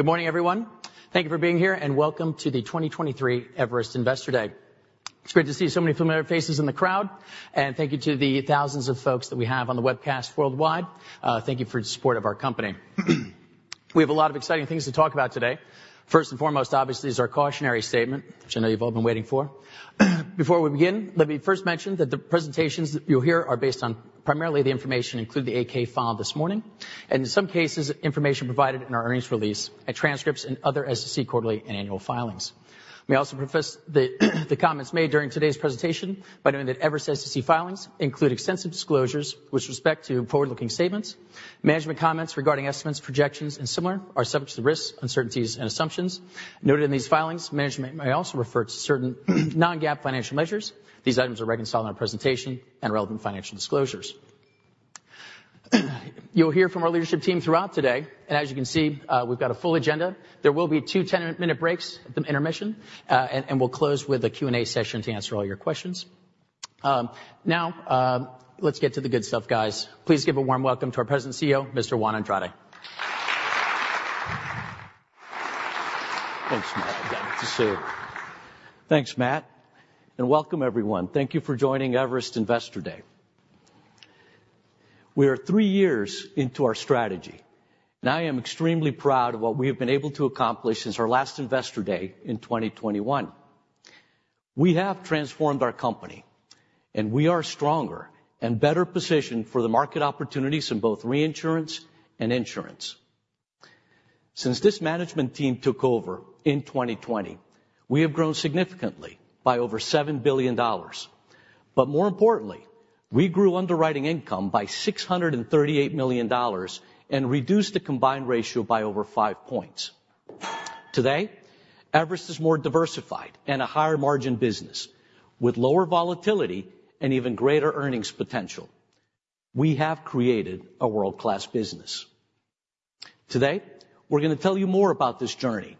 Good morning, everyone. Thank you for being here, and welcome to the 2023 Everest Investor Day. It's great to see so many familiar faces in the crowd, and thank you to the thousands of folks that we have on the webcast worldwide. Thank you for your support of our company. We have a lot of exciting things to talk about today. First and foremost, obviously, is our cautionary statement, which I know you've all been waiting for. Before we begin, let me first mention that the presentations that you'll hear are based on primarily the information, including the 8-K filed this morning, and in some cases, information provided in our earnings release and transcripts and other SEC quarterly and annual filings. We also preface that the comments made during today's presentation by noting that Everest SEC filings include extensive disclosures with respect to forward-looking statements. Management comments regarding estimates, projections, and similar, are subject to the risks, uncertainties and assumptions noted in these filings. Management may also refer to certain non-GAAP financial measures. These items are reconciled in our presentation and relevant financial disclosures. You'll hear from our leadership team throughout today, and as you can see, we've got a full agenda. There will be two 10-minute breaks at the intermission, and we'll close with a Q&A session to answer all your questions. Now, let's get to the good stuff, guys. Please give a warm welcome to our President and CEO, Mr. Juan Andrade. Thanks, Matt. Good to see you. Thanks, Matt, and welcome everyone. Thank you for joining Everest Investor Day. We are three years into our strategy, and I am extremely proud of what we have been able to accomplish since our last Investor Day in 2021. We have transformed our company, and we are stronger and better positioned for the market opportunities in both reinsurance and insurance. Since this management team took over in 2020, we have grown significantly by over $7 billion. But more importantly, we grew underwriting income by $638 million and reduced the combined ratio by over five points. Today, Everest is more diversified and a higher-margin business with lower volatility and even greater earnings potential. We have created a world-class business. Today, we're gonna tell you more about this journey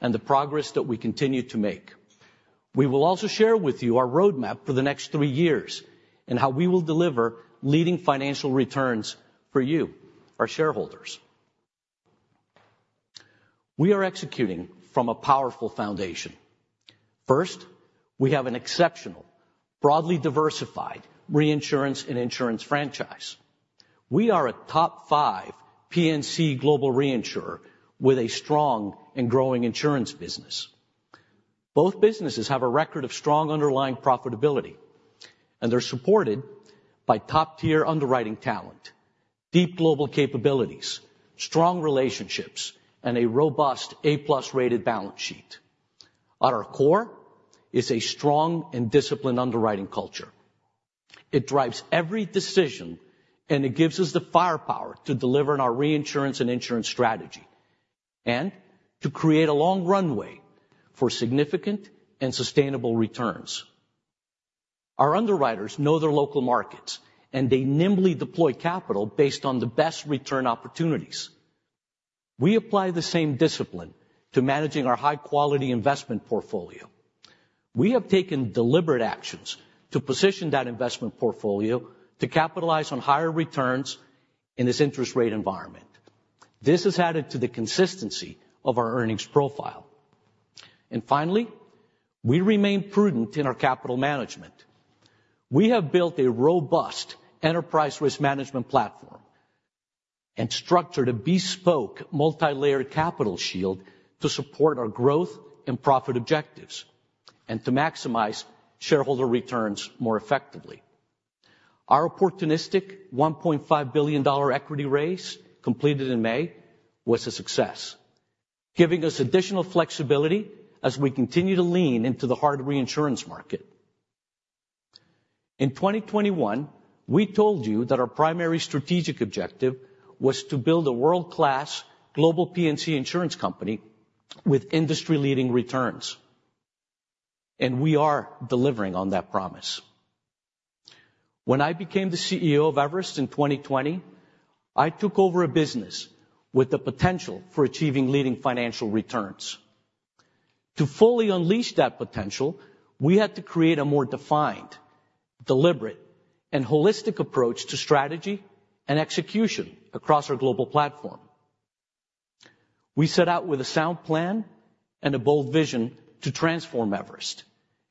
and the progress that we continue to make. We will also share with you our roadmap for the next three years and how we will deliver leading financial returns for you, our shareholders. We are executing from a powerful foundation. First, we have an exceptional, broadly diversified reinsurance and insurance franchise. We are a top five P&C global reinsurer with a strong and growing insurance business. Both businesses have a record of strong underlying profitability, and they're supported by top-tier underwriting talent, deep global capabilities, strong relationships, and a robust A-plus-rated balance sheet. At our core is a strong and disciplined underwriting culture. It drives every decision, and it gives us the firepower to deliver on our reinsurance and insurance strategy, and to create a long runway for significant and sustainable returns. Our underwriters know their local markets, and they nimbly deploy capital based on the best return opportunities. We apply the same discipline to managing our high-quality investment portfolio. We have taken deliberate actions to position that investment portfolio to capitalize on higher returns in this interest rate environment. This has added to the consistency of our earnings profile. Finally, we remain prudent in our capital management. We have built a robust enterprise risk management platform and structured a bespoke multilayered capital shield to support our growth and profit objectives and to maximize shareholder returns more effectively. Our opportunistic $1.5 billion equity raise, completed in May, was a success, giving us additional flexibility as we continue to lean into the hard reinsurance market. In 2021, we told you that our primary strategic objective was to build a world-class global P&C insurance company with industry-leading returns, and we are delivering on that promise. When I became the CEO of Everest in 2020, I took over a business with the potential for achieving leading financial returns. To fully unleash that potential, we had to create a more defined, deliberate, and holistic approach to strategy and execution across our global platform. We set out with a sound plan and a bold vision to transform Everest,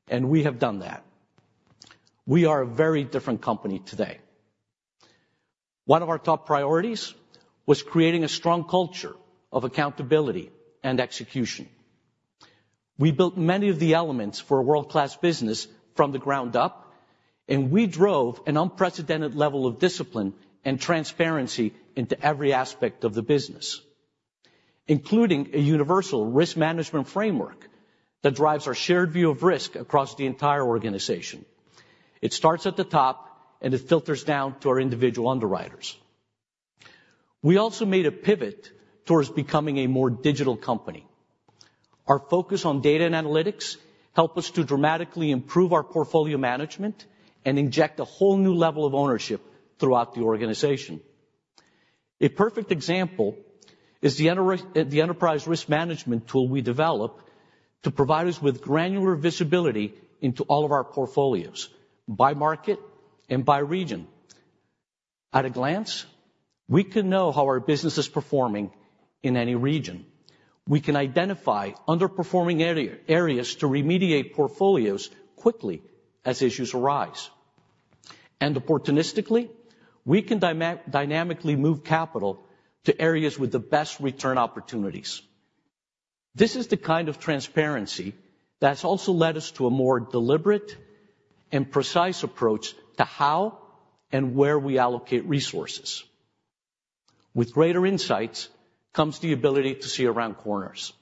and we have done that. We are a very different company today. One of our top priorities was creating a strong culture of accountability and execution. We built many of the elements for a world-class business from the ground up, and we drove an unprecedented level of discipline and transparency into every aspect of the business, including a universal risk management framework that drives our shared view of risk across the entire organization. It starts at the top, and it filters down to our individual underwriters. We also made a pivot towards becoming a more digital company. Our focus on data and analytics help us to dramatically improve our portfolio management and inject a whole new level of ownership throughout the organization. A perfect example is the enterprise risk management tool we developed to provide us with granular visibility into all of our portfolios, by market and by region. At a glance, we can know how our business is performing in any region. We can identify underperforming areas to remediate portfolios quickly as issues arise. And opportunistically, we can dynamically move capital to areas with the best return opportunities. This is the kind of transparency that's also led us to a more deliberate and precise approach to how and where we allocate resources. With greater insights, comes the ability to see around corners,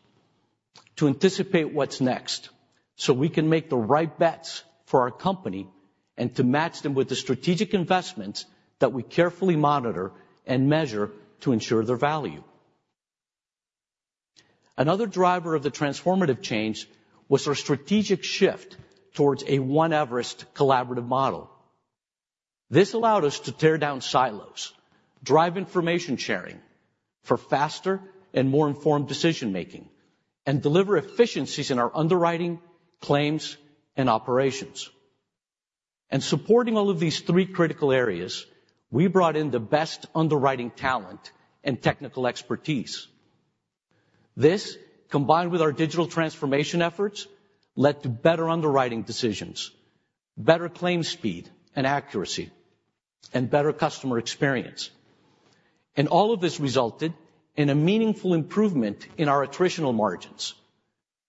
to anticipate what's next, so we can make the right bets for our company and to match them with the strategic investments that we carefully monitor and measure to ensure their value. Another driver of the transformative change was our strategic shift towards a one Everest collaborative model. This allowed us to tear down silos, drive information sharing for faster and more informed decision-making, and deliver efficiencies in our underwriting, claims, and operations. And supporting all of these three critical areas, we brought in the best underwriting talent and technical expertise. This, combined with our digital transformation efforts, led to better underwriting decisions, better claim speed and accuracy, and better customer experience. And all of this resulted in a meaningful improvement in our attritional margins,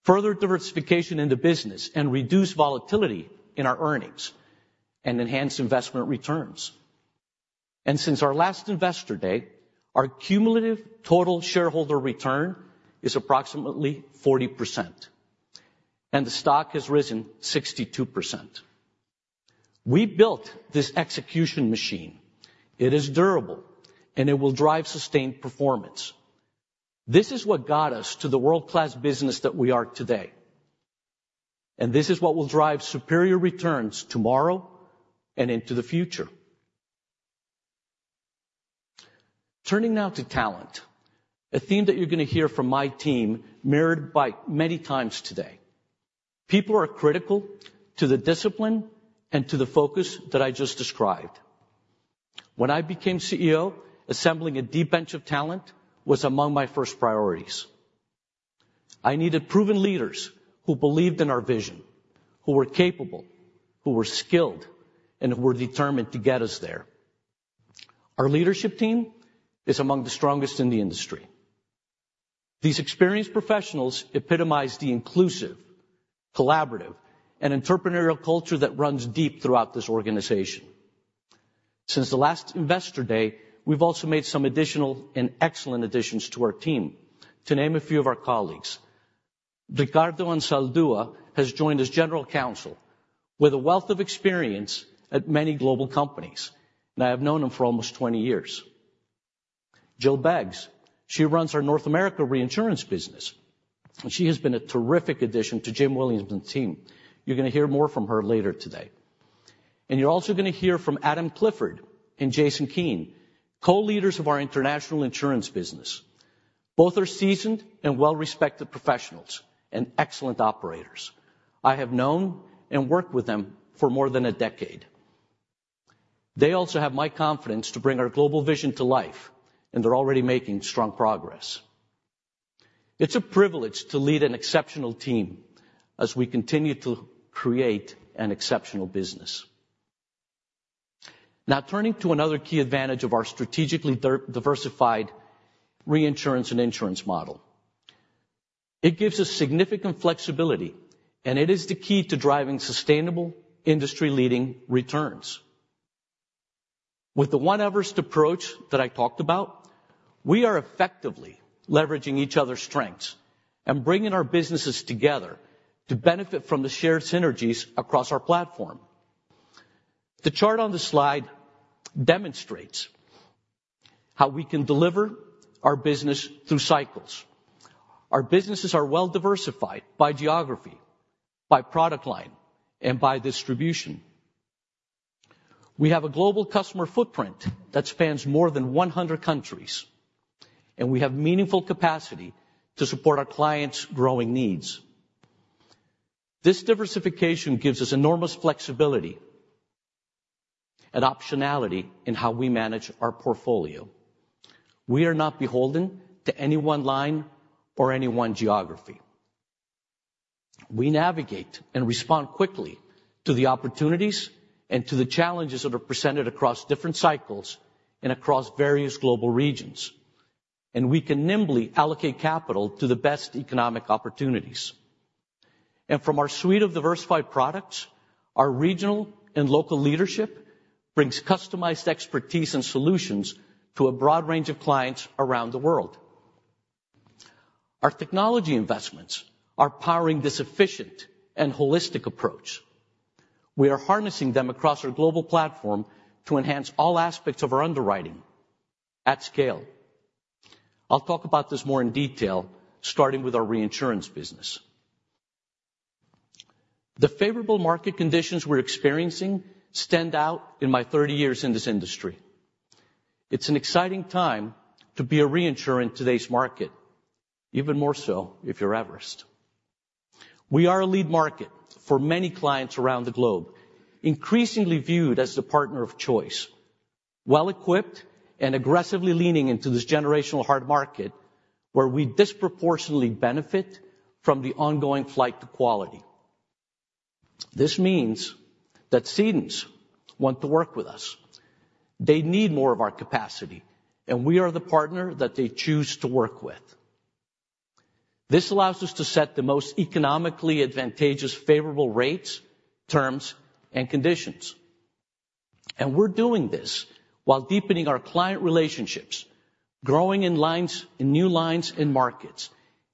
further diversification in the business, and reduced volatility in our earnings, and enhanced investment returns. Since our last Investor Day, our cumulative total shareholder return is approximately 40%, and the stock has risen 62%. We built this execution machine. It is durable, and it will drive sustained performance. This is what got us to the world-class business that we are today, and this is what will drive superior returns tomorrow and into the future. Turning now to talent, a theme that you're going to hear from my team mirrored by many times today. People are critical to the discipline and to the focus that I just described. When I became CEO, assembling a deep bench of talent was among my first priorities. I needed proven leaders who believed in our vision, who were capable, who were skilled, and who were determined to get us there. Our leadership team is among the strongest in the industry. These experienced professionals epitomize the inclusive, collaborative, and entrepreneurial culture that runs deep throughout this organization. Since the last Investor Day, we've also made some additional and excellent additions to our team. To name a few of our colleagues, Ricardo Anzaldua has joined as General Counsel with a wealth of experience at many global companies, and I have known him for almost 20 years. Jill Beggs, she runs our North America reinsurance business, and she has been a terrific addition to Jim Williamson's team. You're going to hear more from her later today. And you're also going to hear from Adam Clifford and Jason Keen, co-leaders of our international insurance business. Both are seasoned and well-respected professionals and excellent operators. I have known and worked with them for more than a decade. They also have my confidence to bring our global vision to life, and they're already making strong progress. It's a privilege to lead an exceptional team as we continue to create an exceptional business. Now, turning to another key advantage of our strategically diversified reinsurance and insurance model. It gives us significant flexibility, and it is the key to driving sustainable industry-leading returns. With the One Everest approach that I talked about, we are effectively leveraging each other's strengths and bringing our businesses together to benefit from the shared synergies across our platform. The chart on the slide demonstrates how we can deliver our business through cycles. Our businesses are well-diversified by geography, by product line, and by distribution. We have a global customer footprint that spans more than 100 countries, and we have meaningful capacity to support our clients' growing needs. This diversification gives us enormous flexibility and optionality in how we manage our portfolio. We are not beholden to any one line or any one geography. We navigate and respond quickly to the opportunities and to the challenges that are presented across different cycles and across various global regions. We can nimbly allocate capital to the best economic opportunities. From our suite of diversified products, our regional and local leadership brings customized expertise and solutions to a broad range of clients around the world. Our technology investments are powering this efficient and holistic approach. We are harnessing them across our global platform to enhance all aspects of our underwriting at scale. I'll talk about this more in detail, starting with our reinsurance business. The favorable market conditions we're experiencing stand out in my 30 years in this industry. It's an exciting time to be a reinsurer in today's market, even more so if you're Everest. We are a lead market for many clients around the globe, increasingly viewed as the partner of choice, well-equipped and aggressively leaning into this generational hard market, where we disproportionately benefit from the ongoing flight to quality. This means that cedents want to work with us. They need more of our capacity, and we are the partner that they choose to work with. This allows us to set the most economically advantageous, favorable rates, terms, and conditions. We're doing this while deepening our client relationships, growing in lines, in new lines and markets,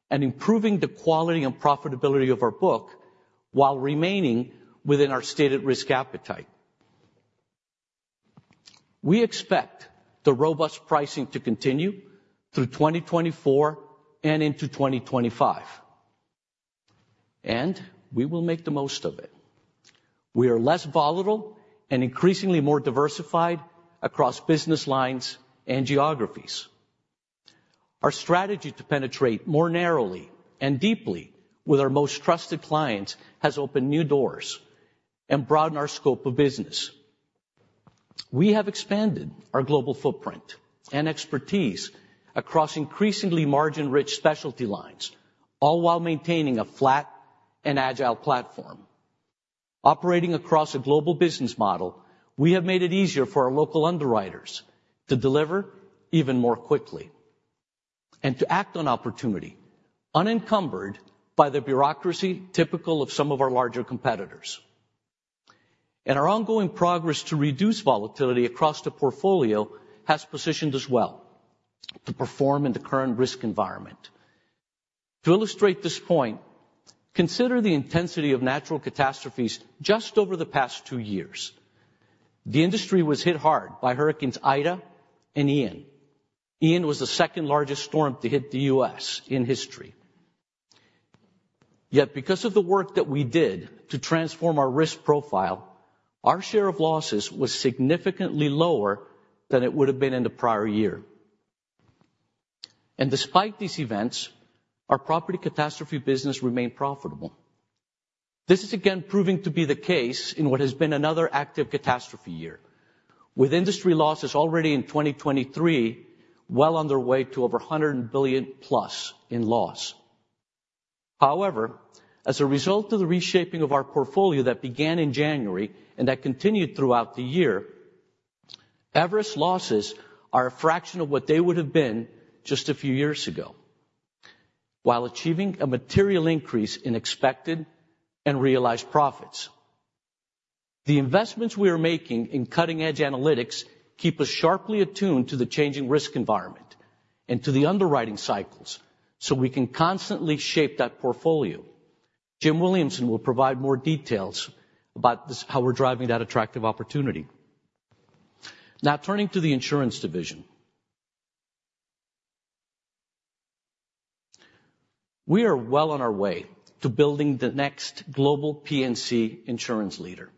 and improving the quality and profitability of our book while remaining within our stated risk appetite. We expect the robust pricing to continue through 2024 and into 2025, and we will make the most of it. We are less volatile and increasingly more diversified across business lines and geographies. Our strategy to penetrate more narrowly and deeply with our most trusted clients has opened new doors and broadened our scope of business. We have expanded our global footprint and expertise across increasingly margin-rich specialty lines, all while maintaining a flat and agile platform. Operating across a global business model, we have made it easier for our local underwriters to deliver even more quickly and to act on opportunity unencumbered by the bureaucracy, typical of some of our larger competitors. Our ongoing progress to reduce volatility across the portfolio has positioned us well to perform in the current risk environment. To illustrate this point, consider the intensity of natural catastrophes just over the past two years. The industry was hit hard by hurricanes Ida and Ian. Ian was the second-largest storm to hit the U.S. in history. Yet, because of the work that we did to transform our risk profile, our share of losses was significantly lower than it would have been in the prior year. Despite these events, our property catastrophe business remained profitable. This is again proving to be the case in what has been another active catastrophe year, with industry losses already in 2023, well on their way to over $100 billion-plus in loss. However, as a result of the reshaping of our portfolio that began in January and that continued throughout the year, Everest losses are a fraction of what they would have been just a few years ago, while achieving a material increase in expected and realized profits. The investments we are making in cutting-edge analytics keep us sharply attuned to the changing risk environment and to the underwriting cycles, so we can constantly shape that portfolio. Jim Williamson will provide more details about this, how we're driving that attractive opportunity. Now, turning to the insurance division. We are well on our way to building the next global P&C insurance leader.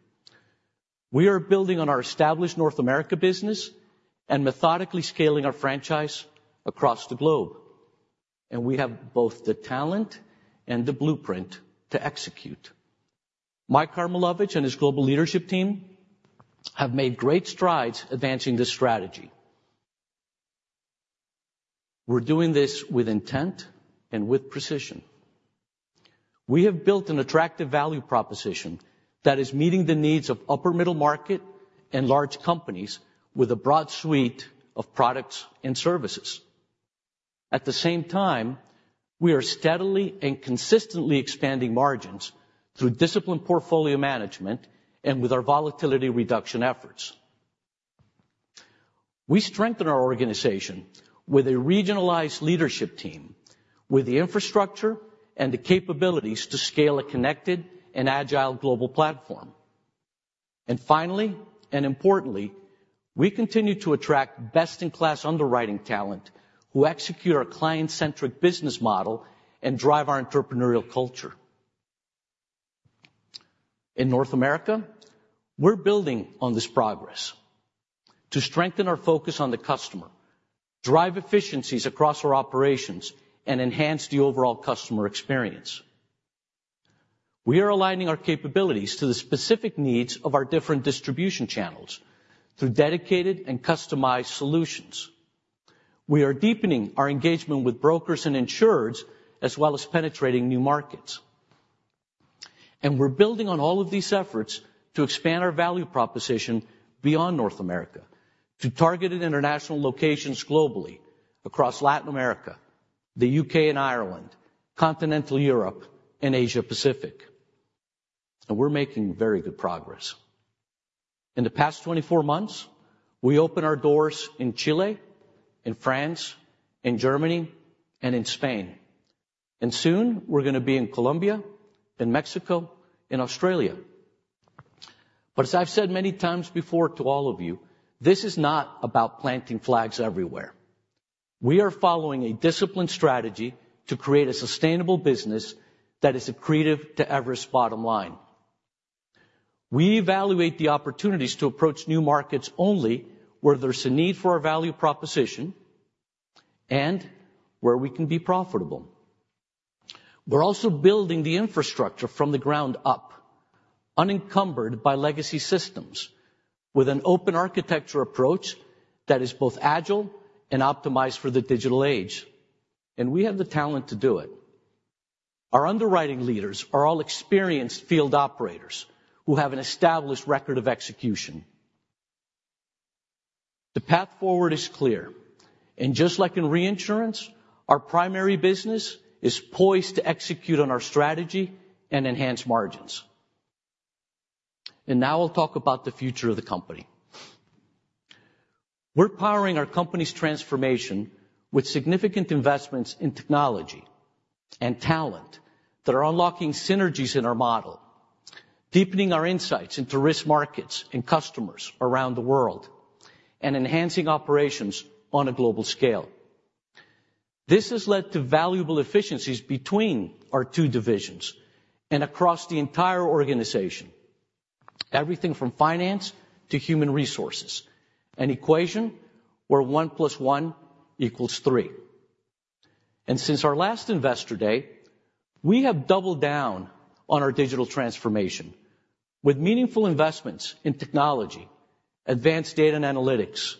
We are building on our established North America business and methodically scaling our franchise across the globe, and we have both the talent and the blueprint to execute. Mike Karmilowicz and his global leadership team have made great strides advancing this strategy. We're doing this with intent and with precision. We have built an attractive value proposition that is meeting the needs of upper middle market and large companies with a broad suite of products and services. At the same time, we are steadily and consistently expanding margins through disciplined portfolio management and with our volatility reduction efforts. We strengthen our organization with a regionalized leadership team, with the infrastructure and the capabilities to scale a connected and agile global platform. And finally, and importantly, we continue to attract best-in-class underwriting talent, who execute our client-centric business model and drive our entrepreneurial culture. In North America, we're building on this progress to strengthen our focus on the customer, drive efficiencies across our operations, and enhance the overall customer experience. We are aligning our capabilities to the specific needs of our different distribution channels through dedicated and customized solutions. We are deepening our engagement with brokers and insurers, as well as penetrating new markets. And we're building on all of these efforts to expand our value proposition beyond North America to targeted international locations globally, across Latin America, the U.K. and Ireland, Continental Europe, and Asia Pacific, and we're making very good progress. In the past 24 months, we opened our doors in Chile, in France, in Germany, and in Spain, and soon we're gonna be in Colombia, in Mexico, in Australia. But as I've said many times before to all of you, this is not about planting flags everywhere. We are following a disciplined strategy to create a sustainable business that is accretive to Everest's bottom line. We evaluate the opportunities to approach new markets only where there's a need for our value proposition and where we can be profitable. We're also building the infrastructure from the ground up, unencumbered by legacy systems, with an open architecture approach that is both agile and optimized for the digital age, and we have the talent to do it. Our underwriting leaders are all experienced field operators who have an established record of execution. The path forward is clear, and just like in reinsurance, our primary business is poised to execute on our strategy and enhance margins. Now I'll talk about the future of the company. We're powering our company's transformation with significant investments in technology and talent that are unlocking synergies in our model, deepening our insights into risk markets and customers around the world, and enhancing operations on a global scale. This has led to valuable efficiencies between our two divisions and across the entire organization, everything from finance to human resources, an equation where one plus one equals three. Since our last Investor Day, we have doubled down on our digital transformation with meaningful investments in technology, advanced data and analytics,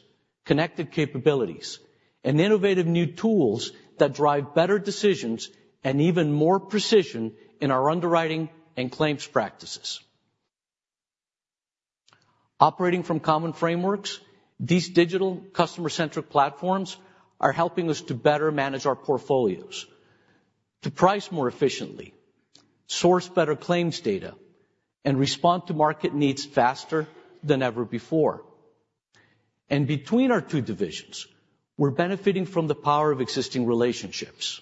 connected capabilities, and innovative new tools that drive better decisions and even more precision in our underwriting and claims practices. Operating from common frameworks, these digital customer-centric platforms are helping us to better manage our portfolios, to price more efficiently, source better claims data, and respond to market needs faster than ever before. Between our two divisions, we're benefiting from the power of existing relationships,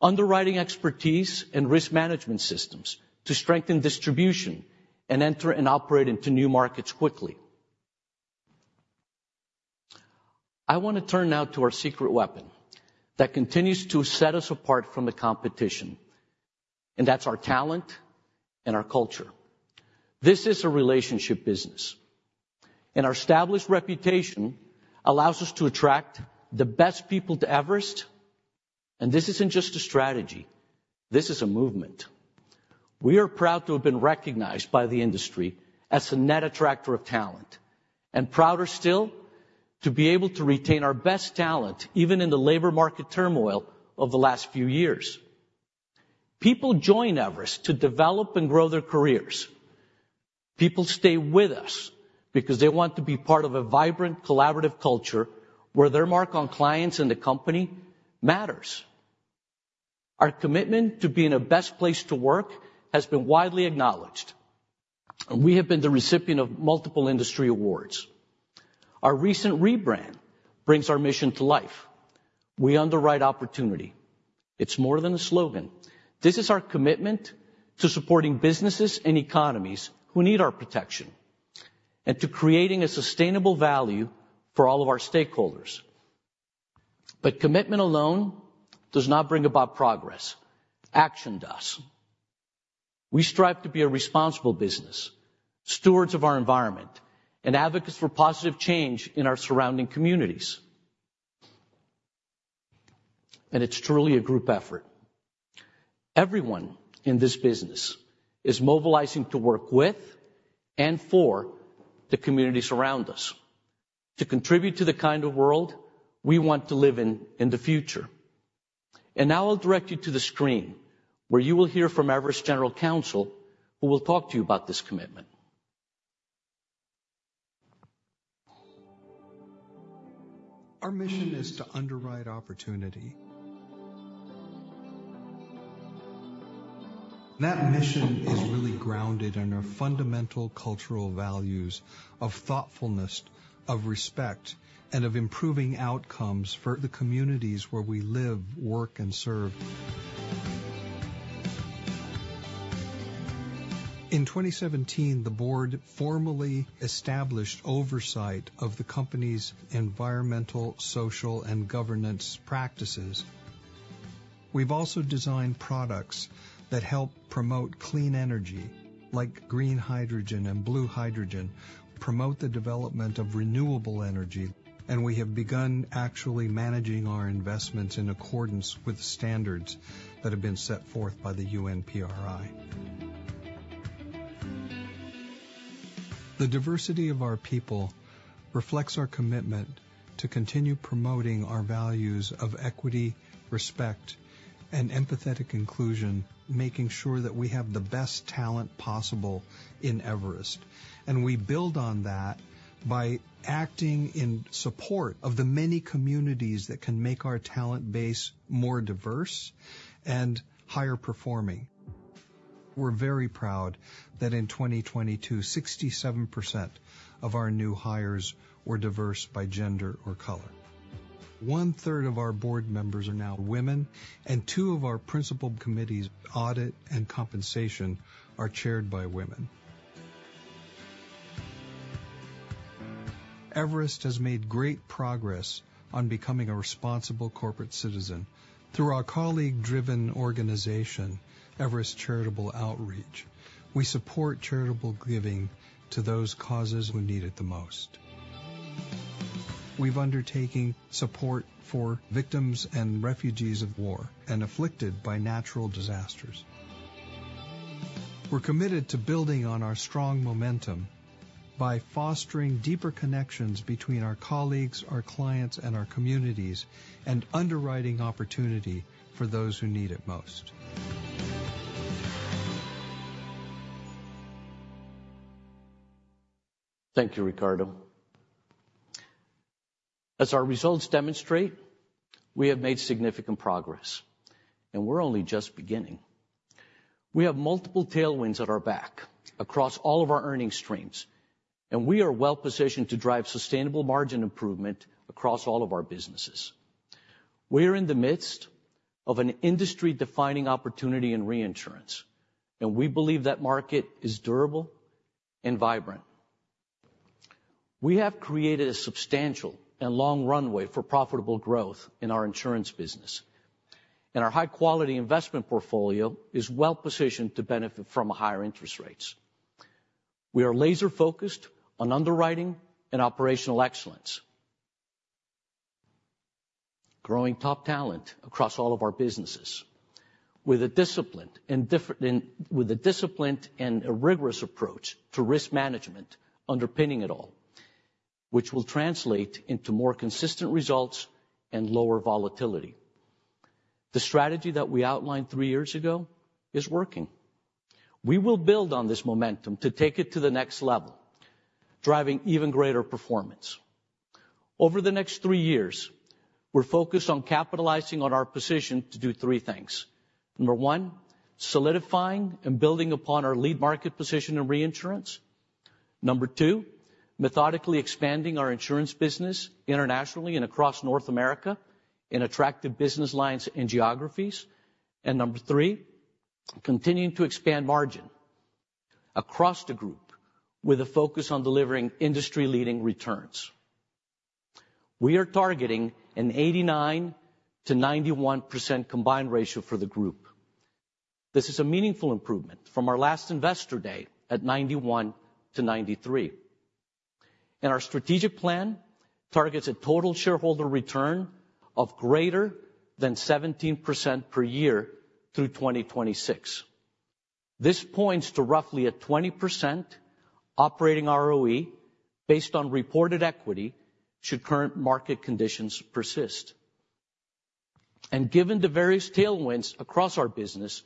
underwriting expertise, and risk management systems to strengthen distribution and enter and operate into new markets quickly. I want to turn now to our secret weapon that continues to set us apart from the competition, and that's our talent and our culture. This is a relationship business, and our established reputation allows us to attract the best people to Everest. This isn't just a strategy, this is a movement. We are proud to have been recognized by the industry as a net attractor of talent, and prouder still, to be able to retain our best talent, even in the labor market turmoil of the last few years. People join Everest to develop and grow their careers. People stay with us because they want to be part of a vibrant, collaborative culture where their mark on clients and the company matters. Our commitment to being a best place to work has been widely acknowledged, and we have been the recipient of multiple industry awards. Our recent rebrand brings our mission to life. We underwrite opportunity. It's more than a slogan. This is our commitment to supporting businesses and economies who need our protection and to creating a sustainable value for all of our stakeholders. But commitment alone does not bring about progress, action does. We strive to be a responsible business, stewards of our environment, and advocates for positive change in our surrounding communities. It's truly a group effort. Everyone in this business is mobilizing to work with and for the communities around us, to contribute to the kind of world we want to live in in the future. Now I'll direct you to the screen, where you will hear from Everest General Counsel, who will talk to you about this commitment. Our mission is to underwrite opportunity. That mission is really grounded in our fundamental cultural values of thoughtfulness, of respect, and of improving outcomes for the communities where we live, work, and serve. In 2017, the board formally established oversight of the company's environmental, social, and governance practices. We've also designed products that help promote clean energy, like green hydrogen and blue hydrogen, promote the development of renewable energy, and we have begun actually managing our investments in accordance with standards that have been set forth by the UNPRI. The diversity of our people reflects our commitment to continue promoting our values of equity, respect, and empathetic inclusion, making sure that we have the best talent possible in Everest. We build on that by acting in support of the many communities that can make our talent base more diverse and higher performing. We're very proud that in 2022, 67% of our new hires were diverse by gender or color. One third of our board members are now women, and two of our principal committees, audit and compensation, are chaired by women. Everest has made great progress on becoming a responsible corporate citizen. Through our colleague-driven organization, Everest Charitable Outreach, we support charitable giving to those causes who need it the most. We've undertaking support for victims and refugees of war and afflicted by natural disasters. We're committed to building on our strong momentum by fostering deeper connections between our colleagues, our clients, and our communities, and underwriting opportunity for those who need it most. Thank you, Ricardo. As our results demonstrate, we have made significant progress, and we're only just beginning. We have multiple tailwinds at our back across all of our earning streams, and we are well positioned to drive sustainable margin improvement across all of our businesses. We're in the midst of an industry-defining opportunity in reinsurance, and we believe that market is durable and vibrant. We have created a substantial and long runway for profitable growth in our insurance business, and our high-quality investment portfolio is well positioned to benefit from higher interest rates. We are laser-focused on underwriting and operational excellence, growing top talent across all of our businesses with a disciplined and a rigorous approach to risk management underpinning it all, which will translate into more consistent results and lower volatility. The strategy that we outlined three years ago is working. We will build on this momentum to take it to the next level, driving even greater performance. Over the next three years, we're focused on capitalizing on our position to do three things. Number one, solidifying and building upon our lead market position in reinsurance. Number two, methodically expanding our insurance business internationally and across North America in attractive business lines and geographies. And number three, continuing to expand margin across the group with a focus on delivering industry-leading returns. We are targeting an 89%-91% combined ratio for the group. This is a meaningful improvement from our last Investor Day at 91%-93%. Our strategic plan targets a total shareholder return of greater than 17% per year through 2026. This points to roughly a 20% operating ROE based on reported equity should current market conditions persist. Given the various tailwinds across our business,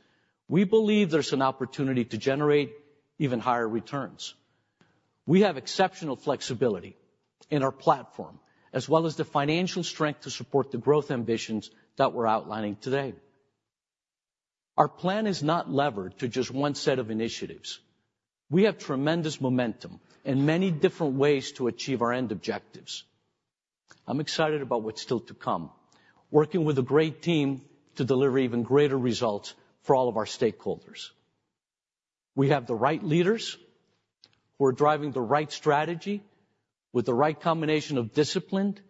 we believe there's an opportunity to generate even higher returns. We have exceptional flexibility in our platform, as well as the financial strength to support the growth ambitions that we're outlining today. Our plan is not levered to just one set of initiatives. We have tremendous momentum and many different ways to achieve our end objectives. I'm excited about what's still to come, working with a great team to deliver even greater results for all of our stakeholders. We have the right leaders who are driving the right strategy with the right combination of disciplined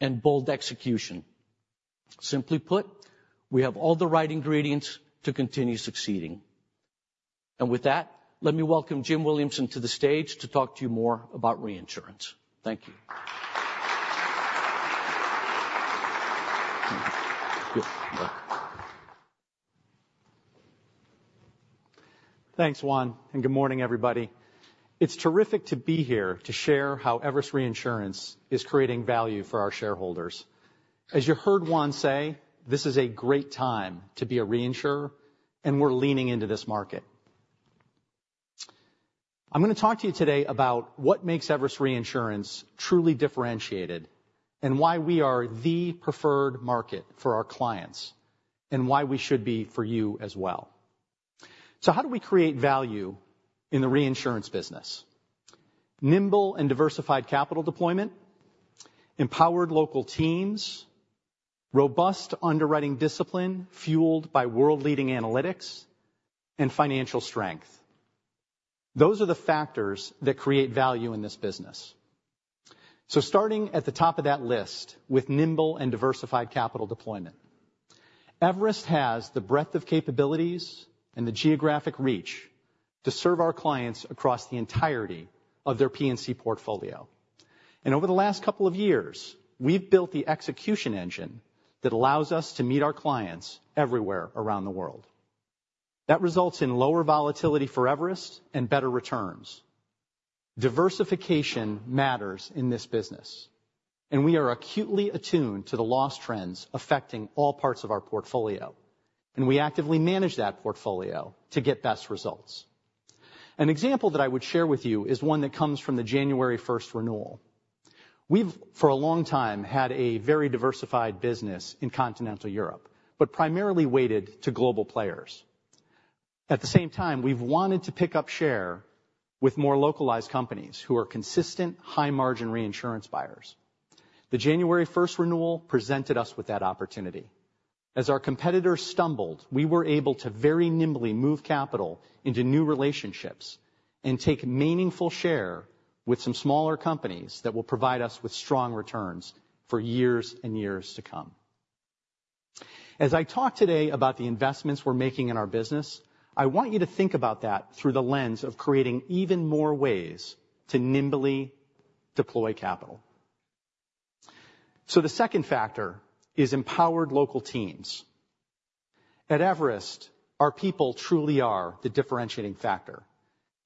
and bold execution. Simply put, we have all the right ingredients to continue succeeding. And with that, let me welcome Jim Williamson to the stage to talk to you more about reinsurance. Thank you. Thanks, Juan, and good morning, everybody. It's terrific to be here to share how Everest Reinsurance is creating value for our shareholders. As you heard Juan say, this is a great time to be a reinsurer, and we're leaning into this market. I'm gonna talk to you today about what makes Everest Reinsurance truly differentiated, and why we are the preferred market for our clients, and why we should be for you as well. So how do we create value in the reinsurance business? Nimble and diversified capital deployment, empowered local teams, robust underwriting discipline fueled by world-leading analytics and financial strength. Those are the factors that create value in this business. So starting at the top of that list with nimble and diversified capital deployment. Everest has the breadth of capabilities and the geographic reach to serve our clients across the entirety of their P&C portfolio. Over the last couple of years, we've built the execution engine that allows us to meet our clients everywhere around the world. That results in lower volatility for Everest and better returns. Diversification matters in this business, and we are acutely attuned to the loss trends affecting all parts of our portfolio, and we actively manage that portfolio to get best results. An example that I would share with you is one that comes from the January first renewal. We've, for a long time, had a very diversified business in Continental Europe, but primarily weighted to global players. At the same time, we've wanted to pick up share with more localized companies who are consistent, high-margin reinsurance buyers... The January first renewal presented us with that opportunity. As our competitors stumbled, we were able to very nimbly move capital into new relationships and take meaningful share with some smaller companies that will provide us with strong returns for years and years to come. As I talk today about the investments we're making in our business, I want you to think about that through the lens of creating even more ways to nimbly deploy capital. The second factor is empowered local teams. At Everest, our people truly are the differentiating factor,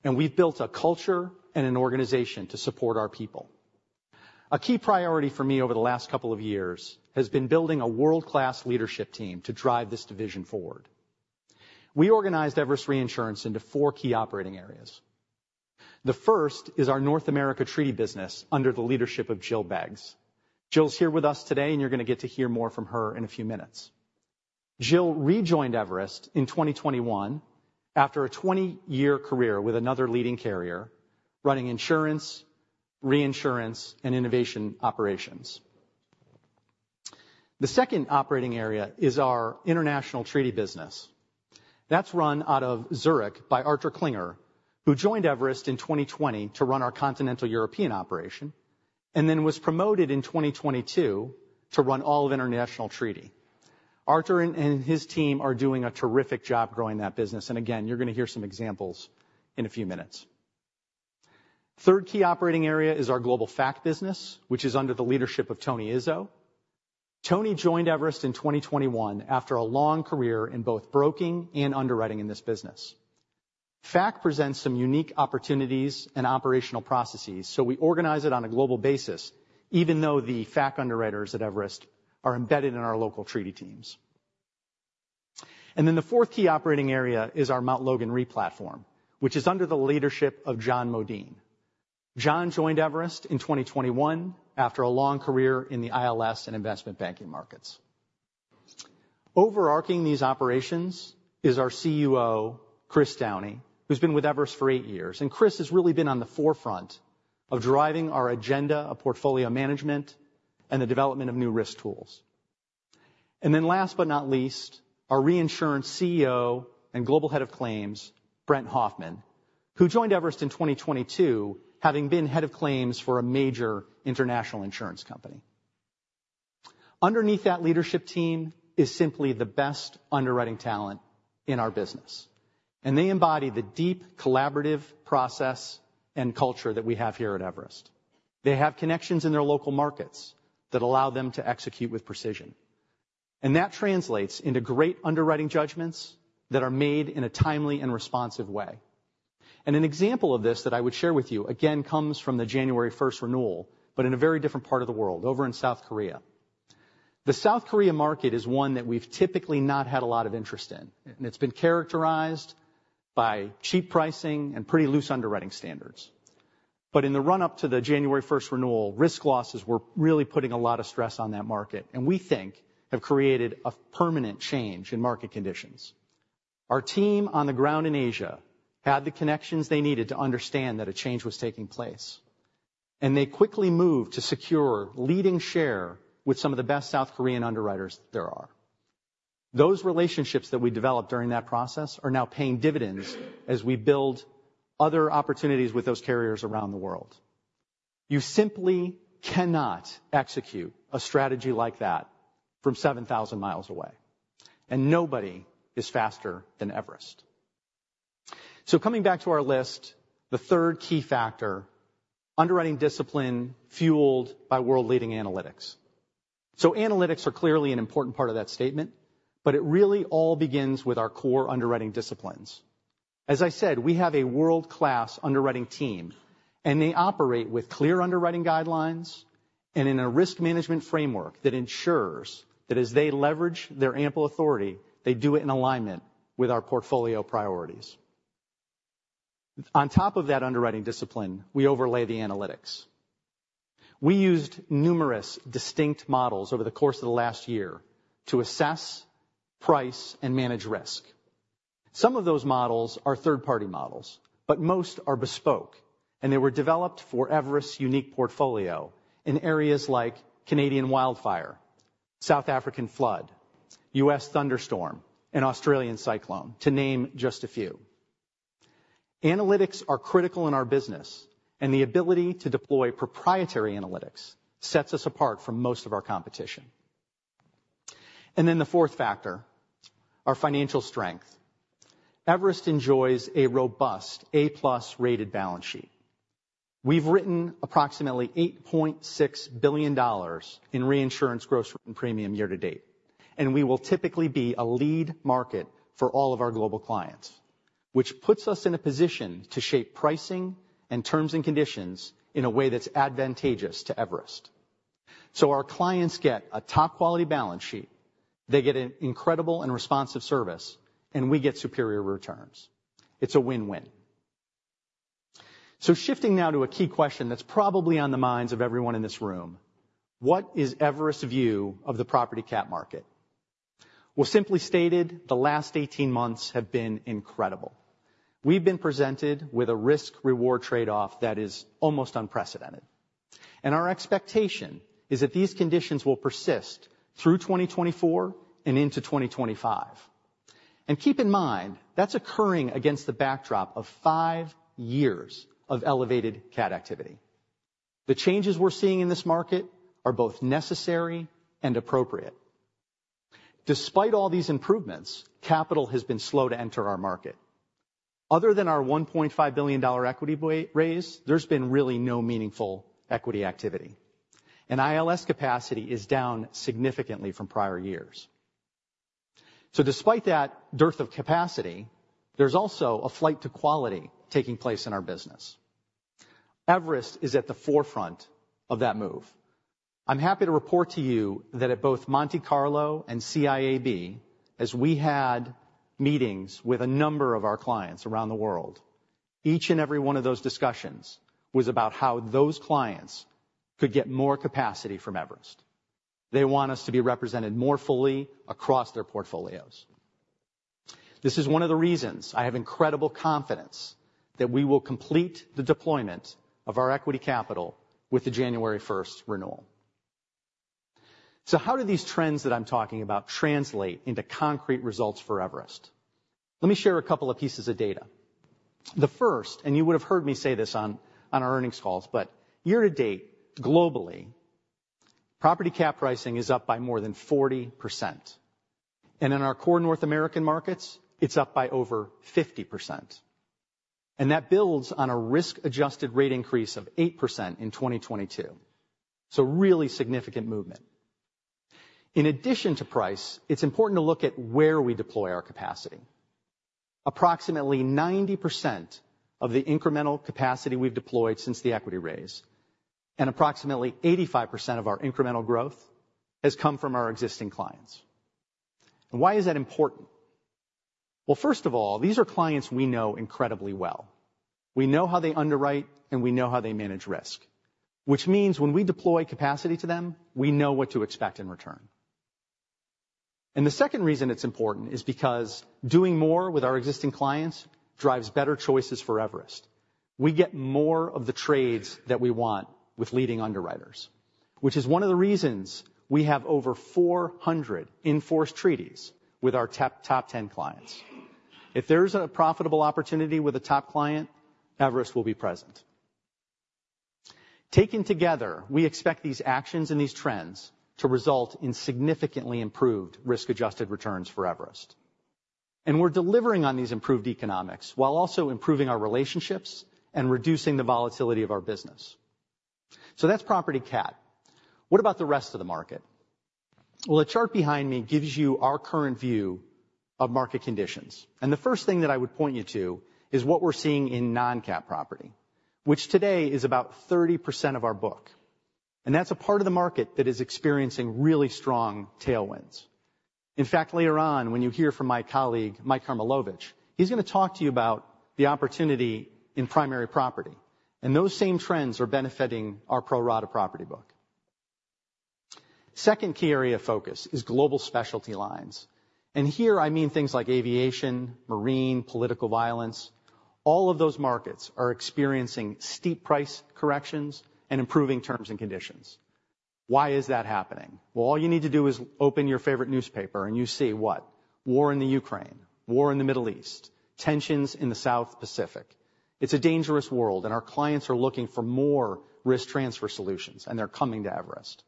and we've built a culture and an organization to support our people. A key priority for me over the last couple of years has been building a world-class leadership team to drive this division forward. We organized Everest Reinsurance into four key operating areas. The first is our North America Treaty business, under the leadership of Jill Beggs. Jill's here with us today, and you're going to get to hear more from her in a few minutes. Jill rejoined Everest in 2021 after a 20-year career with another leading carrier, running insurance, reinsurance, and innovation operations. The second operating area is our international treaty business. That's run out of Zurich by Artur Klinger, who joined Everest in 2020 to run our continental European operation, and then was promoted in 2022 to run all of international treaty. Artur and his team are doing a terrific job growing that business. And again, you're going to hear some examples in a few minutes. Third key operating area is our global Fac business, which is under the leadership of Tony Izzo. Tony joined Everest in 2021 after a long career in both broking and underwriting in this business. Fac presents some unique opportunities and operational processes, so we organize it on a global basis, even though the Fac underwriters at Everest are embedded in our local treaty teams. Then the fourth key operating area is our Mount Logan Re platform, which is under the leadership of John Modin. John joined Everest in 2021 after a long career in the ILS and investment banking markets. Overarching these operations is our CEO, Chris Downey, who's been with Everest for eight years, and Chris has really been on the forefront of driving our agenda of portfolio management and the development of new risk tools. Then last but not least, our reinsurance CEO and Global Head of Claims, Brent Hoffman, who joined Everest in 2022, having been head of claims for a major international insurance company. Underneath that leadership team is simply the best underwriting talent in our business, and they embody the deep collaborative process and culture that we have here at Everest. They have connections in their local markets that allow them to execute with precision, and that translates into great underwriting judgments that are made in a timely and responsive way. An example of this that I would share with you, again, comes from the January first renewal, but in a very different part of the world, over in South Korea. The South Korean market is one that we've typically not had a lot of interest in, and it's been characterized by cheap pricing and pretty loose underwriting standards. In the run-up to the January first renewal, risk losses were really putting a lot of stress on that market, and we think have created a permanent change in market conditions. Our team on the ground in Asia had the connections they needed to understand that a change was taking place, and they quickly moved to secure leading share with some of the best South Korean underwriters there are. Those relationships that we developed during that process are now paying dividends as we build other opportunities with those carriers around the world. You simply cannot execute a strategy like that from 7,000 miles away, and nobody is faster than Everest. So coming back to our list, the third key factor, underwriting discipline fueled by world-leading analytics. So analytics are clearly an important part of that statement, but it really all begins with our core underwriting disciplines. As I said, we have a world-class underwriting team, and they operate with clear underwriting guidelines and in a risk management framework that ensures that as they leverage their ample authority, they do it in alignment with our portfolio priorities. On top of that underwriting discipline, we overlay the analytics. We used numerous distinct models over the course of the last year to assess, price, and manage risk. Some of those models are third-party models, but most are bespoke, and they were developed for Everest's unique portfolio in areas like Canadian wildfire, South African flood, U.S. thunderstorm, and Australian cyclone, to name just a few. Analytics are critical in our business, and the ability to deploy proprietary analytics sets us apart from most of our competition. And then the fourth factor, our financial strength. Everest enjoys a robust, A-plus-rated balance sheet. We've written approximately $8.6 billion in reinsurance gross written premium year to date, and we will typically be a lead market for all of our global clients, which puts us in a position to shape pricing and terms and conditions in a way that's advantageous to Everest. So our clients get a top-quality balance sheet, they get an incredible and responsive service, and we get superior returns. It's a win-win. So shifting now to a key question that's probably on the minds of everyone in this room: What is Everest's view of the property CAT market? Well, simply stated, the last 18 months have been incredible. We've been presented with a risk-reward trade-off that is almost unprecedented, and our expectation is that these conditions will persist through 2024 and into 2025. Keep in mind, that's occurring against the backdrop of five years of elevated CAT activity. The changes we're seeing in this market are both necessary and appropriate. Despite all these improvements, capital has been slow to enter our market. Other than our $1.5 billion equity raise, there's been really no meaningful equity activity, and ILS capacity is down significantly from prior years. So despite that dearth of capacity, there's also a flight to quality taking place in our business. Everest is at the forefront of that move. I'm happy to report to you that at both Monte Carlo and CIAB, as we had meetings with a number of our clients around the world, each and every one of those discussions was about how those clients could get more capacity from Everest. They want us to be represented more fully across their portfolios. This is one of the reasons I have incredible confidence that we will complete the deployment of our equity capital with the January first renewal. So how do these trends that I'm talking about translate into concrete results for Everest? Let me share a couple of pieces of data. The first, and you would have heard me say this on our earnings calls, but year to date, globally, property cat pricing is up by more than 40%, and in our core North American markets, it's up by over 50%. And that builds on a risk-adjusted rate increase of 8% in 2022. So really significant movement. In addition to price, it's important to look at where we deploy our capacity. Approximately 90% of the incremental capacity we've deployed since the equity raise, and approximately 85% of our incremental growth has come from our existing clients. And why is that important? Well, first of all, these are clients we know incredibly well. We know how they underwrite, and we know how they manage risk, which means when we deploy capacity to them, we know what to expect in return. And the second reason it's important is because doing more with our existing clients drives better choices for Everest. We get more of the trades that we want with leading underwriters, which is one of the reasons we have over 400 enforced treaties with our top ten clients. If there's a profitable opportunity with a top client, Everest will be present. Taken together, we expect these actions and these trends to result in significantly improved risk-adjusted returns for Everest. And we're delivering on these improved economics, while also improving our relationships and reducing the volatility of our business. So that's property cat. What about the rest of the market? Well, the chart behind me gives you our current view of market conditions, and the first thing that I would point you to is what we're seeing in non-cat property, which today is about 30% of our book, and that's a part of the market that is experiencing really strong tailwinds. In fact, later on, when you hear from my colleague, Mike Karmilowicz, he's gonna talk to you about the opportunity in primary property, and those same trends are benefiting our pro rata property book. Second key area of focus is global specialty lines, and here I mean things like aviation, marine, political violence. All of those markets are experiencing steep price corrections and improving terms and conditions. Why is that happening? Well, all you need to do is open your favorite newspaper, and you see what? War in the Ukraine, war in the Middle East, tensions in the South Pacific. It's a dangerous world, and our clients are looking for more risk transfer solutions, and they're coming to Everest.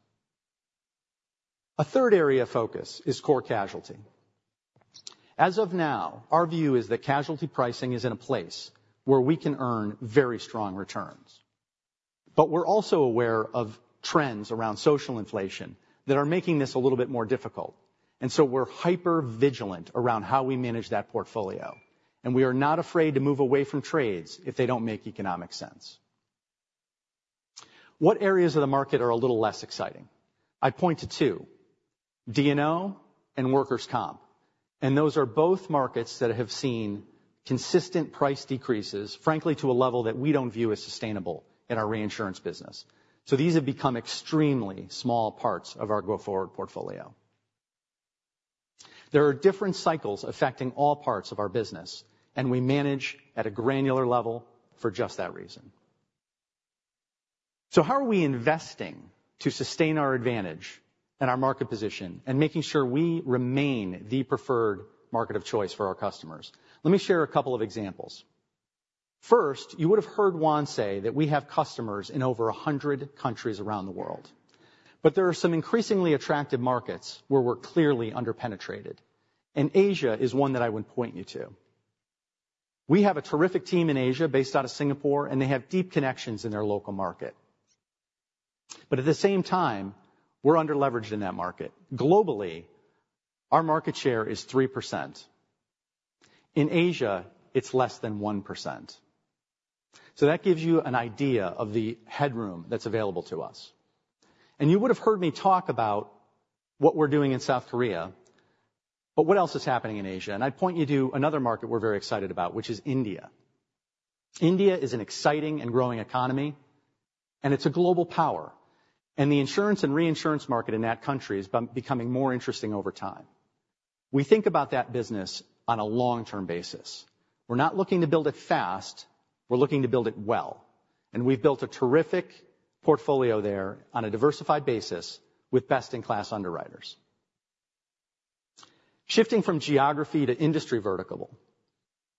A third area of focus is core casualty. As of now, our view is that casualty pricing is in a place where we can earn very strong returns. But we're also aware of trends around social inflation that are making this a little bit more difficult, and so we're hyper-vigilant around how we manage that portfolio, and we are not afraid to move away from trades if they don't make economic sense. What areas of the market are a little less exciting? I'd point to two, D&O and workers' comp, and those are both markets that have seen consistent price decreases, frankly, to a level that we don't view as sustainable in our reinsurance business. So these have become extremely small parts of our go-forward portfolio. There are different cycles affecting all parts of our business, and we manage at a granular level for just that reason. So how are we investing to sustain our advantage and our market position and making sure we remain the preferred market of choice for our customers? Let me share a couple of examples. First, you would have heard Juan say that we have customers in over 100 countries around the world, but there are some increasingly attractive markets where we're clearly underpenetrated, and Asia is one that I would point you to. We have a terrific team in Asia based out of Singapore, and they have deep connections in their local market. But at the same time, we're underleveraged in that market. Globally, our market share is 3%. In Asia, it's less than 1%. So that gives you an idea of the headroom that's available to us. And you would have heard me talk about what we're doing in South Korea, but what else is happening in Asia? And I'd point you to another market we're very excited about, which is India. India is an exciting and growing economy, and it's a global power, and the insurance and reinsurance market in that country is becoming more interesting over time. We think about that business on a long-term basis. We're not looking to build it fast, we're looking to build it well, and we've built a terrific portfolio there on a diversified basis with best-in-class underwriters. Shifting from geography to industry vertical.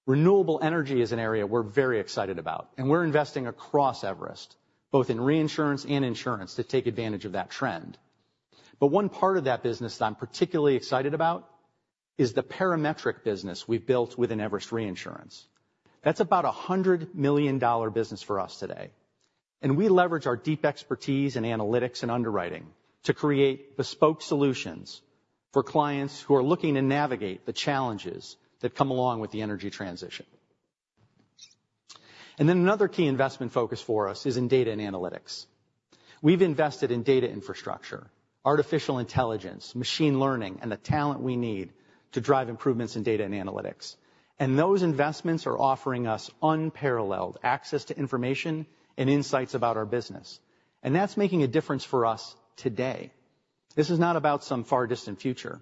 Renewable energy is an area we're very excited about, and we're investing across Everest, both in reinsurance and insurance, to take advantage of that trend. But one part of that business that I'm particularly excited about is the parametric business we've built within Everest Reinsurance. That's about a $100 million business for us today, and we leverage our deep expertise in analytics and underwriting to create bespoke solutions for clients who are looking to navigate the challenges that come along with the energy transition. Then another key investment focus for us is in data and analytics. We've invested in data infrastructure, artificial intelligence, machine learning, and the talent we need to drive improvements in data and analytics. And those investments are offering us unparalleled access to information and insights about our business, and that's making a difference for us today. This is not about some far distant future.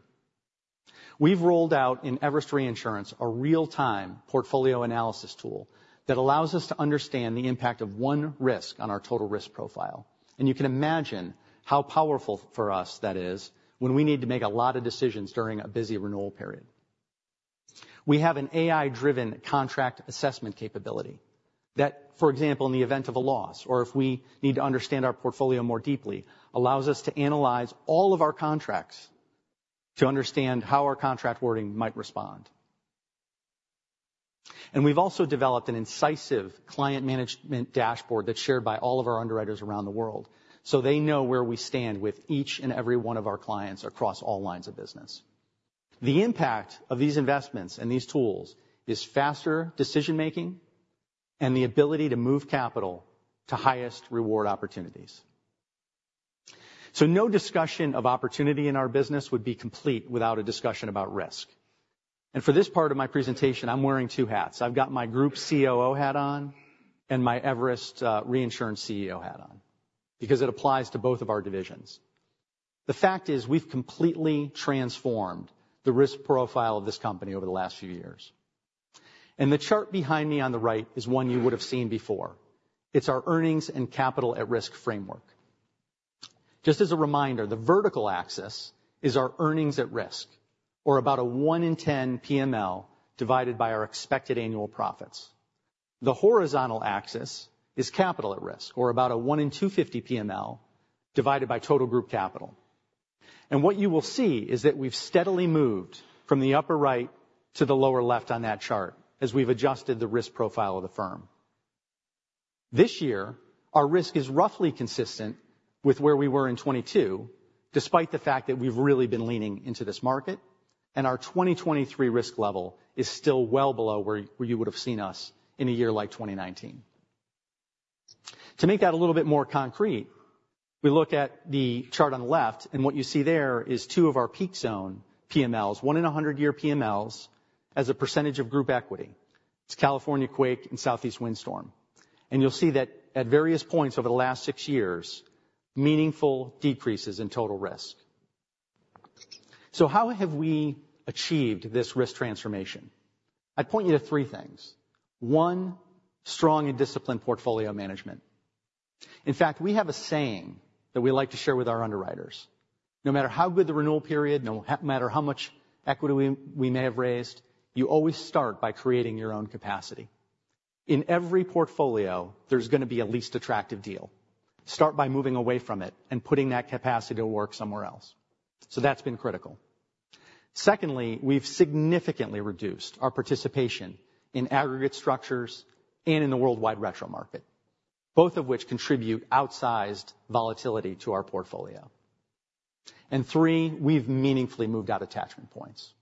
We've rolled out in Everest Reinsurance a real-time portfolio analysis tool that allows us to understand the impact of one risk on our total risk profile. You can imagine how powerful for us that is, when we need to make a lot of decisions during a busy renewal period. We have an AI-driven contract assessment capability that, for example, in the event of a loss, or if we need to understand our portfolio more deeply, allows us to analyze all of our contracts to understand how our contract wording might respond. We've also developed an incisive client management dashboard that's shared by all of our underwriters around the world, so they know where we stand with each and every one of our clients across all lines of business. The impact of these investments and these tools is faster decision-making and the ability to move capital to highest reward opportunities. No discussion of opportunity in our business would be complete without a discussion about risk. For this part of my presentation, I'm wearing two hats. I've got my group COO hat on and my Everest Reinsurance CEO hat on, because it applies to both of our divisions. The fact is, we've completely transformed the risk profile of this company over the last few years. The chart behind me on the right is one you would have seen before. It's our earnings and capital at-risk framework. Just as a reminder, the vertical axis is our earnings at risk, or about a 1 in 10 PML divided by our expected annual profits. The horizontal axis is capital at risk, or about a 1 in 250 PML, divided by total group capital. What you will see is that we've steadily moved from the upper right to the lower left on that chart, as we've adjusted the risk profile of the firm. This year, our risk is roughly consistent with where we were in 2022, despite the fact that we've really been leaning into this market, and our 2023 risk level is still well below where you would have seen us in a year like 2019. To make that a little bit more concrete, we look at the chart on the left, and what you see there is 2 of our peak zone PMLs, 1-in-100-year PMLs, as a percentage of group equity. It's California quake and Southeast windstorm. You'll see that at various points over the last 6 years, meaningful decreases in total risk. How have we achieved this risk transformation? I'd point you to 3 things. 1, strong and disciplined portfolio management. In fact, we have a saying that we like to share with our underwriters: "No matter how good the renewal period, no matter how much equity we may have raised, you always start by creating your own capacity." In every portfolio, there's gonna be a least attractive deal. Start by moving away from it and putting that capacity to work somewhere else. So that's been critical. Secondly, we've significantly reduced our participation in aggregate structures and in the worldwide retro market, both of which contribute outsized volatility to our portfolio. And three, we've meaningfully moved out attachment points.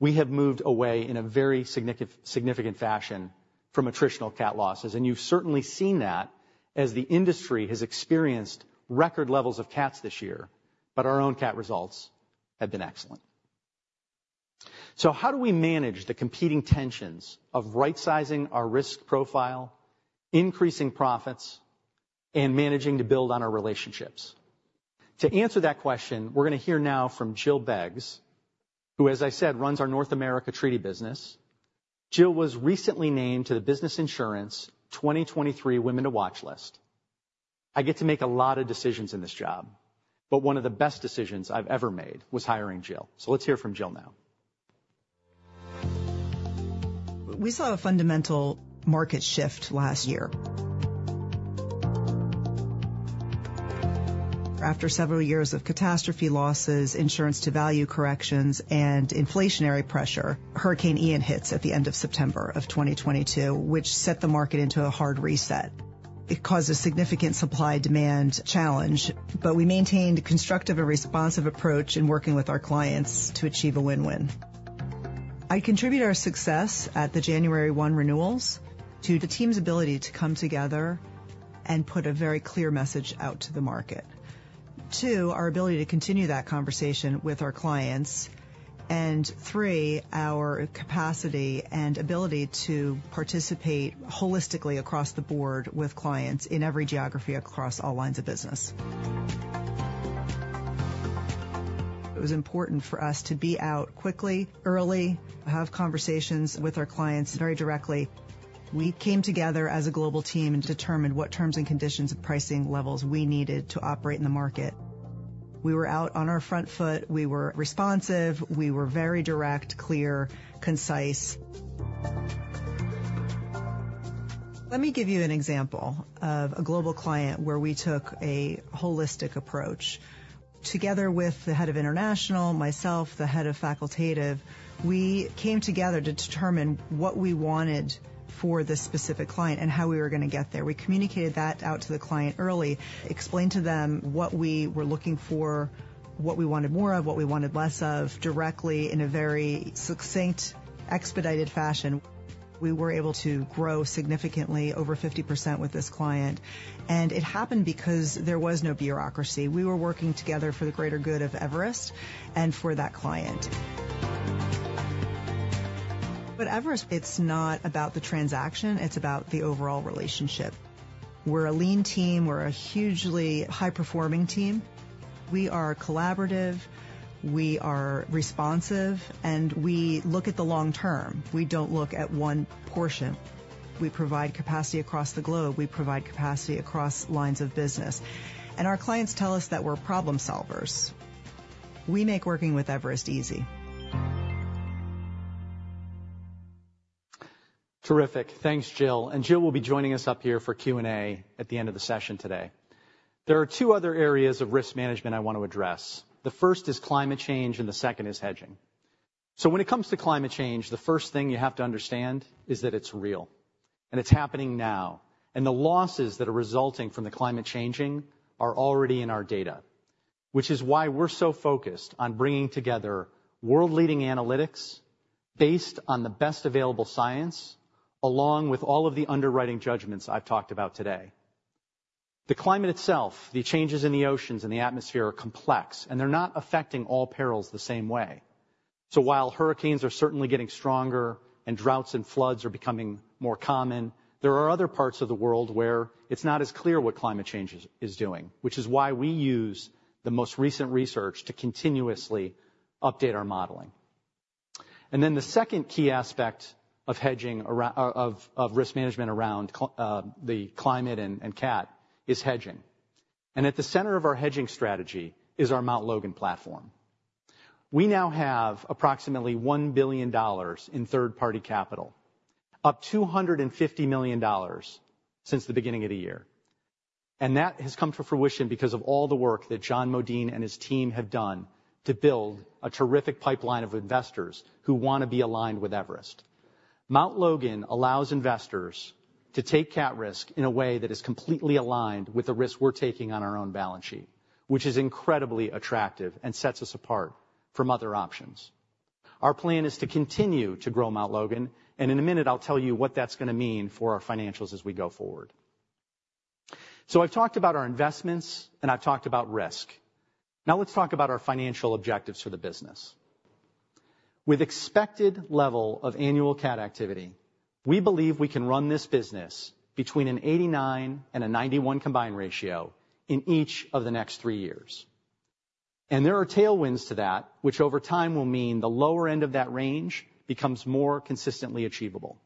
We have moved away in a very significant fashion from attritional CAT losses, and you've certainly seen that as the industry has experienced record levels of CATs this year, but our own CAT results have been excellent. So how do we manage the competing tensions of right-sizing our risk profile, increasing profits, and managing to build on our relationships? To answer that question, we're gonna hear now from Jill Beggs, who, as I said, runs our North America Treaty business. Jill was recently named to the Business Insurance 2023 Women to Watch list. I get to make a lot of decisions in this job, but one of the best decisions I've ever made was hiring Jill. So let's hear from Jill now. We saw a fundamental market shift last year. After several years of catastrophe losses, insurance to value corrections, and inflationary pressure, Hurricane Ian hits at the end of September 2022, which set the market into a hard reset. It caused a significant supply/demand challenge, but we maintained a constructive and responsive approach in working with our clients to achieve a win-win. I contribute our success at the January 1 renewals to the team's ability to come together and put a very clear message out to the market. Two, our ability to continue that conversation with our clients. And three, our capacity and ability to participate holistically across the board with clients in every geography, across all lines of business. It was important for us to be out quickly, early, have conversations with our clients very directly. We came together as a global team and determined what terms and conditions and pricing levels we needed to operate in the market. We were out on our front foot. We were responsive. We were very direct, clear, concise. Let me give you an example of a global client where we took a holistic approach. Together with the head of international, myself, the head of facultative, we came together to determine what we wanted for this specific client and how we were going to get there. We communicated that out to the client early, explained to them what we were looking for, what we wanted more of, what we wanted less of, directly in a very succinct, expedited fashion. We were able to grow significantly over 50% with this client, and it happened because there was no bureaucracy. We were working together for the greater good of Everest and for that client. But Everest, it's not about the transaction, it's about the overall relationship. We're a lean team. We're a hugely high-performing team. We are collaborative, we are responsive, and we look at the long term. We don't look at one portion. We provide capacity across the globe. We provide capacity across lines of business, and our clients tell us that we're problem solvers. We make working with Everest easy. Terrific. Thanks, Jill. And Jill will be joining us up here for Q&A at the end of the session today. There are two other areas of risk management I want to address. The first is climate change, and the second is hedging. So when it comes to climate change, the first thing you have to understand is that it's real, and it's happening now, and the losses that are resulting from the climate changing are already in our data. Which is why we're so focused on bringing together world-leading analytics based on the best available science, along with all of the underwriting judgments I've talked about today. The climate itself, the changes in the oceans and the atmosphere, are complex, and they're not affecting all perils the same way. So while hurricanes are certainly getting stronger and droughts and floods are becoming more common, there are other parts of the world where it's not as clear what climate change is doing, which is why we use the most recent research to continuously update our modeling. And then the second key aspect of hedging around of risk management around the climate and CAT is hedging. And at the center of our hedging strategy is our Mount Logan Re platform. We now have approximately $1 billion in third-party capital, up $250 million since the beginning of the year. And that has come to fruition because of all the work that John Modin and his team have done to build a terrific pipeline of investors who want to be aligned with Everest. Mount Logan allows investors to take CAT risk in a way that is completely aligned with the risk we're taking on our own balance sheet, which is incredibly attractive and sets us apart from other options. Our plan is to continue to grow Mount Logan, and in a minute, I'll tell you what that's going to mean for our financials as we go forward. So I've talked about our investments, and I've talked about risk. Now let's talk about our financial objectives for the business. With expected level of annual CAT activity, we believe we can run this business between an 89 and a 91 combined ratio in each of the next three years. And there are tailwinds to that, which over time, will mean the lower end of that range becomes more consistently achievable.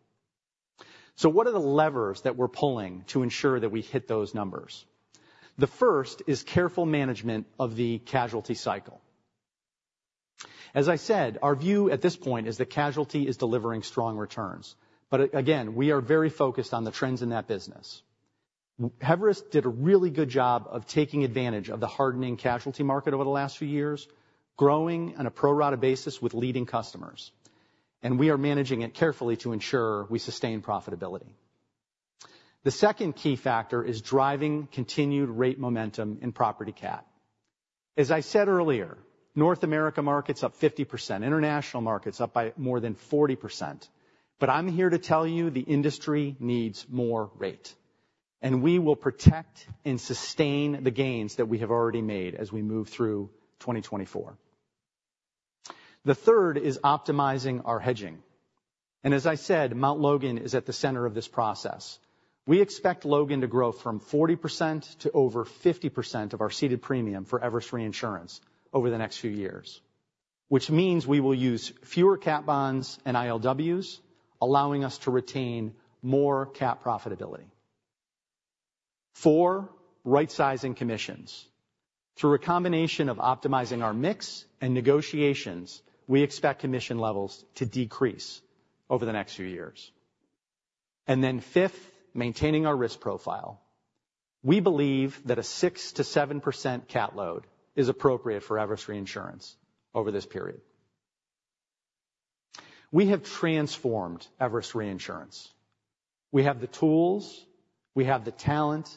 So what are the levers that we're pulling to ensure that we hit those numbers? The first is careful management of the casualty cycle. As I said, our view at this point is that casualty is delivering strong returns, but again, we are very focused on the trends in that business. Everest did a really good job of taking advantage of the hardening casualty market over the last few years, growing on a pro rata basis with leading customers, and we are managing it carefully to ensure we sustain profitability. The second key factor is driving continued rate momentum in property CAT. As I said earlier, North America market's up 50%, international markets up by more than 40%. But I'm here to tell you, the industry needs more rate, and we will protect and sustain the gains that we have already made as we move through 2024. The third is optimizing our hedging, and as I said, Mount Logan is at the center of this process. We expect Logan to grow from 40% to over 50% of our ceded premium for Everest Reinsurance over the next few years, which means we will use fewer cat bonds and ILWs, allowing us to retain more CAT profitability. Four, rightsizing commissions. Through a combination of optimizing our mix and negotiations, we expect commission levels to decrease over the next few years. And then fifth, maintaining our risk profile. We believe that a 6%-7% cat load is appropriate for Everest Reinsurance over this period. We have transformed Everest Reinsurance. We have the tools, we have the talent,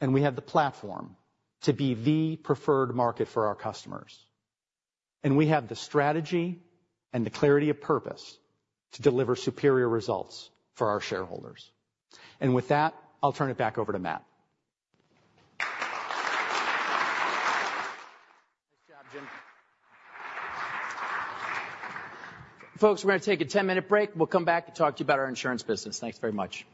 and we have the platform to be the preferred market for our customers. We have the strategy and the clarity of purpose to deliver superior results for our shareholders. With that, I'll turn it back over to Matt. Nice job, Jim. Folks, we're going to take a 10-minute break. We'll come back and talk to you about our insurance business. Thanks very much.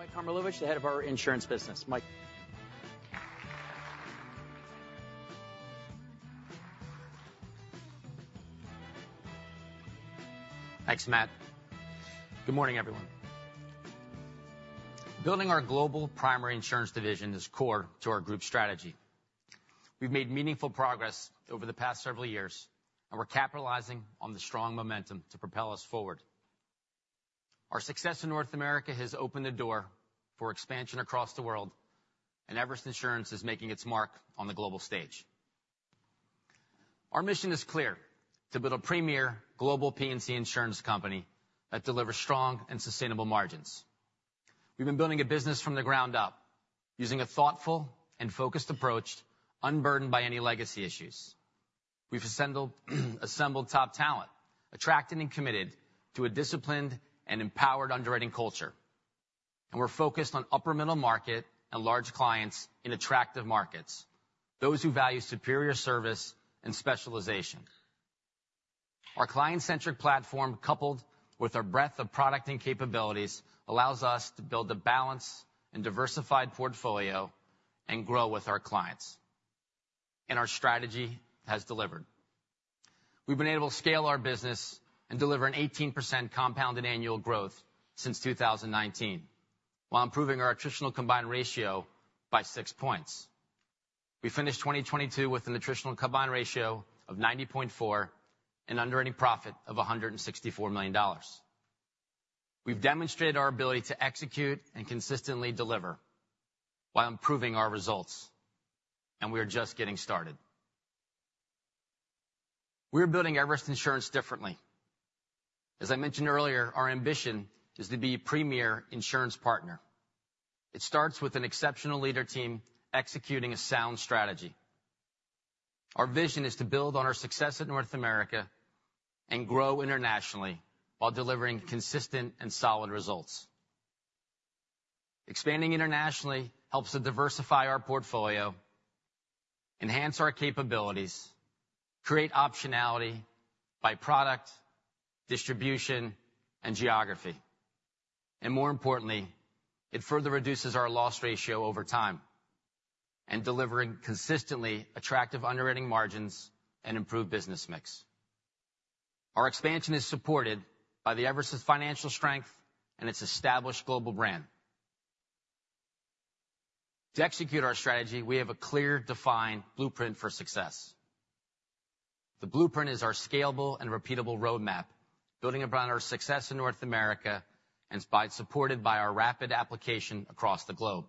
Mike Karmilowicz, the head of our insurance business. Mike. Thanks, Matt. Good morning, everyone. Building our global primary insurance division is core to our group strategy. We've made meaningful progress over the past several years, and we're capitalizing on the strong momentum to propel us forward. Our success in North America has opened the door for expansion across the world, and Everest Insurance is making its mark on the global stage. Our mission is clear: to build a premier global P&C insurance company that delivers strong and sustainable margins. We've been building a business from the ground up, using a thoughtful and focused approach, unburdened by any legacy issues. We've assembled top talent, attracted and committed to a disciplined and empowered underwriting culture, and we're focused on upper middle market and large clients in attractive markets, those who value superior service and specialization. Our client-centric platform, coupled with our breadth of product and capabilities, allows us to build a balanced and diversified portfolio and grow with our clients. Our strategy has delivered. We've been able to scale our business and deliver an 18% compounded annual growth since 2019, while improving our attritional combined ratio by 6 points. We finished 2022 with an attritional combined ratio of 90.4 and underwriting profit of $164 million. We've demonstrated our ability to execute and consistently deliver while improving our results, and we are just getting started. We're building Everest Insurance differently. As I mentioned earlier, our ambition is to be a premier insurance partner. It starts with an exceptional leadership team executing a sound strategy. Our vision is to build on our success in North America and grow internationally while delivering consistent and solid results. Expanding internationally helps to diversify our portfolio, enhance our capabilities, create optionality by product, distribution, and geography. More importantly, it further reduces our loss ratio over time and delivering consistently attractive underwriting margins and improved business mix. Our expansion is supported by Everest's financial strength and its established global brand. To execute our strategy, we have a clear, defined blueprint for success. The blueprint is our scalable and repeatable roadmap, building upon our success in North America and supported by our rapid application across the globe.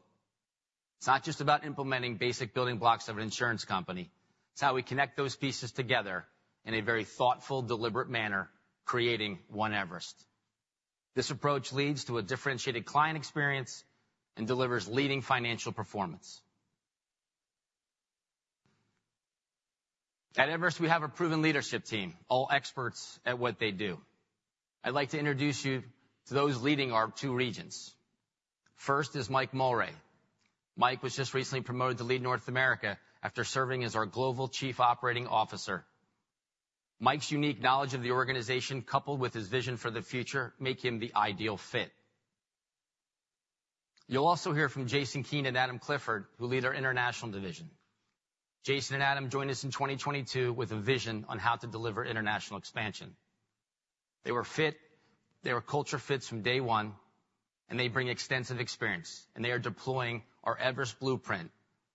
It's not just about implementing basic building blocks of an insurance company, it's how we connect those pieces together in a very thoughtful, deliberate manner, creating One Everest. This approach leads to a differentiated client experience and delivers leading financial performance. At Everest, we have a proven leadership team, all experts at what they do. I'd like to introduce you to those leading our two regions. First is Mike Mulray. Mike was just recently promoted to lead North America after serving as our Global Chief Operating Officer. Mike's unique knowledge of the organization, coupled with his vision for the future, make him the ideal fit. You'll also hear from Jason Keen and Adam Clifford, who lead our international division. Jason and Adam joined us in 2022 with a vision on how to deliver international expansion. They were culture fits from day one, and they bring extensive experience, and they are deploying our Everest blueprint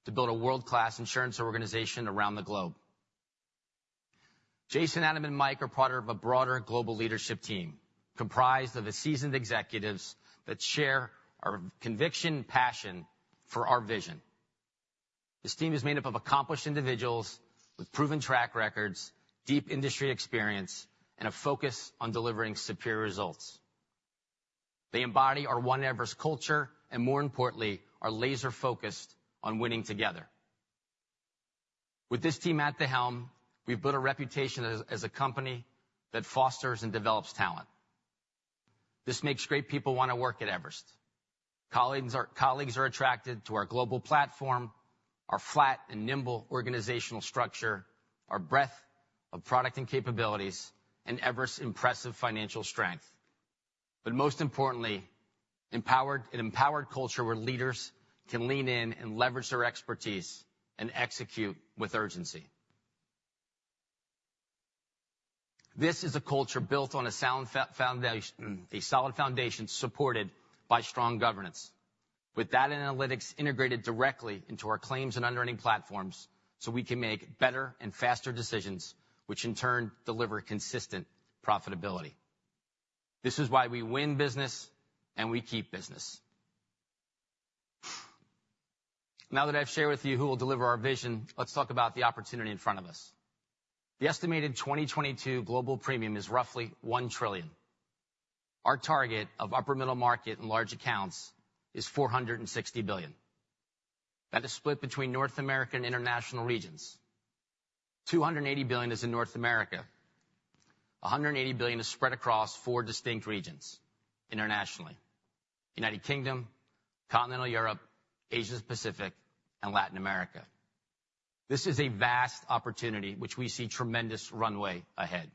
to build a world-class insurance organization around the globe. Jason, Adam, and Mike are part of a broader global leadership team, comprised of the seasoned executives that share our conviction and passion for our vision. This team is made up of accomplished individuals with proven track records, deep industry experience, and a focus on delivering superior results. They embody our one Everest culture, and more importantly, are laser focused on winning together. With this team at the helm, we've built a reputation as a company that fosters and develops talent. This makes great people want to work at Everest. Colleagues are attracted to our global platform, our flat and nimble organizational structure, our breadth of product and capabilities, and Everest's impressive financial strength. But most importantly, an empowered culture where leaders can lean in and leverage their expertise and execute with urgency. This is a culture built on a sound foundation, a solid foundation, supported by strong governance, with that analytics integrated directly into our claims and underwriting platforms, so we can make better and faster decisions, which in turn deliver consistent profitability. This is why we win business, and we keep business. Now that I've shared with you who will deliver our vision, let's talk about the opportunity in front of us. The estimated 2022 global premium is roughly $1 trillion. Our target of upper middle market and large accounts is $460 billion. That is split between North America and international regions. $280 billion is in North America. $180 billion is spread across four distinct regions internationally: United Kingdom, Continental Europe, Asia Pacific, and Latin America. This is a vast opportunity in which we see tremendous runway ahead.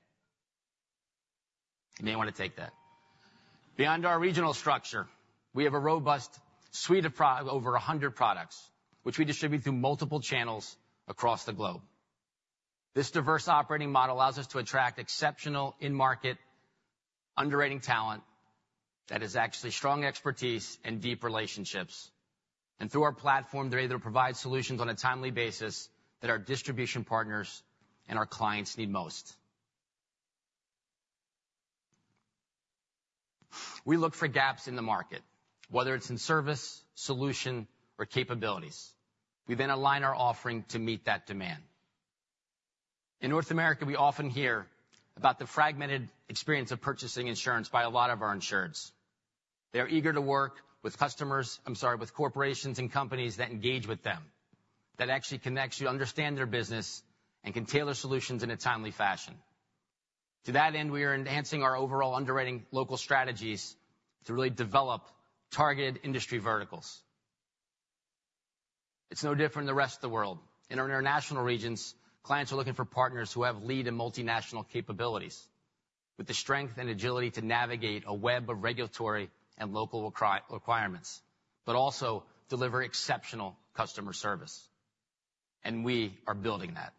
You may want to take that. Beyond our regional structure, we have a robust suite of over 100 products, which we distribute through multiple channels across the globe. This diverse operating model allows us to attract exceptional in-market underwriting talent that has actually strong expertise and deep relationships. And through our platform, they're able to provide solutions on a timely basis that our distribution partners and our clients need most. We look for gaps in the market, whether it's in service, solution, or capabilities. We then align our offering to meet that demand. In North America, we often hear about the fragmented experience of purchasing insurance by a lot of our insureds. They are eager to work with customers—I'm sorry, with corporations and companies that engage with them, that actually connects you, understand their business, and can tailor solutions in a timely fashion. To that end, we are enhancing our overall underwriting local strategies to really develop targeted industry verticals. It's no different than the rest of the world. In our international regions, clients are looking for partners who have lead and multinational capabilities, with the strength and agility to navigate a web of regulatory and local requirements, but also deliver exceptional customer service, and we are building that.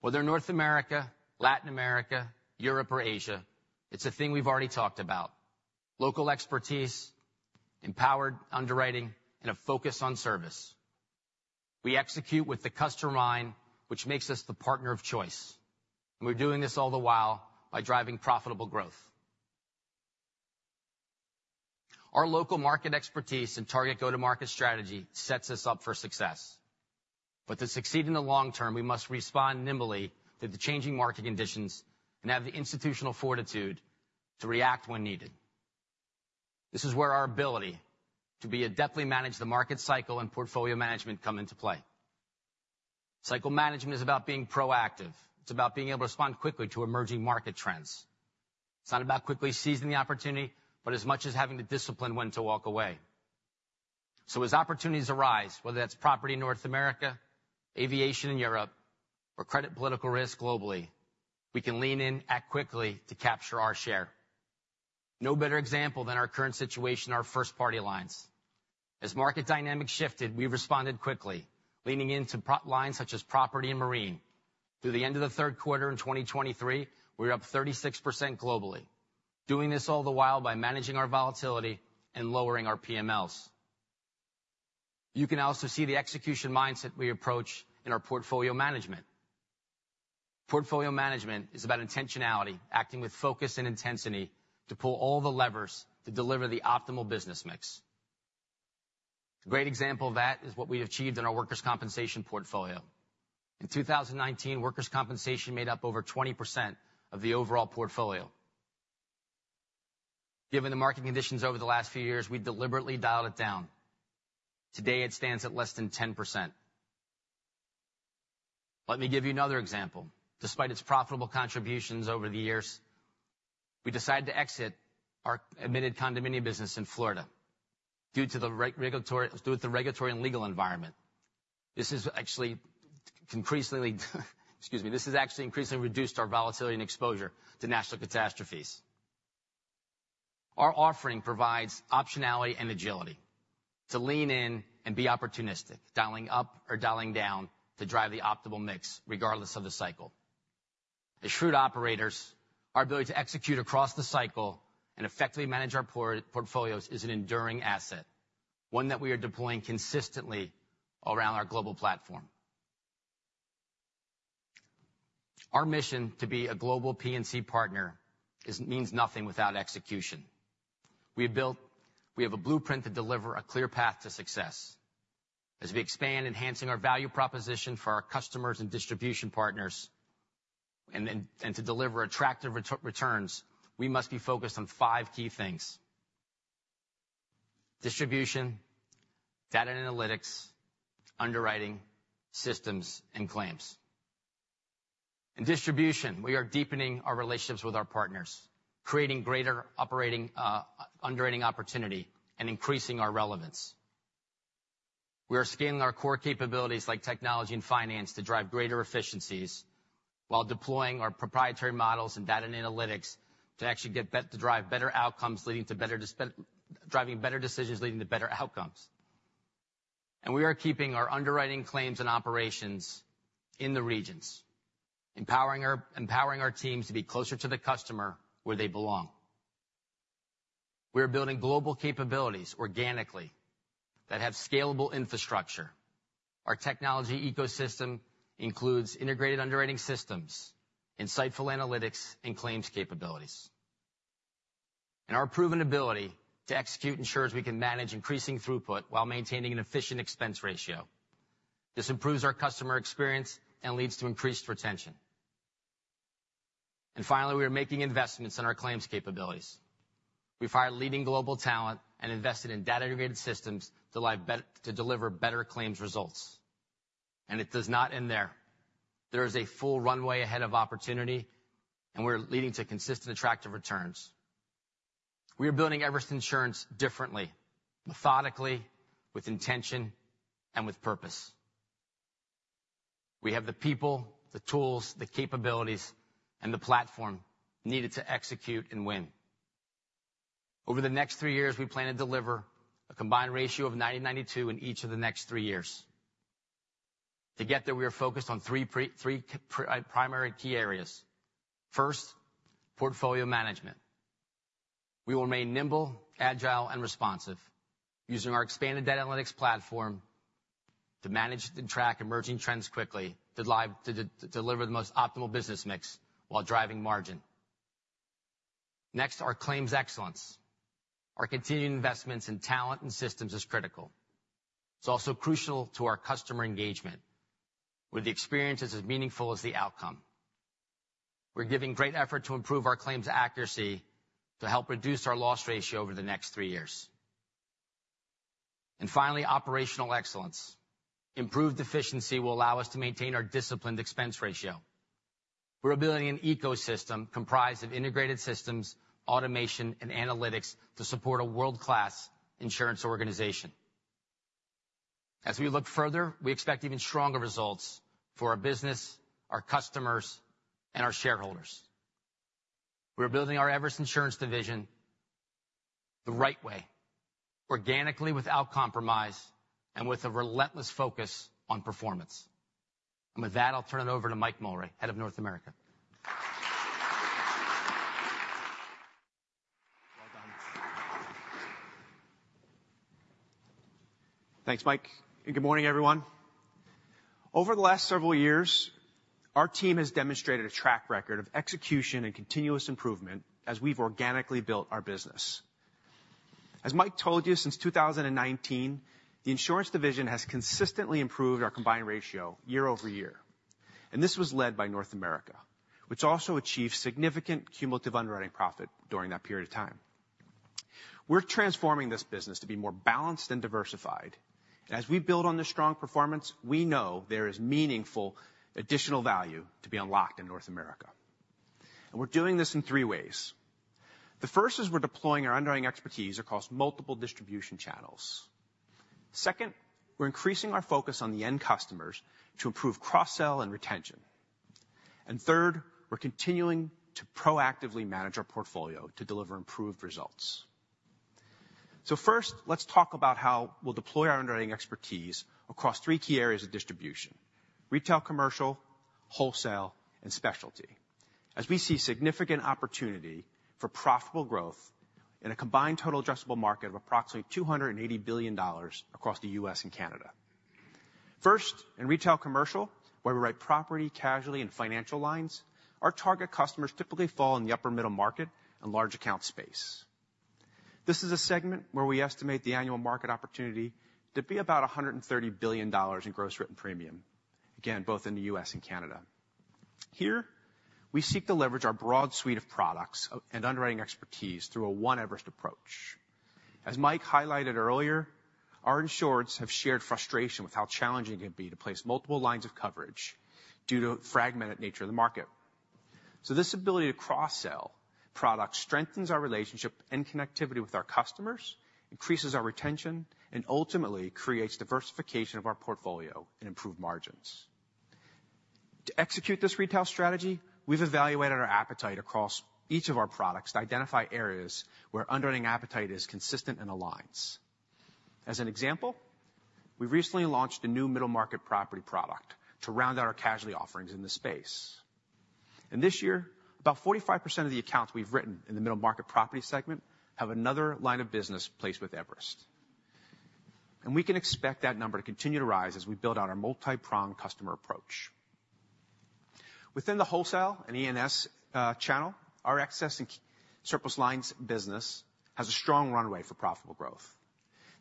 Whether North America, Latin America, Europe, or Asia, it's a thing we've already talked about. Local expertise, empowered underwriting, and a focus on service. We execute with the customer in mind, which makes us the partner of choice, and we're doing this all the while by driving profitable growth. Our local market expertise and target go-to-market strategy sets us up for success. But to succeed in the long term, we must respond nimbly to the changing market conditions and have the institutional fortitude to react when needed. This is where our ability to adeptly manage the market cycle and portfolio management come into play. Cycle management is about being proactive. It's about being able to respond quickly to emerging market trends. It's not about quickly seizing the opportunity, but as much as having the discipline when to walk away. So as opportunities arise, whether that's property in North America, aviation in Europe, or credit political risk globally, we can lean in, act quickly to capture our share. No better example than our current situation, our first-party lines. As market dynamics shifted, we responded quickly, leaning into pro rata lines such as property and marine. Through the end of the third quarter in 2023, we're up 36% globally, doing this all the while by managing our volatility and lowering our PMLs. You can also see the execution mindset we approach in our portfolio management. Portfolio management is about intentionality, acting with focus and intensity to pull all the levers to deliver the optimal business mix. A great example of that is what we achieved in our workers' compensation portfolio. In 2019, workers' compensation made up over 20% of the overall portfolio. Given the market conditions over the last few years, we deliberately dialed it down. Today, it stands at less than 10%. Let me give you another example. Despite its profitable contributions over the years, we decided to exit our admitted condominium business in Florida due to the regulatory and legal environment. This has actually increasingly reduced our volatility and exposure to national catastrophes. Our offering provides optionality and agility to lean in and be opportunistic, dialing up or dialing down to drive the optimal mix, regardless of the cycle. As shrewd operators, our ability to execute across the cycle and effectively manage our portfolios is an enduring asset. one that we are deploying consistently around our global platform. Our mission to be a global P&C partner is means nothing without execution. We have a blueprint to deliver a clear path to success. As we expand, enhancing our value proposition for our customers and distribution partners, and to deliver attractive returns, we must be focused on five key things: distribution, data and analytics, underwriting, systems, and claims. In distribution, we are deepening our relationships with our partners, creating greater operating underwriting opportunity, and increasing our relevance. We are scaling our core capabilities, like technology and finance, to drive greater efficiencies, while deploying our proprietary models and data and analytics to actually to drive better outcomes, leading to better decisions, leading to better outcomes. We are keeping our underwriting claims and operations in the regions, empowering our teams to be closer to the customer where they belong. We are building global capabilities organically that have scalable infrastructure. Our technology ecosystem includes integrated underwriting systems, insightful analytics, and claims capabilities. Our proven ability to execute ensures we can manage increasing throughput while maintaining an efficient expense ratio. This improves our customer experience and leads to increased retention. Finally, we are making investments in our claims capabilities. We've hired leading global talent and invested in data-integrated systems to deliver better claims results. And it does not end there. There is a full runway ahead of opportunity, and we're leading to consistent, attractive returns. We are building Everest Insurance differently, methodically, with intention, and with purpose. We have the people, the tools, the capabilities, and the platform needed to execute and win. Over the next three years, we plan to deliver a combined ratio of 90%-92% in each of the next three years. To get there, we are focused on three primary key areas. First, portfolio management. We will remain nimble, agile, and responsive, using our expanded data analytics platform to manage and track emerging trends quickly, to deliver the most optimal business mix while driving margin. Next, our claims excellence. Our continuing investments in talent and systems is critical. It's also crucial to our customer engagement, where the experience is as meaningful as the outcome. We're giving great effort to improve our claims accuracy to help reduce our loss ratio over the next three years. And finally, operational excellence. Improved efficiency will allow us to maintain our disciplined expense ratio. We're building an ecosystem comprised of integrated systems, automation, and analytics to support a world-class insurance organization. As we look further, we expect even stronger results for our business, our customers, and our shareholders. We're building our Everest Insurance division the right way, organically, without compromise, and with a relentless focus on performance. And with that, I'll turn it over to Mike Mulray, head of North America. Well done. Thanks, Mike, and good morning, everyone. Over the last several years, our team has demonstrated a track record of execution and continuous improvement as we've organically built our business. As Mike told you, since 2019, the insurance division has consistently improved our combined ratio year-over-year, and this was led by North America, which also achieved significant cumulative underwriting profit during that period of time. We're transforming this business to be more balanced and diversified. As we build on this strong performance, we know there is meaningful additional value to be unlocked in North America, and we're doing this in three ways. The first is we're deploying our underwriting expertise across multiple distribution channels. Second, we're increasing our focus on the end customers to improve cross-sell and retention. And third, we're continuing to proactively manage our portfolio to deliver improved results. So first, let's talk about how we'll deploy our underwriting expertise across three key areas of distribution: retail, commercial, wholesale, and specialty. As we see significant opportunity for profitable growth in a combined total addressable market of approximately $280 billion across the U.S. and Canada. First, in retail commercial, where we write property, casualty, and financial lines, our target customers typically fall in the upper middle market and large account space. This is a segment where we estimate the annual market opportunity to be about $130 billion in gross written premium, again, both in the U.S. and Canada. Here, we seek to leverage our broad suite of products and underwriting expertise through a One Everest approach. As Mike highlighted earlier, our insureds have shared frustration with how challenging it can be to place multiple lines of coverage due to the fragmented nature of the market. So this ability to cross-sell products strengthens our relationship and connectivity with our customers, increases our retention, and ultimately creates diversification of our portfolio and improved margins. To execute this retail strategy, we've evaluated our appetite across each of our products to identify areas where underwriting appetite is consistent and aligns. As an example, we recently launched a new middle market property product to round out our casualty offerings in this space. This year, about 45% of the accounts we've written in the middle market property segment have another line of business placed with Everest. We can expect that number to continue to rise as we build out our multipronged customer approach. Within the wholesale and E&S channel, our excess and surplus lines business has a strong runway for profitable growth.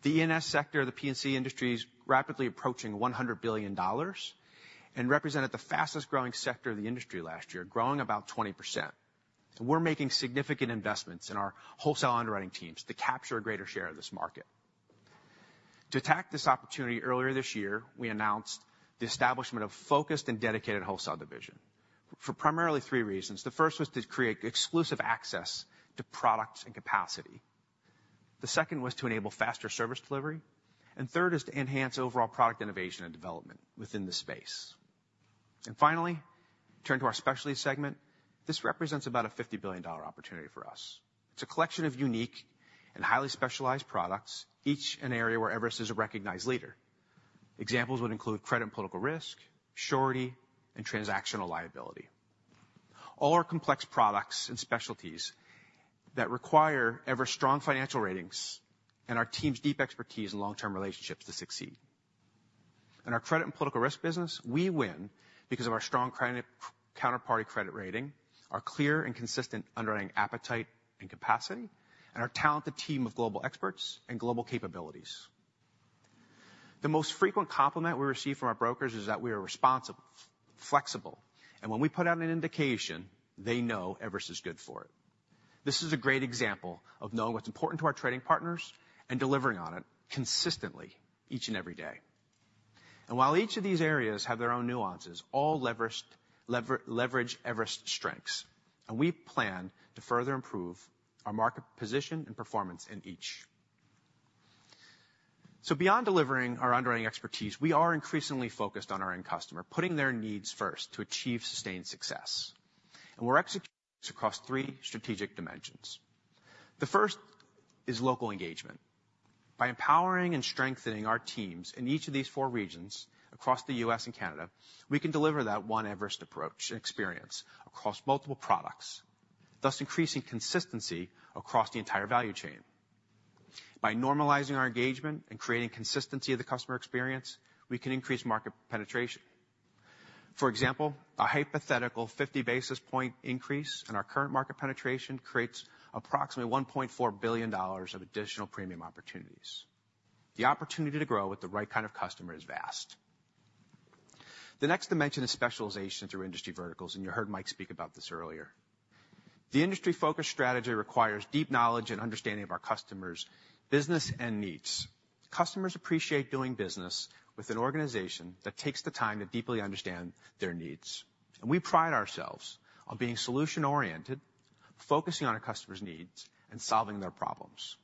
The E&S sector of the P&C industry is rapidly approaching $100 billion and represented the fastest growing sector of the industry last year, growing about 20%. So we're making significant investments in our wholesale underwriting teams to capture a greater share of this market. To attack this opportunity, earlier this year, we announced the establishment of focused and dedicated wholesale division, for primarily three reasons. The first was to create exclusive access to products and capacity. The second was to enable faster service delivery, and third is to enhance overall product innovation and development within the space. And finally, turn to our specialist segment. This represents about a $50 billion opportunity for us. It's a collection of unique and highly specialized products, each an area where Everest is a recognized leader. Examples would include credit and political risk, surety, and transactional liability. All are complex products and specialties that require ever-strong financial ratings and our team's deep expertise and long-term relationships to succeed. In our credit and political risk business, we win because of our strong credit, counterparty credit rating, our clear and consistent underwriting appetite and capacity, and our talented team of global experts and global capabilities. The most frequent compliment we receive from our brokers is that we are responsible, flexible, and when we put out an indication, they know Everest is good for it. This is a great example of knowing what's important to our trading partners and delivering on it consistently each and every day. While each of these areas have their own nuances, all leveraged Everest strengths, and we plan to further improve our market position and performance in each. So beyond delivering our underwriting expertise, we are increasingly focused on our end customer, putting their needs first to achieve sustained success, and we're executing this across 3 strategic dimensions. The first is local engagement. By empowering and strengthening our teams in each of these 4 regions across the U.S. and Canada, we can deliver that one Everest approach and experience across multiple products, thus increasing consistency across the entire value chain. By normalizing our engagement and creating consistency of the customer experience, we can increase market penetration. For example, a hypothetical 50 basis point increase in our current market penetration creates approximately $1.4 billion of additional premium opportunities. The opportunity to grow with the right kind of customer is vast. The next dimension is specialization through industry verticals, and you heard Mike speak about this earlier. The industry focus strategy requires deep knowledge and understanding of our customers' business and needs. Customers appreciate doing business with an organization that takes the time to deeply understand their needs, and we pride ourselves on being solution-oriented, focusing on a customer's needs, and solving their problems.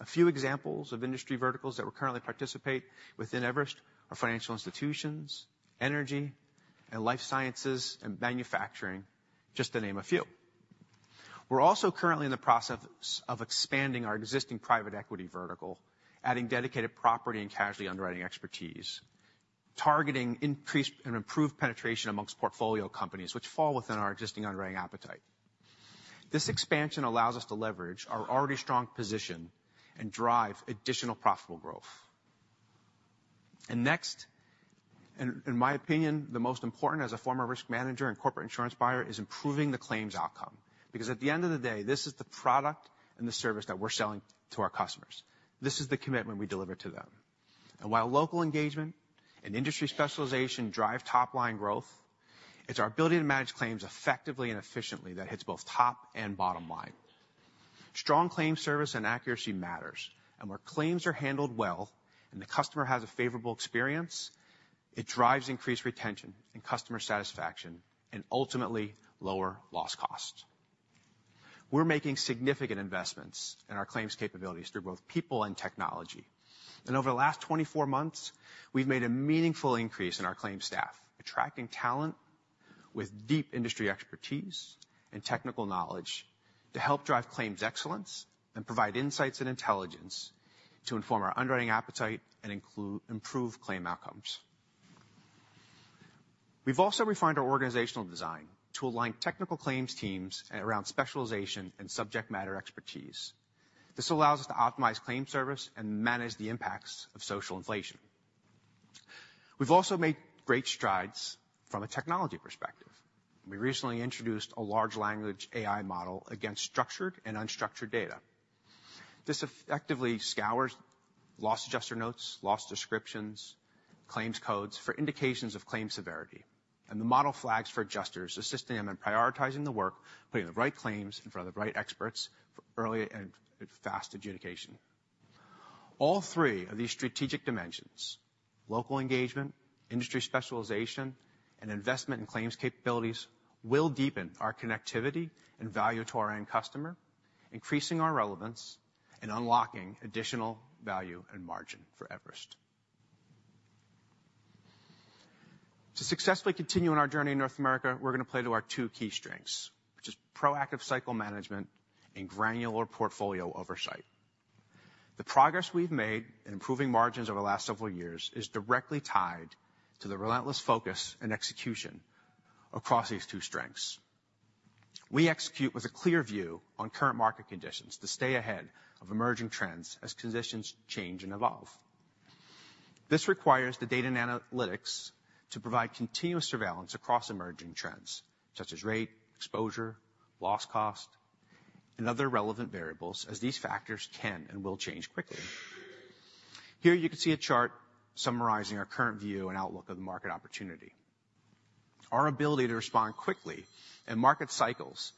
A few examples of industry verticals that we currently participate within Everest are financial institutions, energy, and life sciences and manufacturing, just to name a few. We're also currently in the process of expanding our existing private equity vertical, adding dedicated property and casualty underwriting expertise, targeting increased and improved penetration amongst portfolio companies, which fall within our existing underwriting appetite. This expansion allows us to leverage our already strong position and drive additional profitable growth. And next, in my opinion, the most important as a former risk manager and corporate insurance buyer, is improving the claims outcome, because at the end of the day, this is the product and the service that we're selling to our customers. This is the commitment we deliver to them. And while local engagement and industry specialization drive top-line growth, it's our ability to manage claims effectively and efficiently that hits both top and bottom line. Strong claim service and accuracy matters, and where claims are handled well and the customer has a favorable experience, it drives increased retention and customer satisfaction and ultimately lower loss cost. We're making significant investments in our claims capabilities through both people and technology. Over the last 24 months, we've made a meaningful increase in our claim staff, attracting talent with deep industry expertise and technical knowledge to help drive claims excellence and provide insights and intelligence to inform our underwriting appetite and improve claim outcomes. We've also refined our organizational design to align technical claims teams around specialization and subject matter expertise. This allows us to optimize claim service and manage the impacts of social inflation. We've also made great strides from a technology perspective. We recently introduced a large language AI model against structured and unstructured data. This effectively scours loss adjuster notes, loss descriptions, claims codes for indications of claim severity, and the model flags for adjusters, assisting them in prioritizing the work, putting the right claims in front of the right experts for early and fast adjudication. All three of these strategic dimensions, local engagement, industry specialization, and investment in claims capabilities, will deepen our connectivity and value to our end customer, increasing our relevance and unlocking additional value and margin for Everest. To successfully continue on our journey in North America, we're going to play to our two key strengths, which is proactive cycle management and granular portfolio oversight. The progress we've made in improving margins over the last several years is directly tied to the relentless focus and execution across these two strengths. We execute with a clear view on current market conditions to stay ahead of emerging trends as conditions change and evolve. This requires the data and analytics to provide continuous surveillance across emerging trends, such as rate, exposure, loss cost, and other relevant variables, as these factors can and will change quickly. Here you can see a chart summarizing our current view and outlook of the market opportunity. Our ability to respond quickly in market cycles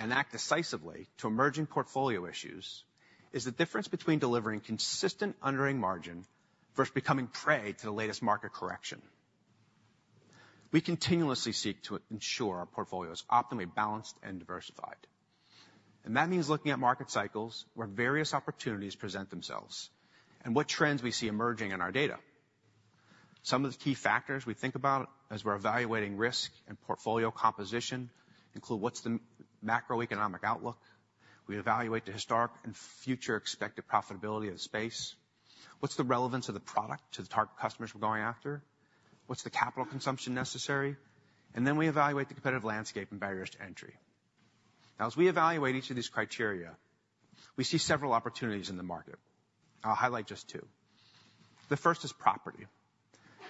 and act decisively to emerging portfolio issues is the difference between delivering consistent underwriting margin versus becoming prey to the latest market correction. We continuously seek to ensure our portfolio is optimally balanced and diversified, and that means looking at market cycles, where various opportunities present themselves, and what trends we see emerging in our data. Some of the key factors we think about as we're evaluating risk and portfolio composition include what's the macroeconomic outlook? We evaluate the historic and future expected profitability of the space. What's the relevance of the product to the target customers we're going after? What's the capital consumption necessary? And then we evaluate the competitive landscape and barriers to entry. Now, as we evaluate each of these criteria, we see several opportunities in the market. I'll highlight just two. The first is property.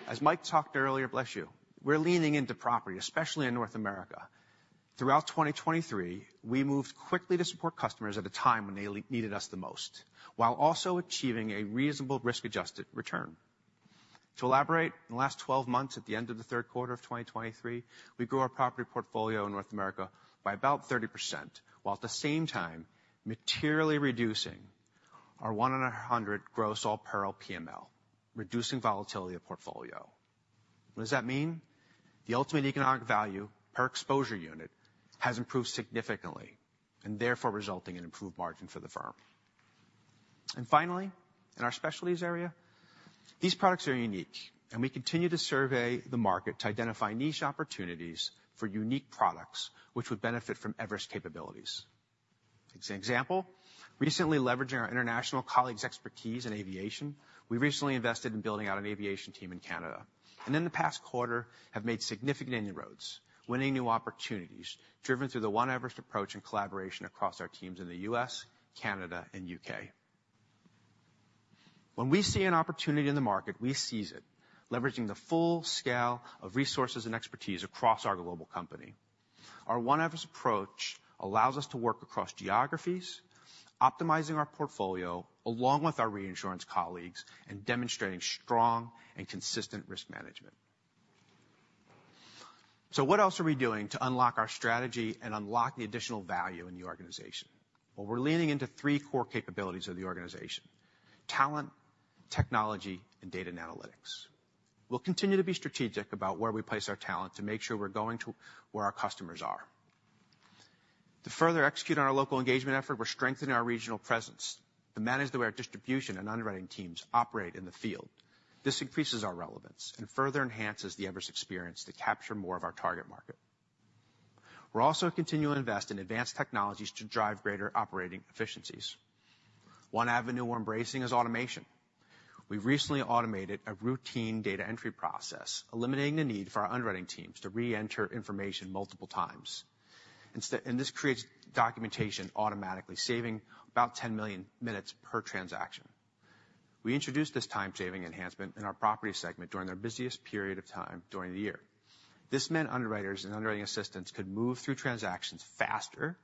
As Mike talked earlier, bless you. We're leaning into property, especially in North America. Throughout 2023, we moved quickly to support customers at a time when they needed us the most, while also achieving a reasonable risk-adjusted return. To elaborate, in the last 12 months, at the end of the third quarter of 2023, we grew our property portfolio in North America by about 30%, while at the same time materially reducing our 1 in 100 gross all peril PML, reducing volatility of portfolio. What does that mean? The ultimate economic value per exposure unit has improved significantly and therefore resulting in improved margin for the firm. Finally, in our specialties area, these products are unique, and we continue to survey the market to identify niche opportunities for unique products which would benefit from Everest capabilities. As an example, recently leveraging our international colleagues' expertise in aviation, we recently invested in building out an aviation team in Canada, and in the past quarter have made significant inroads, winning new opportunities driven through the One Everest approach and collaboration across our teams in the U.S., Canada, and U.K. When we see an opportunity in the market, we seize it, leveraging the full scale of resources and expertise across our global company. Our One Everest approach allows us to work across geographies, optimizing our portfolio, along with our reinsurance colleagues, and demonstrating strong and consistent risk management. So what else are we doing to unlock our strategy and unlock the additional value in the organization? Well, we're leaning into three core capabilities of the organization: talent, technology, and data and analytics. We'll continue to be strategic about where we place our talent to make sure we're going to where our customers are. To further execute on our local engagement effort, we're strengthening our regional presence to manage the way our distribution and underwriting teams operate in the field. This increases our relevance and further enhances the Everest experience to capture more of our target market. We're also continuing to invest in advanced technologies to drive greater operating efficiencies. One avenue we're embracing is automation. We've recently automated a routine data entry process, eliminating the need for our underwriting teams to reenter information multiple times. Instead, this creates documentation automatically, saving about 10 million minutes per transaction. We introduced this time-saving enhancement in our property segment during their busiest period of time during the year. This meant underwriters and underwriting assistants could move through transactions faster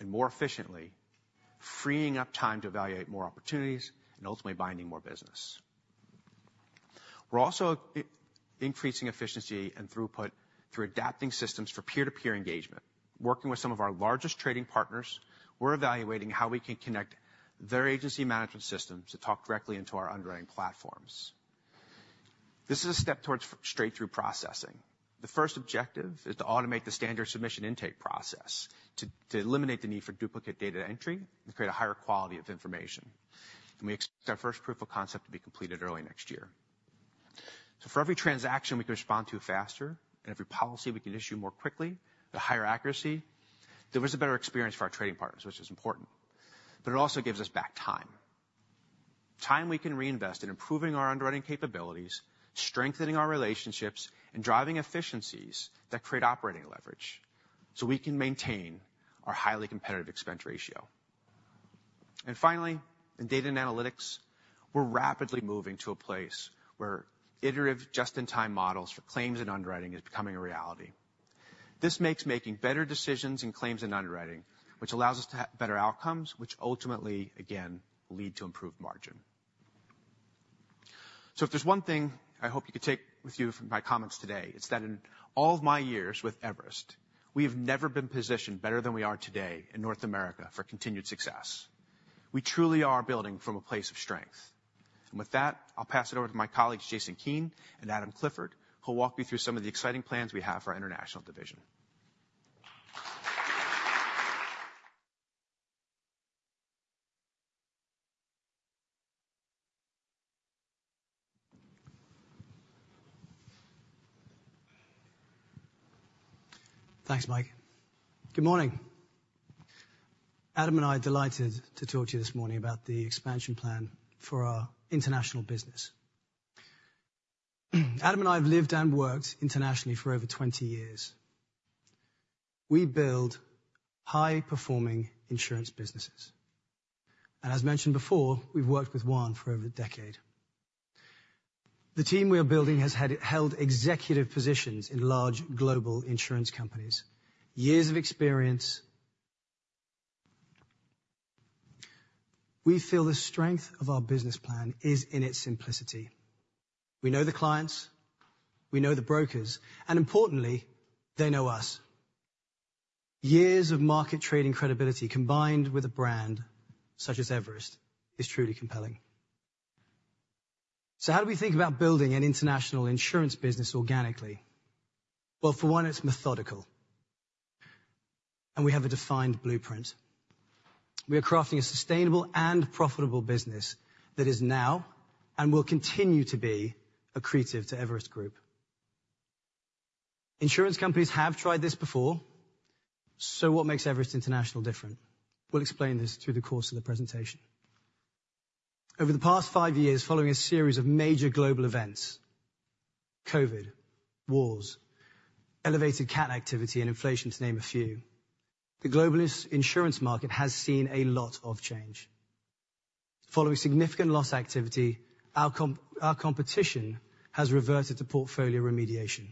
and more efficiently, freeing up time to evaluate more opportunities and ultimately binding more business. We're also increasing efficiency and throughput through adapting systems for peer-to-peer engagement. Working with some of our largest trading partners, we're evaluating how we can connect their agency management systems to talk directly into our underwriting platforms. This is a step towards straight through processing. The first objective is to automate the standard submission intake process, to, to eliminate the need for duplicate data entry and create a higher quality of information. And we expect our first proof of concept to be completed early next year. So for every transaction we can respond to faster and every policy we can issue more quickly, the higher accuracy, there is a better experience for our trading partners, which is important. But it also gives us back time. Time we can reinvest in improving our underwriting capabilities, strengthening our relationships, and driving efficiencies that create operating leverage, so we can maintain our highly competitive expense ratio. And finally, in data and analytics, we're rapidly moving to a place where iterative just-in-time models for claims and underwriting is becoming a reality. This makes making better decisions in claims and underwriting, which allows us to have better outcomes, which ultimately, again, lead to improved margin. So if there's one thing I hope you can take with you from my comments today, it's that in all of my years with Everest, we have never been positioned better than we are today in North America for continued success. We truly are building from a place of strength. With that, I'll pass it over to my colleagues, Jason Keen and Adam Clifford, who'll walk you through some of the exciting plans we have for our international division. Thanks, Mike. Good morning. Adam and I are delighted to talk to you this morning about the expansion plan for our international business. Adam and I have lived and worked internationally for over 20 years. We build high-performing insurance businesses, and as mentioned before, we've worked with Juan for over a decade. The team we are building has held executive positions in large global insurance companies. Years of experience. We feel the strength of our business plan is in its simplicity. We know the clients, we know the brokers, and importantly, they know us. Years of market trade and credibility, combined with a brand such as Everest, is truly compelling. So how do we think about building an international insurance business organically? Well, for one, it's methodical, and we have a defined blueprint. We are crafting a sustainable and profitable business that is now, and will continue to be, accretive to Everest Group. Insurance companies have tried this before, so what makes Everest International different? We'll explain this through the course of the presentation. Over the past five years, following a series of major global events, COVID, wars, elevated cat activity and inflation, to name a few, the global insurance market has seen a lot of change. Following significant loss activity, our competition has reverted to portfolio remediation.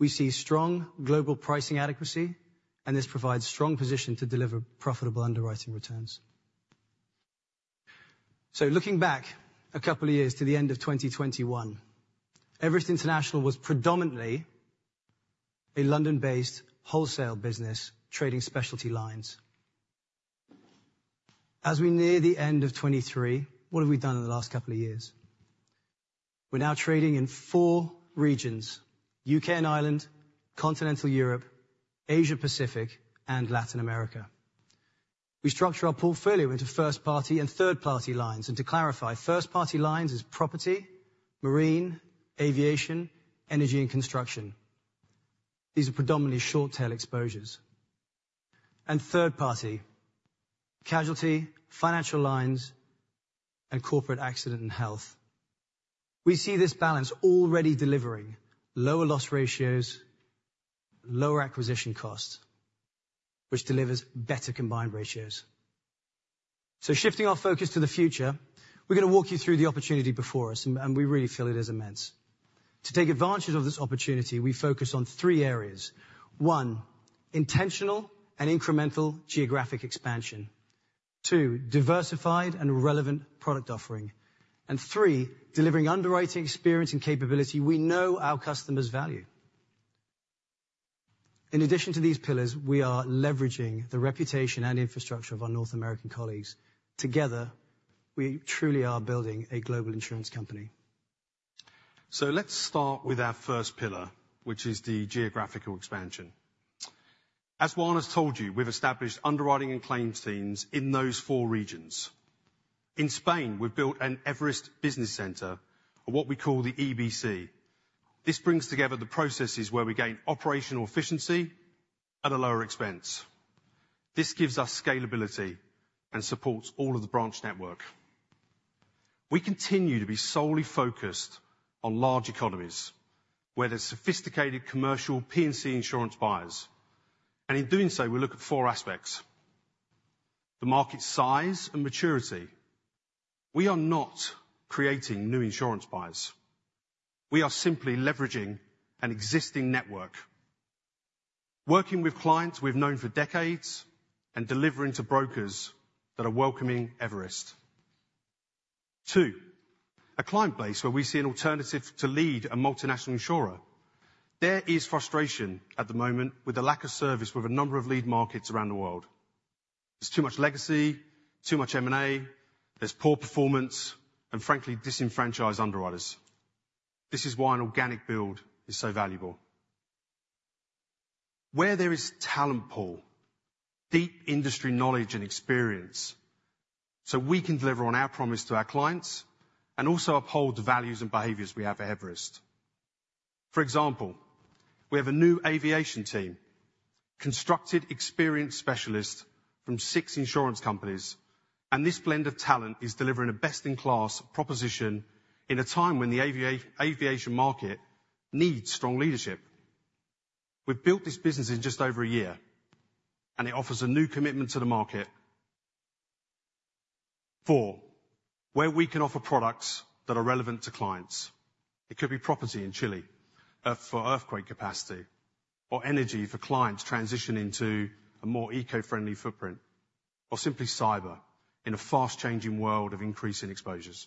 We see strong global pricing adequacy, and this provides strong position to deliver profitable underwriting returns. So looking back a couple of years to the end of 2021, Everest International was predominantly a London-based wholesale business, trading specialty lines. As we near the end of 2023, what have we done in the last couple of years? We're now trading in four regions, UK and Ireland, continental Europe, Asia Pacific, and Latin America. We structure our portfolio into first party and third-party lines. And to clarify, first-party lines is property, marine, aviation, energy, and construction. These are predominantly short-tail exposures. And third party, casualty, financial lines, and corporate accident and health. We see this balance already delivering lower loss ratios, lower acquisition costs, which delivers better combined ratios. So shifting our focus to the future, we're going to walk you through the opportunity before us, and we really feel it is immense. To take advantage of this opportunity, we focus on three areas. One, intentional and incremental geographic expansion. Two, diversified and relevant product offering. And three, delivering underwriting experience and capability we know our customers value. In addition to these pillars, we are leveraging the reputation and infrastructure of our North American colleagues. Together, we truly are building a global insurance company. So let's start with our first pillar, which is the geographical expansion. As Juan has told you, we've established underwriting and claims teams in those four regions. In Spain, we've built an Everest Business Center, or what we call the EBC. This brings together the processes where we gain operational efficiency at a lower expense. This gives us scalability and supports all of the branch network. We continue to be solely focused on large economies, where there's sophisticated commercial P&C insurance buyers. And in doing so, we look at four aspects. The market size and maturity. We are not creating new insurance buyers. We are simply leveraging an existing network, working with clients we've known for decades, and delivering to brokers that are welcoming Everest. Two, a client base where we see an alternative to lead a multinational insurer. There is frustration at the moment with the lack of service with a number of lead markets around the world. There's too much legacy, too much M&A, there's poor performance, and frankly, disenfranchised underwriters. This is why an organic build is so valuable. Where there is talent pool, deep industry knowledge and experience, so we can deliver on our promise to our clients and also uphold the values and behaviors we have at Everest. For example, we have a new aviation team, constructed experienced specialists from six insurance companies, and this blend of talent is delivering a best-in-class proposition in a time when the aviation market needs strong leadership. We've built this business in just over a year, and it offers a new commitment to the market. Four, where we can offer products that are relevant to clients. It could be property in Chile, for earthquake capacity, or energy for clients transitioning to a more eco-friendly footprint, or simply cyber in a fast-changing world of increasing exposures.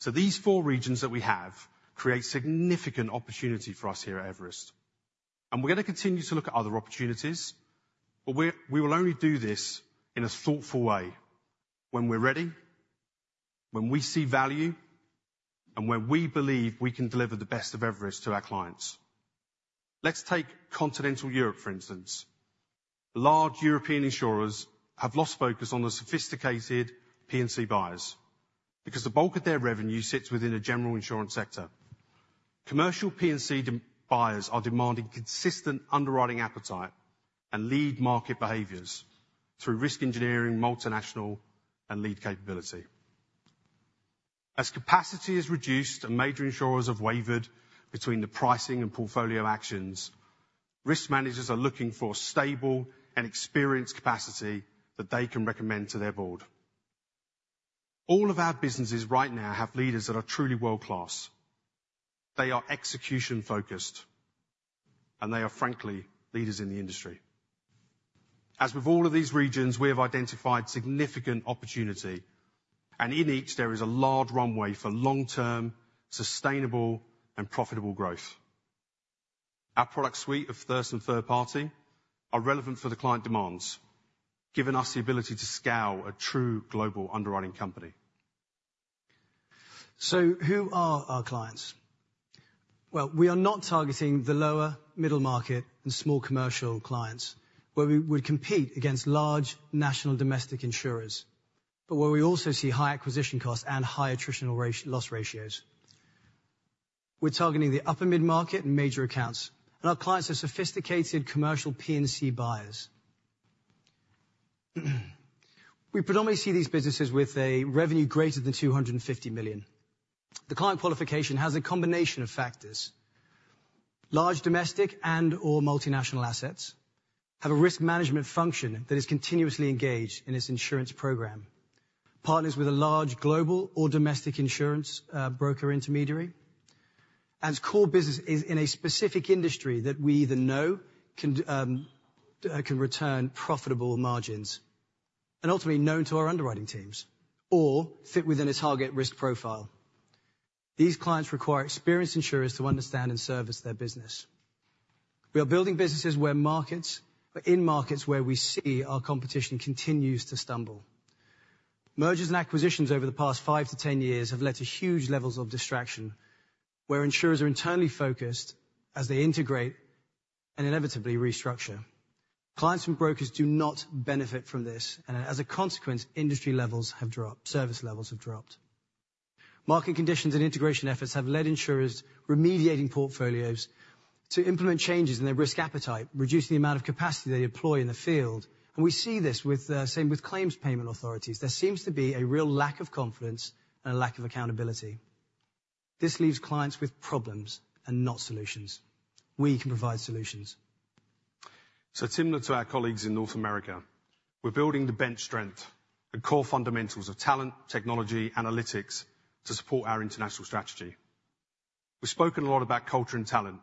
So these four regions that we have create significant opportunity for us here at Everest, and we're going to continue to look at other opportunities, but we will only do this in a thoughtful way when we're ready, when we see value, and when we believe we can deliver the best of Everest to our clients. Let's take Continental Europe, for instance. Large European insurers have lost focus on the sophisticated P&C buyers, because the bulk of their revenue sits within the general insurance sector. Commercial P&C buyers are demanding consistent underwriting appetite and lead market behaviors through risk engineering, multinational, and lead capability. As capacity is reduced and major insurers have wavered between the pricing and portfolio actions, risk managers are looking for stable and experienced capacity that they can recommend to their board. All of our businesses right now have leaders that are truly world-class. They are execution focused, and they are frankly, leaders in the industry. As with all of these regions, we have identified significant opportunity, and in each there is a large runway for long-term, sustainable, and profitable growth. Our product suite of first and third party are relevant for the client demands, giving us the ability to scale a true global underwriting company. So who are our clients? Well, we are not targeting the lower middle market and small commercial clients, where we would compete against large national domestic insurers, but where we also see high acquisition costs and high attritional ratio, loss ratios. We're targeting the upper mid-market and major accounts, and our clients are sophisticated commercial P&C buyers. We predominantly see these businesses with a revenue greater than $250 million. The client qualification has a combination of factors. Large domestic and/or multinational assets, have a risk management function that is continuously engaged in its insurance program, partners with a large global or domestic insurance broker intermediary, and its core business is in a specific industry that we either know can return profitable margins, and ultimately known to our underwriting teams, or fit within a target risk profile. These clients require experienced insurers to understand and service their business. We are building businesses where markets, in markets where we see our competition continues to stumble. Mergers and acquisitions over the past 5-10 years have led to huge levels of distraction, where insurers are internally focused as they integrate and inevitably restructure. Clients and brokers do not benefit from this, and as a consequence, industry levels have dropped, service levels have dropped. Market conditions and integration efforts have led insurers remediating portfolios to implement changes in their risk appetite, reducing the amount of capacity they deploy in the field. And we see this with, same with claims payment authorities. There seems to be a real lack of confidence and a lack of accountability. This leaves clients with problems and not solutions. We can provide solutions. So similar to our colleagues in North America, we're building the bench strength and core fundamentals of talent, technology, analytics to support our international strategy. We've spoken a lot about culture and talent,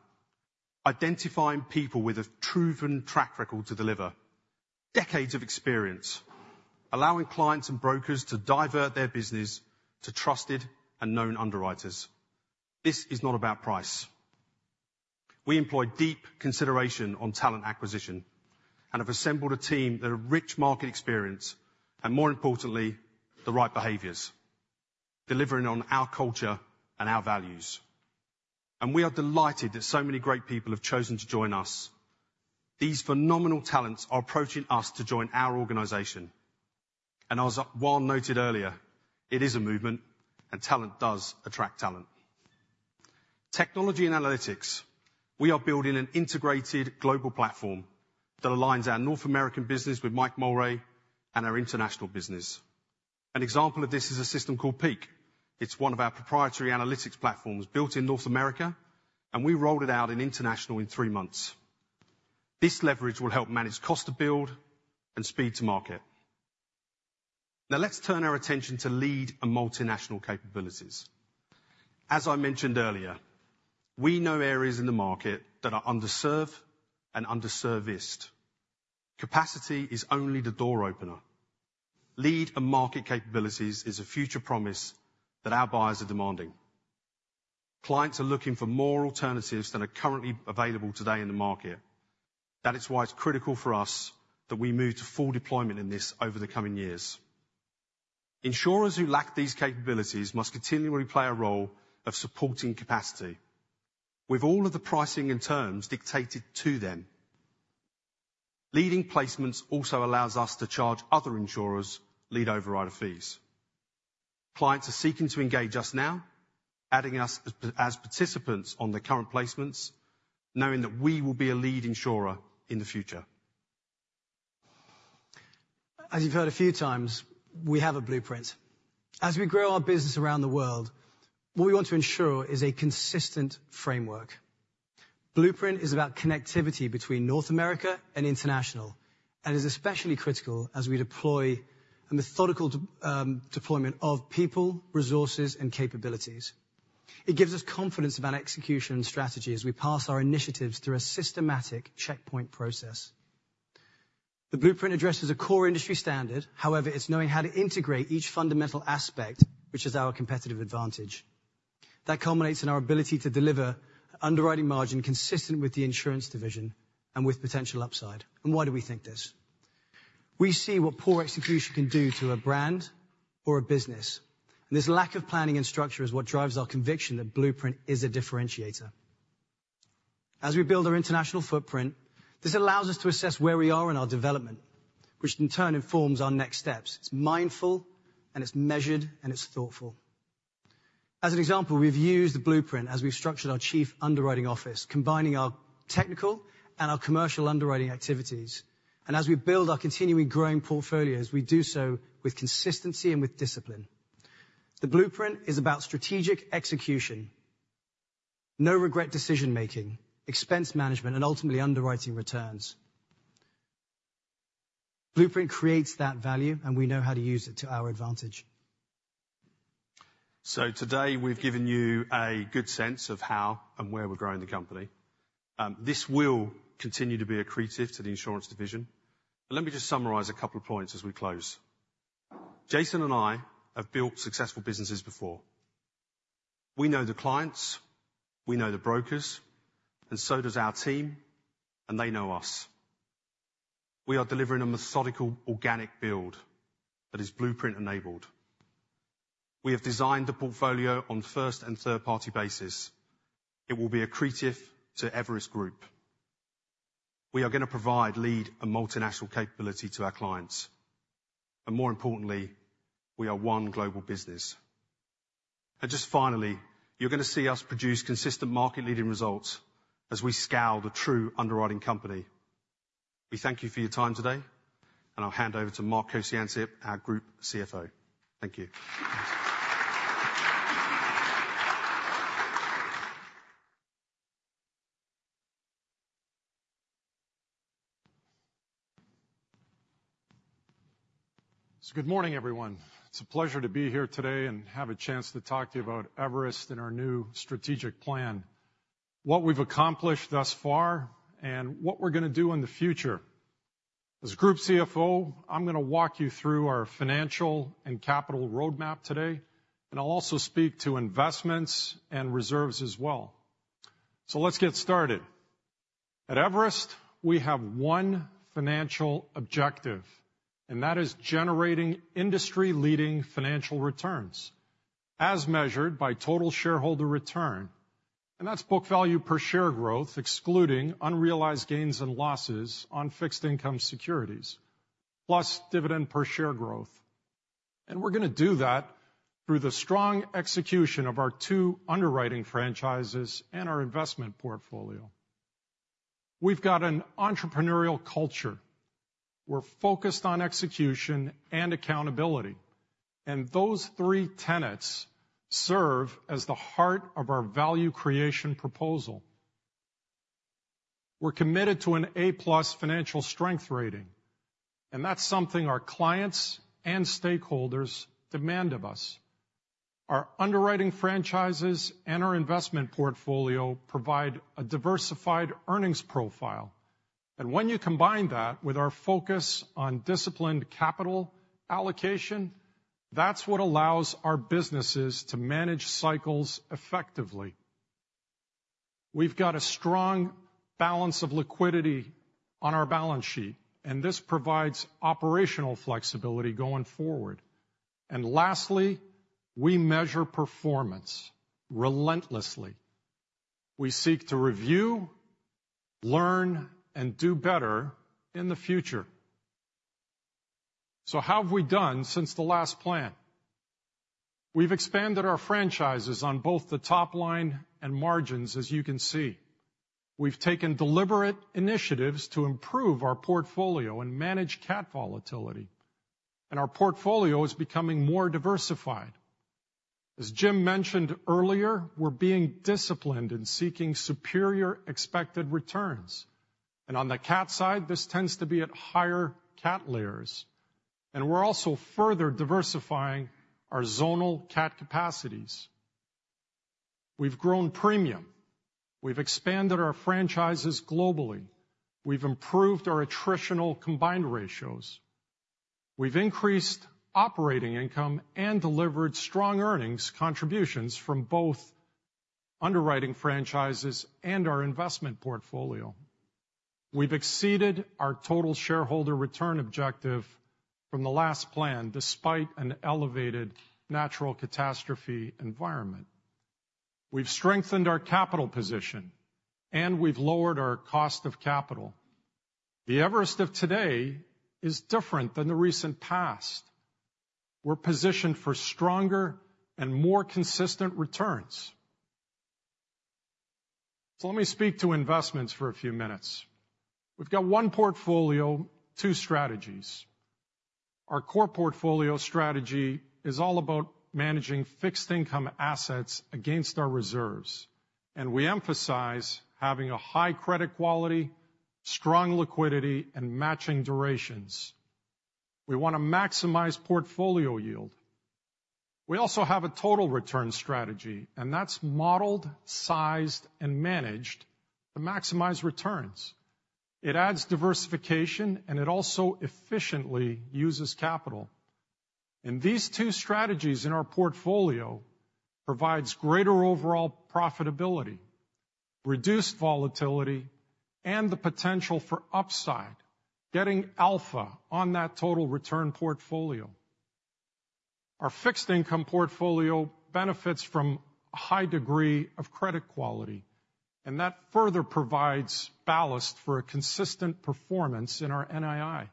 identifying people with a proven track record to deliver, decades of experience, allowing clients and brokers to divert their business to trusted and known underwriters. This is not about price. We employ deep consideration on talent acquisition, and have assembled a team that have rich market experience, and more importantly, the right behaviors, delivering on our culture and our values. And we are delighted that so many great people have chosen to join us. These phenomenal talents are approaching us to join our organization, and as Juan noted earlier, it is a movement, and talent does attract talent. Technology and analytics. We are building an integrated global platform that aligns our North American business with Mike Mulray and our international business. An example of this is a system called Peak. It's one of our proprietary analytics platforms built in North America, and we rolled it out in international in three months. This leverage will help manage cost to build and speed to market. Now, let's turn our attention to lead and multinational capabilities. As I mentioned earlier, we know areas in the market that are underserved and under-serviced. Capacity is only the door opener. Lead and market capabilities is a future promise that our buyers are demanding. Clients are looking for more alternatives than are currently available today in the market. That is why it's critical for us that we move to full deployment in this over the coming years. Insurers who lack these capabilities must continually play a role of supporting capacity, with all of the pricing and terms dictated to them. Leading placements also allows us to charge other insurers lead overrider fees. Clients are seeking to engage us now, adding us as participants on the current placements, knowing that we will be a lead insurer in the future. As you've heard a few times, we have a blueprint. As we grow our business around the world, what we want to ensure is a consistent framework. Blueprint is about connectivity between North America and International, and is especially critical as we deploy a methodical deployment of people, resources, and capabilities. It gives us confidence about execution and strategy as we pass our initiatives through a systematic checkpoint process. The blueprint addresses a core industry standard, however, it's knowing how to integrate each fundamental aspect, which is our competitive advantage. That culminates in our ability to deliver underwriting margin consistent with the insurance division and with potential upside. And why do we think this? We see what poor execution can do to a brand or a business, and this lack of planning and structure is what drives our conviction that Blueprint is a differentiator. As we build our international footprint, this allows us to assess where we are in our development, which in turn informs our next steps. It's mindful, and it's measured, and it's thoughtful. As an example, we've used the Blueprint as we've structured our chief underwriting office, combining our technical and our commercial underwriting activities. As we build our continually growing portfolios, we do so with consistency and with discipline. The Blueprint is about strategic execution, no-regret decision making, expense management, and ultimately, underwriting returns. Blueprint creates that value, and we know how to use it to our advantage. So today, we've given you a good sense of how and where we're growing the company. This will continue to be accretive to the insurance division. But let me just summarize a couple of points as we close. Jason and I have built successful businesses before. We know the clients, we know the brokers, and so does our team, and they know us. We are delivering a methodical, organic build that is Blueprint enabled. We have designed the portfolio on first and third-party basis. It will be accretive to Everest Group. We are gonna provide lead and multinational capability to our clients, but more importantly, we are one global business. And just finally, you're gonna see us produce consistent market-leading results as we scale the true underwriting company. We thank you for your time today, and I'll hand over to Mark Kociancic, our group CFO. Thank you. Good morning, everyone. It's a pleasure to be here today and have a chance to talk to you about Everest and our new strategic plan, what we've accomplished thus far, and what we're gonna do in the future. As Group CFO, I'm gonna walk you through our financial and capital roadmap today, and I'll also speak to investments and reserves as well. Let's get started. At Everest, we have one financial objective, and that is generating industry-leading financial returns, as measured by total shareholder return, and that's book value per share growth, excluding unrealized gains and losses on fixed income securities, plus dividend per share growth. We're gonna do that through the strong execution of our two underwriting franchises and our investment portfolio. We've got an entrepreneurial culture. We're focused on execution and accountability, and those three tenets serve as the heart of our value creation proposal. We're committed to an A-plus financial strength rating, and that's something our clients and stakeholders demand of us. Our underwriting franchises and our investment portfolio provide a diversified earnings profile, and when you combine that with our focus on disciplined capital allocation, that's what allows our businesses to manage cycles effectively. We've got a strong balance of liquidity on our balance sheet, and this provides operational flexibility going forward. Lastly, we measure performance relentlessly. We seek to review, learn, and do better in the future. So how have we done since the last plan? We've expanded our franchises on both the top line and margins as you can see. We've taken deliberate initiatives to improve our portfolio and manage cat volatility, and our portfolio is becoming more diversified. As Jim mentioned earlier, we're being disciplined in seeking superior expected returns, and on the cat side, this tends to be at higher cat layers. We're also further diversifying our zonal cat capacities. We've grown premium. We've expanded our franchises globally. We've improved our attritional combined ratios. We've increased operating income and delivered strong earnings contributions from both underwriting franchises and our investment portfolio. We've exceeded our total shareholder return objective from the last plan, despite an elevated natural catastrophe environment. We've strengthened our capital position, and we've lowered our cost of capital. The Everest of today is different than the recent past. We're positioned for stronger and more consistent returns. So let me speak to investments for a few minutes. We've got one portfolio, two strategies. Our core portfolio strategy is all about managing fixed income assets against our reserves, and we emphasize having a high credit quality, strong liquidity, and matching durations. We want to maximize portfolio yield. We also have a total return strategy, and that's modeled, sized, and managed to maximize returns. It adds diversification, and it also efficiently uses capital. And these two strategies in our portfolio provides greater overall profitability, reduced volatility, and the potential for upside, getting alpha on that total return portfolio. Our fixed income portfolio benefits from a high degree of credit quality, and that further provides ballast for a consistent performance in our NII.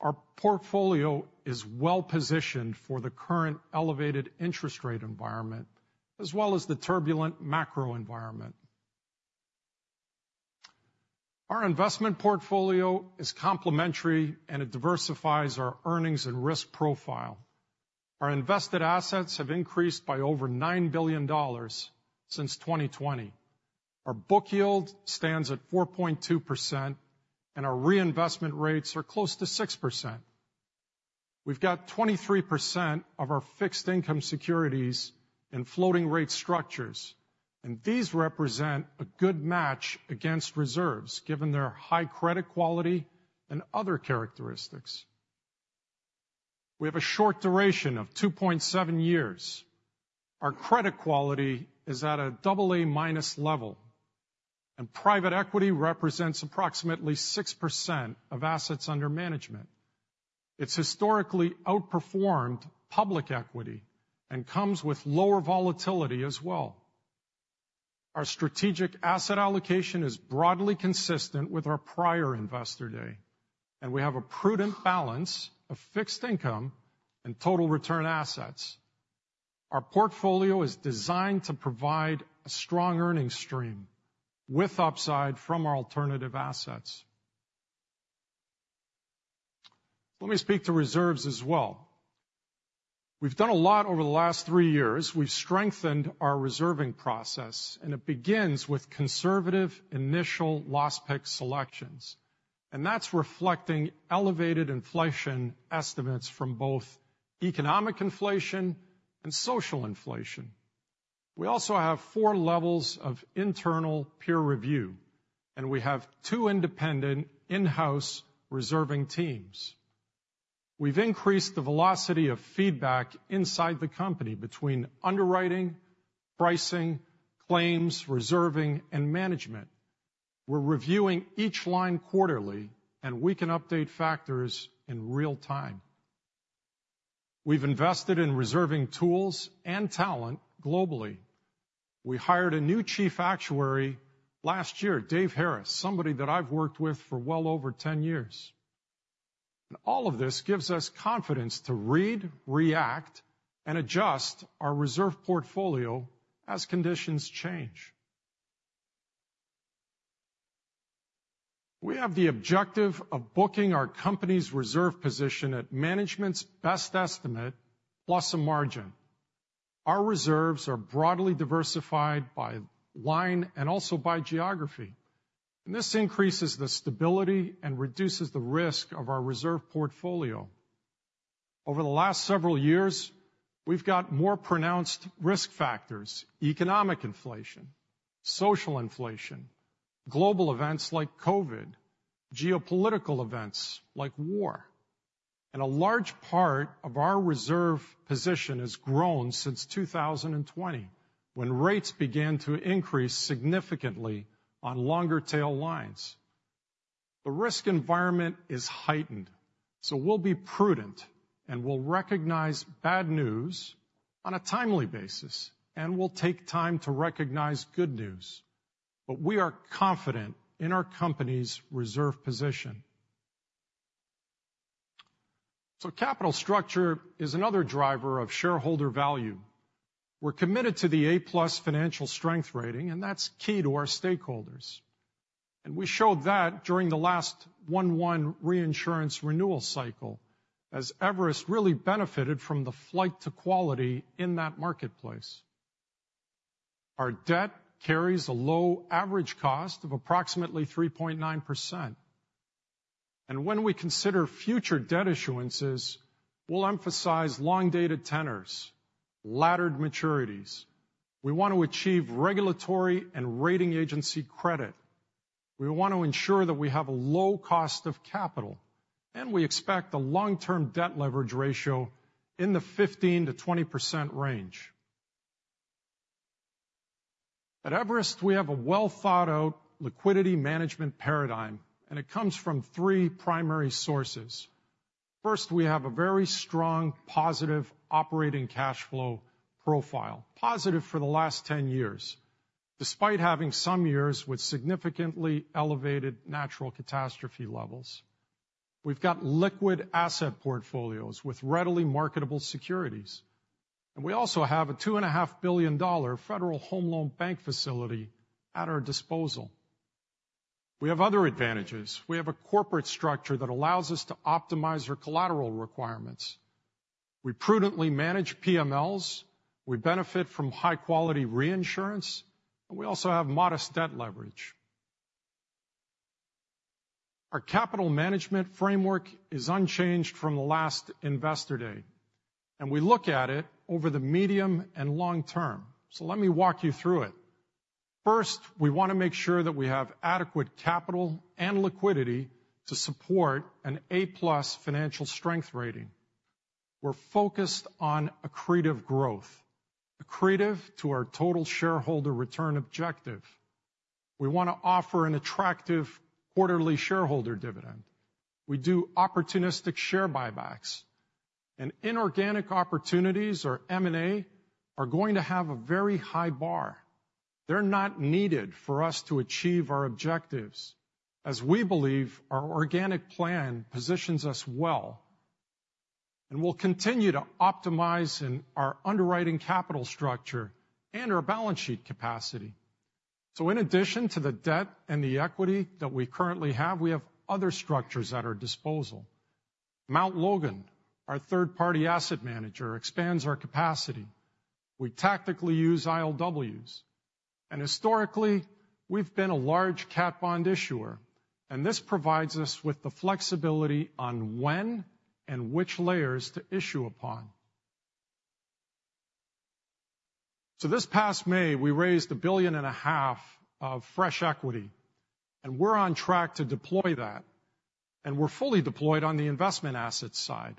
Our portfolio is well-positioned for the current elevated interest rate environment, as well as the turbulent macro environment. Our investment portfolio is complementary, and it diversifies our earnings and risk profile. Our invested assets have increased by over $9 billion since 2020. Our book yield stands at 4.2%, and our reinvestment rates are close to 6%. We've got 23% of our fixed income securities in floating rate structures, and these represent a good match against reserves, given their high credit quality and other characteristics. We have a short duration of 2.7 years. Our credit quality is at a AA- level, and private equity represents approximately 6% of assets under management. It's historically outperformed public equity and comes with lower volatility as well. Our strategic asset allocation is broadly consistent with our prior Investor Day, and we have a prudent balance of fixed income and total return assets. Our portfolio is designed to provide a strong earning stream with upside from our alternative assets. Let me speak to reserves as well. We've done a lot over the last 3 years. We've strengthened our reserving process, and it begins with conservative initial loss pick selections, and that's reflecting elevated inflation estimates from both economic inflation and social inflation. We also have 4 levels of internal peer review, and we have 2 independent in-house reserving teams. We've increased the velocity of feedback inside the company between underwriting, pricing, claims, reserving, and management. We're reviewing each line quarterly, and we can update factors in real time. We've invested in reserving tools and talent globally. We hired a new chief actuary last year, Dave Harris, somebody that I've worked with for well over 10 years. All of this gives us confidence to read, react, and adjust our reserve portfolio as conditions change. We have the objective of booking our company's reserve position at management's best estimate, plus a margin. Our reserves are broadly diversified by line and also by geography, and this increases the stability and reduces the risk of our reserve portfolio. Over the last several years, we've got more pronounced risk factors, economic inflation, social inflation, global events like COVID, geopolitical events like war, and a large part of our reserve position has grown since 2020, when rates began to increase significantly on longer tail lines. The risk environment is heightened, so we'll be prudent, and we'll recognize bad news on a timely basis, and we'll take time to recognize good news. But we are confident in our company's reserve position. So capital structure is another driver of shareholder value. We're committed to the A-plus financial strength rating, and that's key to our stakeholders. We showed that during the last 1/1 reinsurance renewal cycle, as Everest really benefited from the flight to quality in that marketplace. Our debt carries a low average cost of approximately 3.9%, and when we consider future debt issuances, we'll emphasize long-dated tenors, laddered maturities. We want to achieve regulatory and rating agency credit. We want to ensure that we have a low cost of capital, and we expect a long-term debt leverage ratio in the 15%-20% range. At Everest, we have a well-thought-out liquidity management paradigm, and it comes from three primary sources. First, we have a very strong, positive operating cash flow profile, positive for the last 10 years, despite having some years with significantly elevated natural catastrophe levels. We've got liquid asset portfolios with readily marketable securities, and we also have a $2.5 billion Federal Home Loan Bank facility at our disposal. We have other advantages. We have a corporate structure that allows us to optimize our collateral requirements. We prudently manage PMLs, we benefit from high-quality reinsurance, and we also have modest debt leverage. Our capital management framework is unchanged from the last Investor Day, and we look at it over the medium and long term. So let me walk you through it. First, we want to make sure that we have adequate capital and liquidity to support an A+ financial strength rating. We're focused on accretive growth, accretive to our total shareholder return objective. We want to offer an attractive quarterly shareholder dividend. We do opportunistic share buybacks, and inorganic opportunities or M&A are going to have a very high bar. They're not needed for us to achieve our objectives, as we believe our organic plan positions us well. We'll continue to optimize in our underwriting capital structure and our balance sheet capacity. In addition to the debt and the equity that we currently have, we have other structures at our disposal. Mount Logan, our third-party asset manager, expands our capacity. We tactically use ILWs, and historically, we've been a large cat bond issuer, and this provides us with the flexibility on when and which layers to issue upon. This past May, we raised $1.5 billion of fresh equity, and we're on track to deploy that, and we're fully deployed on the investment asset side.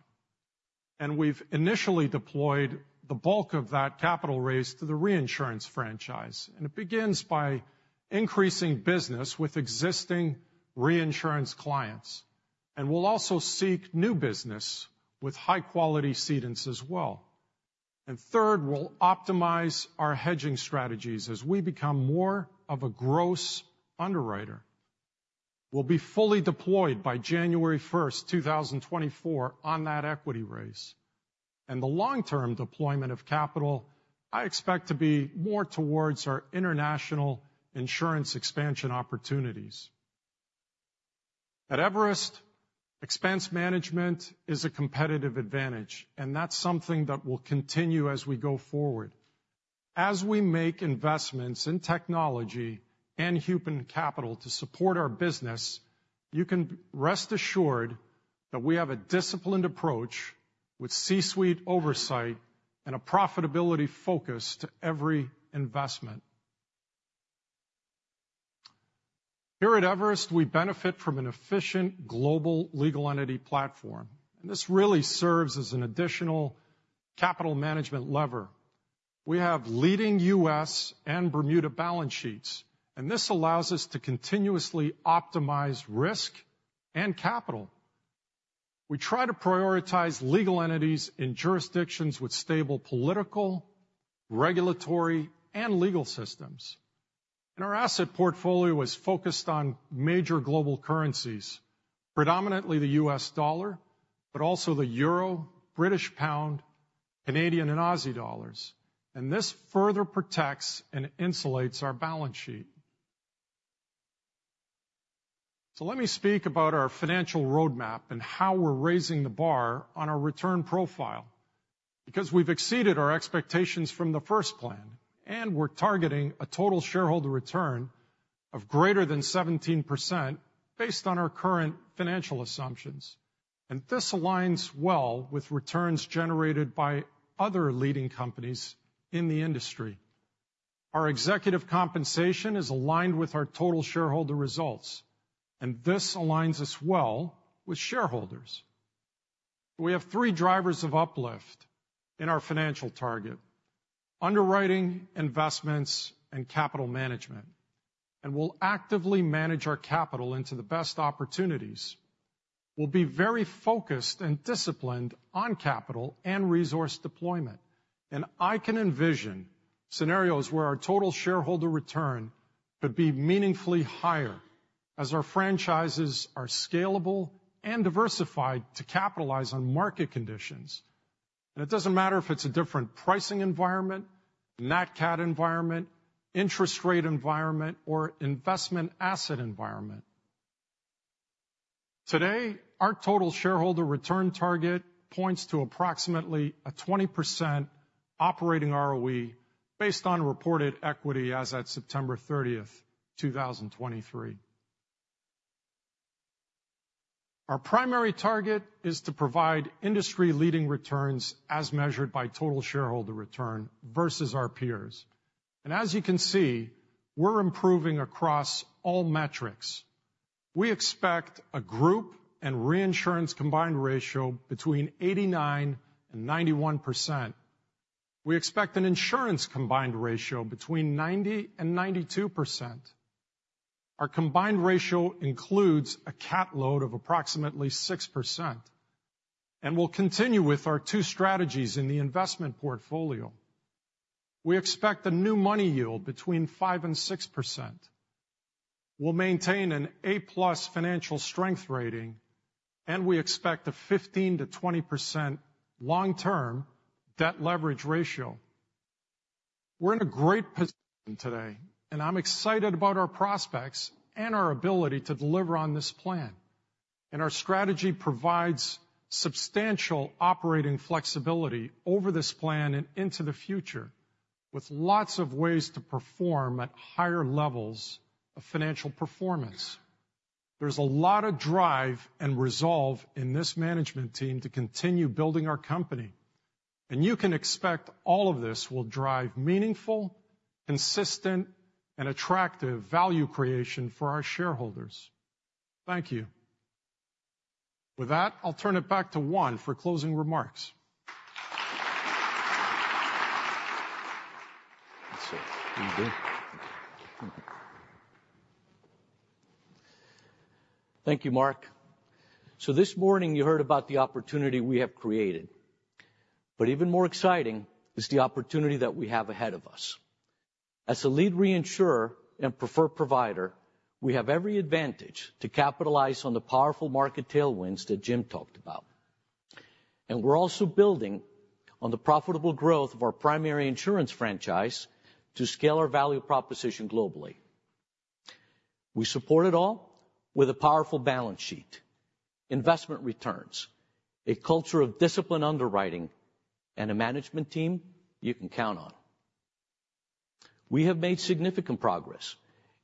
We've initially deployed the bulk of that capital raise to the reinsurance franchise, and it begins by increasing business with existing reinsurance clients. We'll also seek new business with high-quality cedents as well. Third, we'll optimize our hedging strategies as we become more of a gross underwriter. We'll be fully deployed by January first, 2024, on that equity raise. The long-term deployment of capital, I expect to be more towards our international insurance expansion opportunities. At Everest, expense management is a competitive advantage, and that's something that will continue as we go forward. As we make investments in technology and human capital to support our business, you can rest assured that we have a disciplined approach with C-suite oversight and a profitability focus to every investment. Here at Everest, we benefit from an efficient global legal entity platform, and this really serves as an additional capital management lever. We have leading U.S. and Bermuda balance sheets, and this allows us to continuously optimize risk and capital. We try to prioritize legal entities in jurisdictions with stable political, regulatory, and legal systems. Our asset portfolio is focused on major global currencies, predominantly the U.S. dollar, but also the euro, British pound, Canadian, and Aussie dollars. This further protects and insulates our balance sheet. Let me speak about our financial roadmap and how we're raising the bar on our return profile. Because we've exceeded our expectations from the first plan, and we're targeting a total shareholder return of greater than 17% based on our current financial assumptions. This aligns well with returns generated by other leading companies in the industry. Our executive compensation is aligned with our total shareholder results, and this aligns us well with shareholders. We have three drivers of uplift in our financial target: underwriting, investments, and capital management. We'll actively manage our capital into the best opportunities. We'll be very focused and disciplined on capital and resource deployment, and I can envision scenarios where our total shareholder return could be meaningfully higher as our franchises are scalable and diversified to capitalize on market conditions. It doesn't matter if it's a different pricing environment, nat cat environment, interest rate environment, or investment asset environment. Today, our total shareholder return target points to approximately a 20% operating ROE based on reported equity as at September 30, 2023. Our primary target is to provide industry-leading returns as measured by total shareholder return versus our peers. As you can see, we're improving across all metrics. We expect a group and reinsurance combined ratio between 89%-91%. We expect an insurance combined ratio between 90%-92%. Our combined ratio includes a cat load of approximately 6%, and we'll continue with our two strategies in the investment portfolio. We expect a new money yield between 5%-6%. We'll maintain an A+ financial strength rating, and we expect a 15%-20% long-term debt leverage ratio. We're in a great position today, and I'm excited about our prospects and our ability to deliver on this plan. Our strategy provides substantial operating flexibility over this plan and into the future, with lots of ways to perform at higher levels of financial performance. There's a lot of drive and resolve in this management team to continue building our company, and you can expect all of this will drive meaningful, consistent, and attractive value creation for our shareholders. Thank you. With that, I'll turn it back to Juan for closing remarks. Thank you, Mark. So this morning you heard about the opportunity we have created, but even more exciting is the opportunity that we have ahead of us. As a lead reinsurer and preferred provider, we have every advantage to capitalize on the powerful market tailwinds that Jim talked about. And we're also building on the profitable growth of our primary insurance franchise to scale our value proposition globally. We support it all with a powerful balance sheet, investment returns, a culture of disciplined underwriting, and a management team you can count on. We have made significant progress,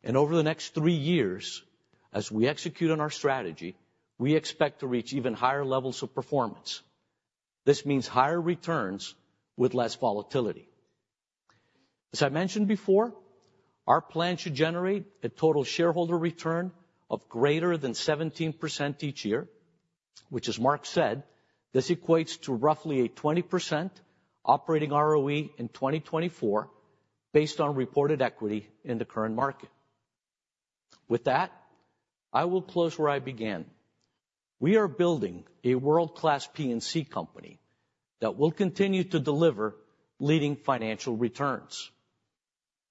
and over the next three years, as we execute on our strategy, we expect to reach even higher levels of performance. This means higher returns with less volatility. As I mentioned before, our plan should generate a total shareholder return of greater than 17% each year, which, as Mark said, this equates to roughly a 20% operating ROE in 2024, based on reported equity in the current market. With that, I will close where I began. We are building a world-class P&C company that will continue to deliver leading financial returns.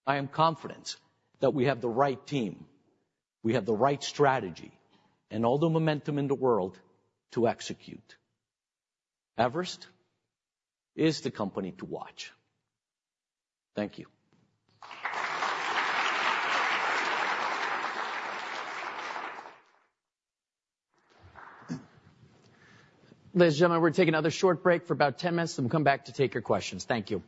I am confident that we have the right team, we have the right strategy, and all the momentum in the world to execute. Everest is the company to watch. Thank you. Ladies and gentlemen, we're taking another short break for about 10 minutes, then we'll come back to take your questions. Thank you.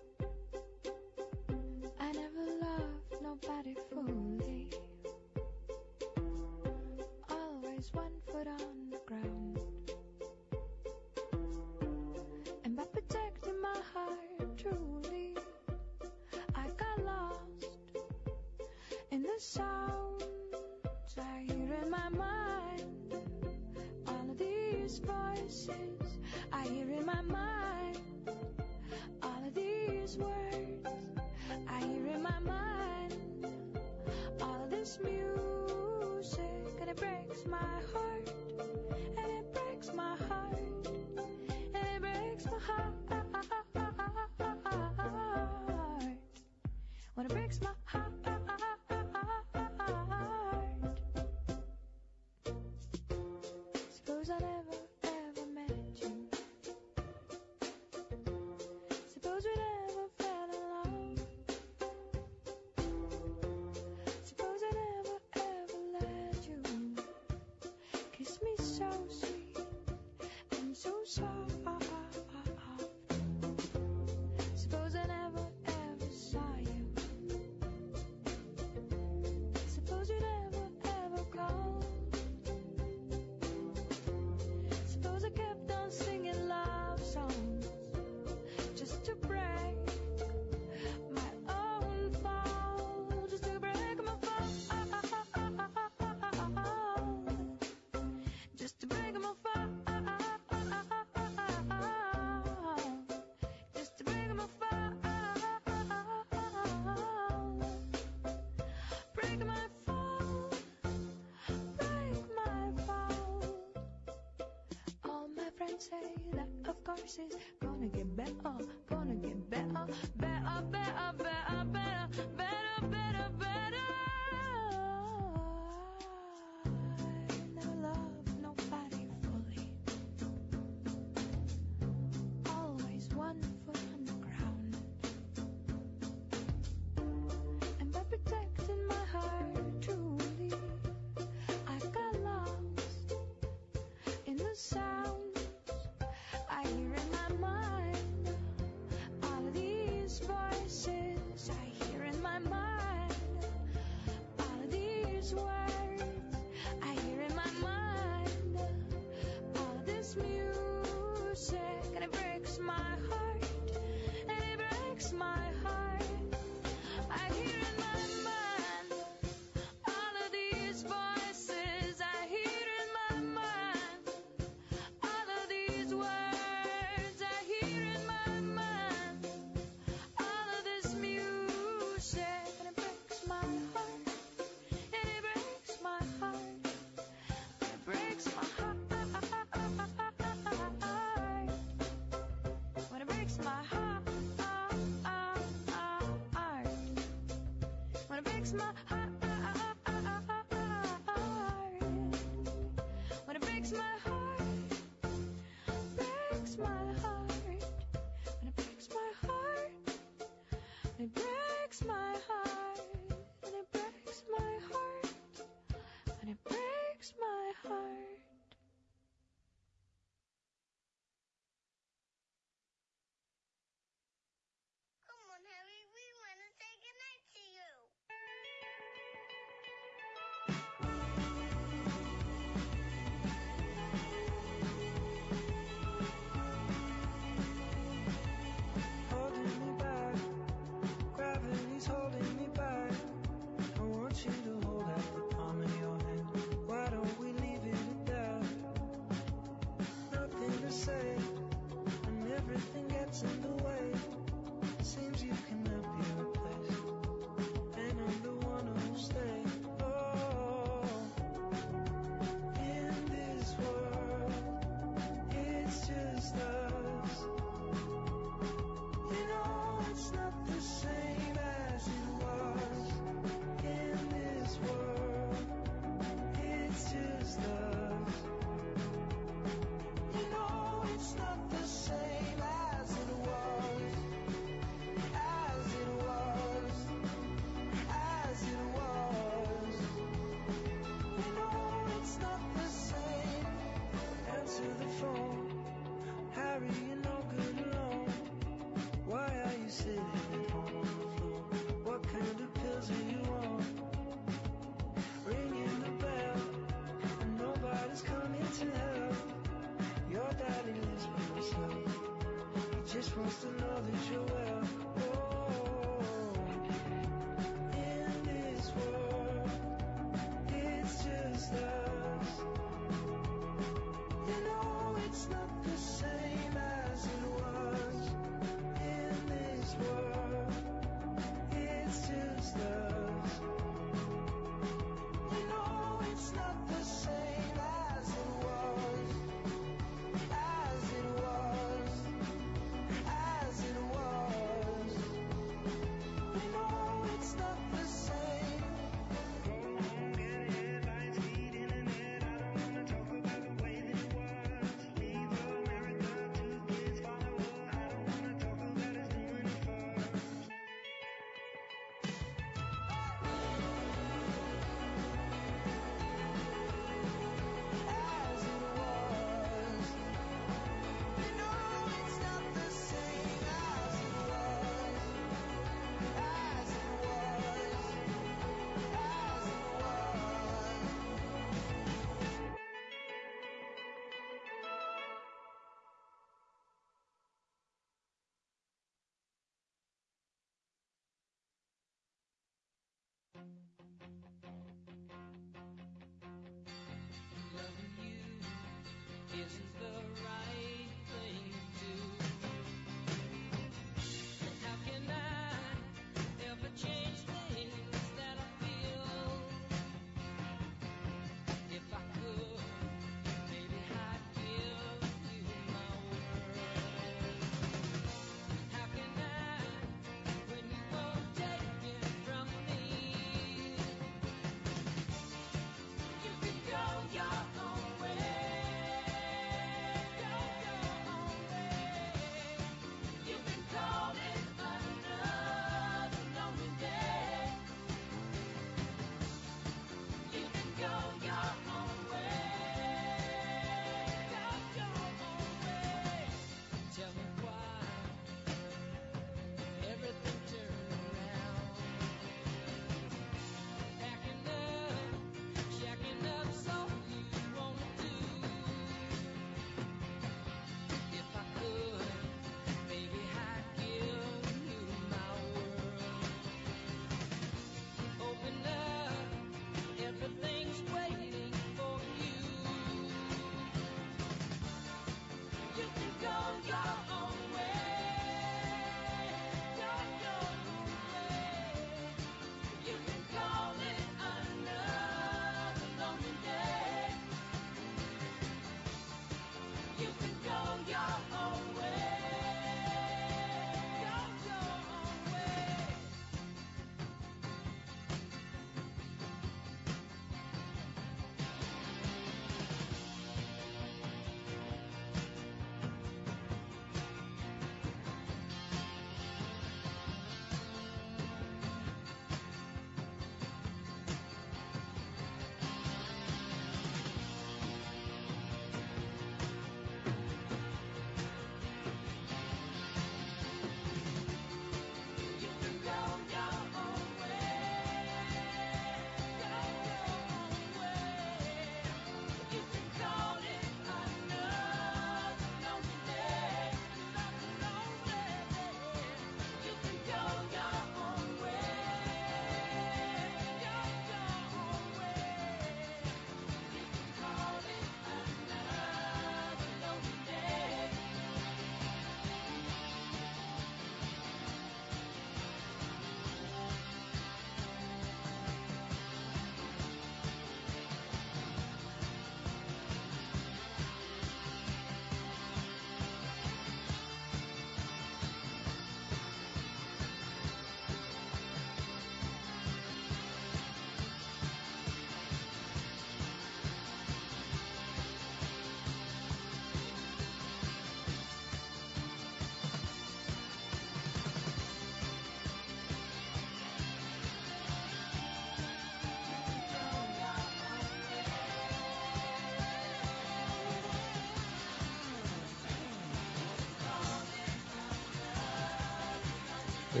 All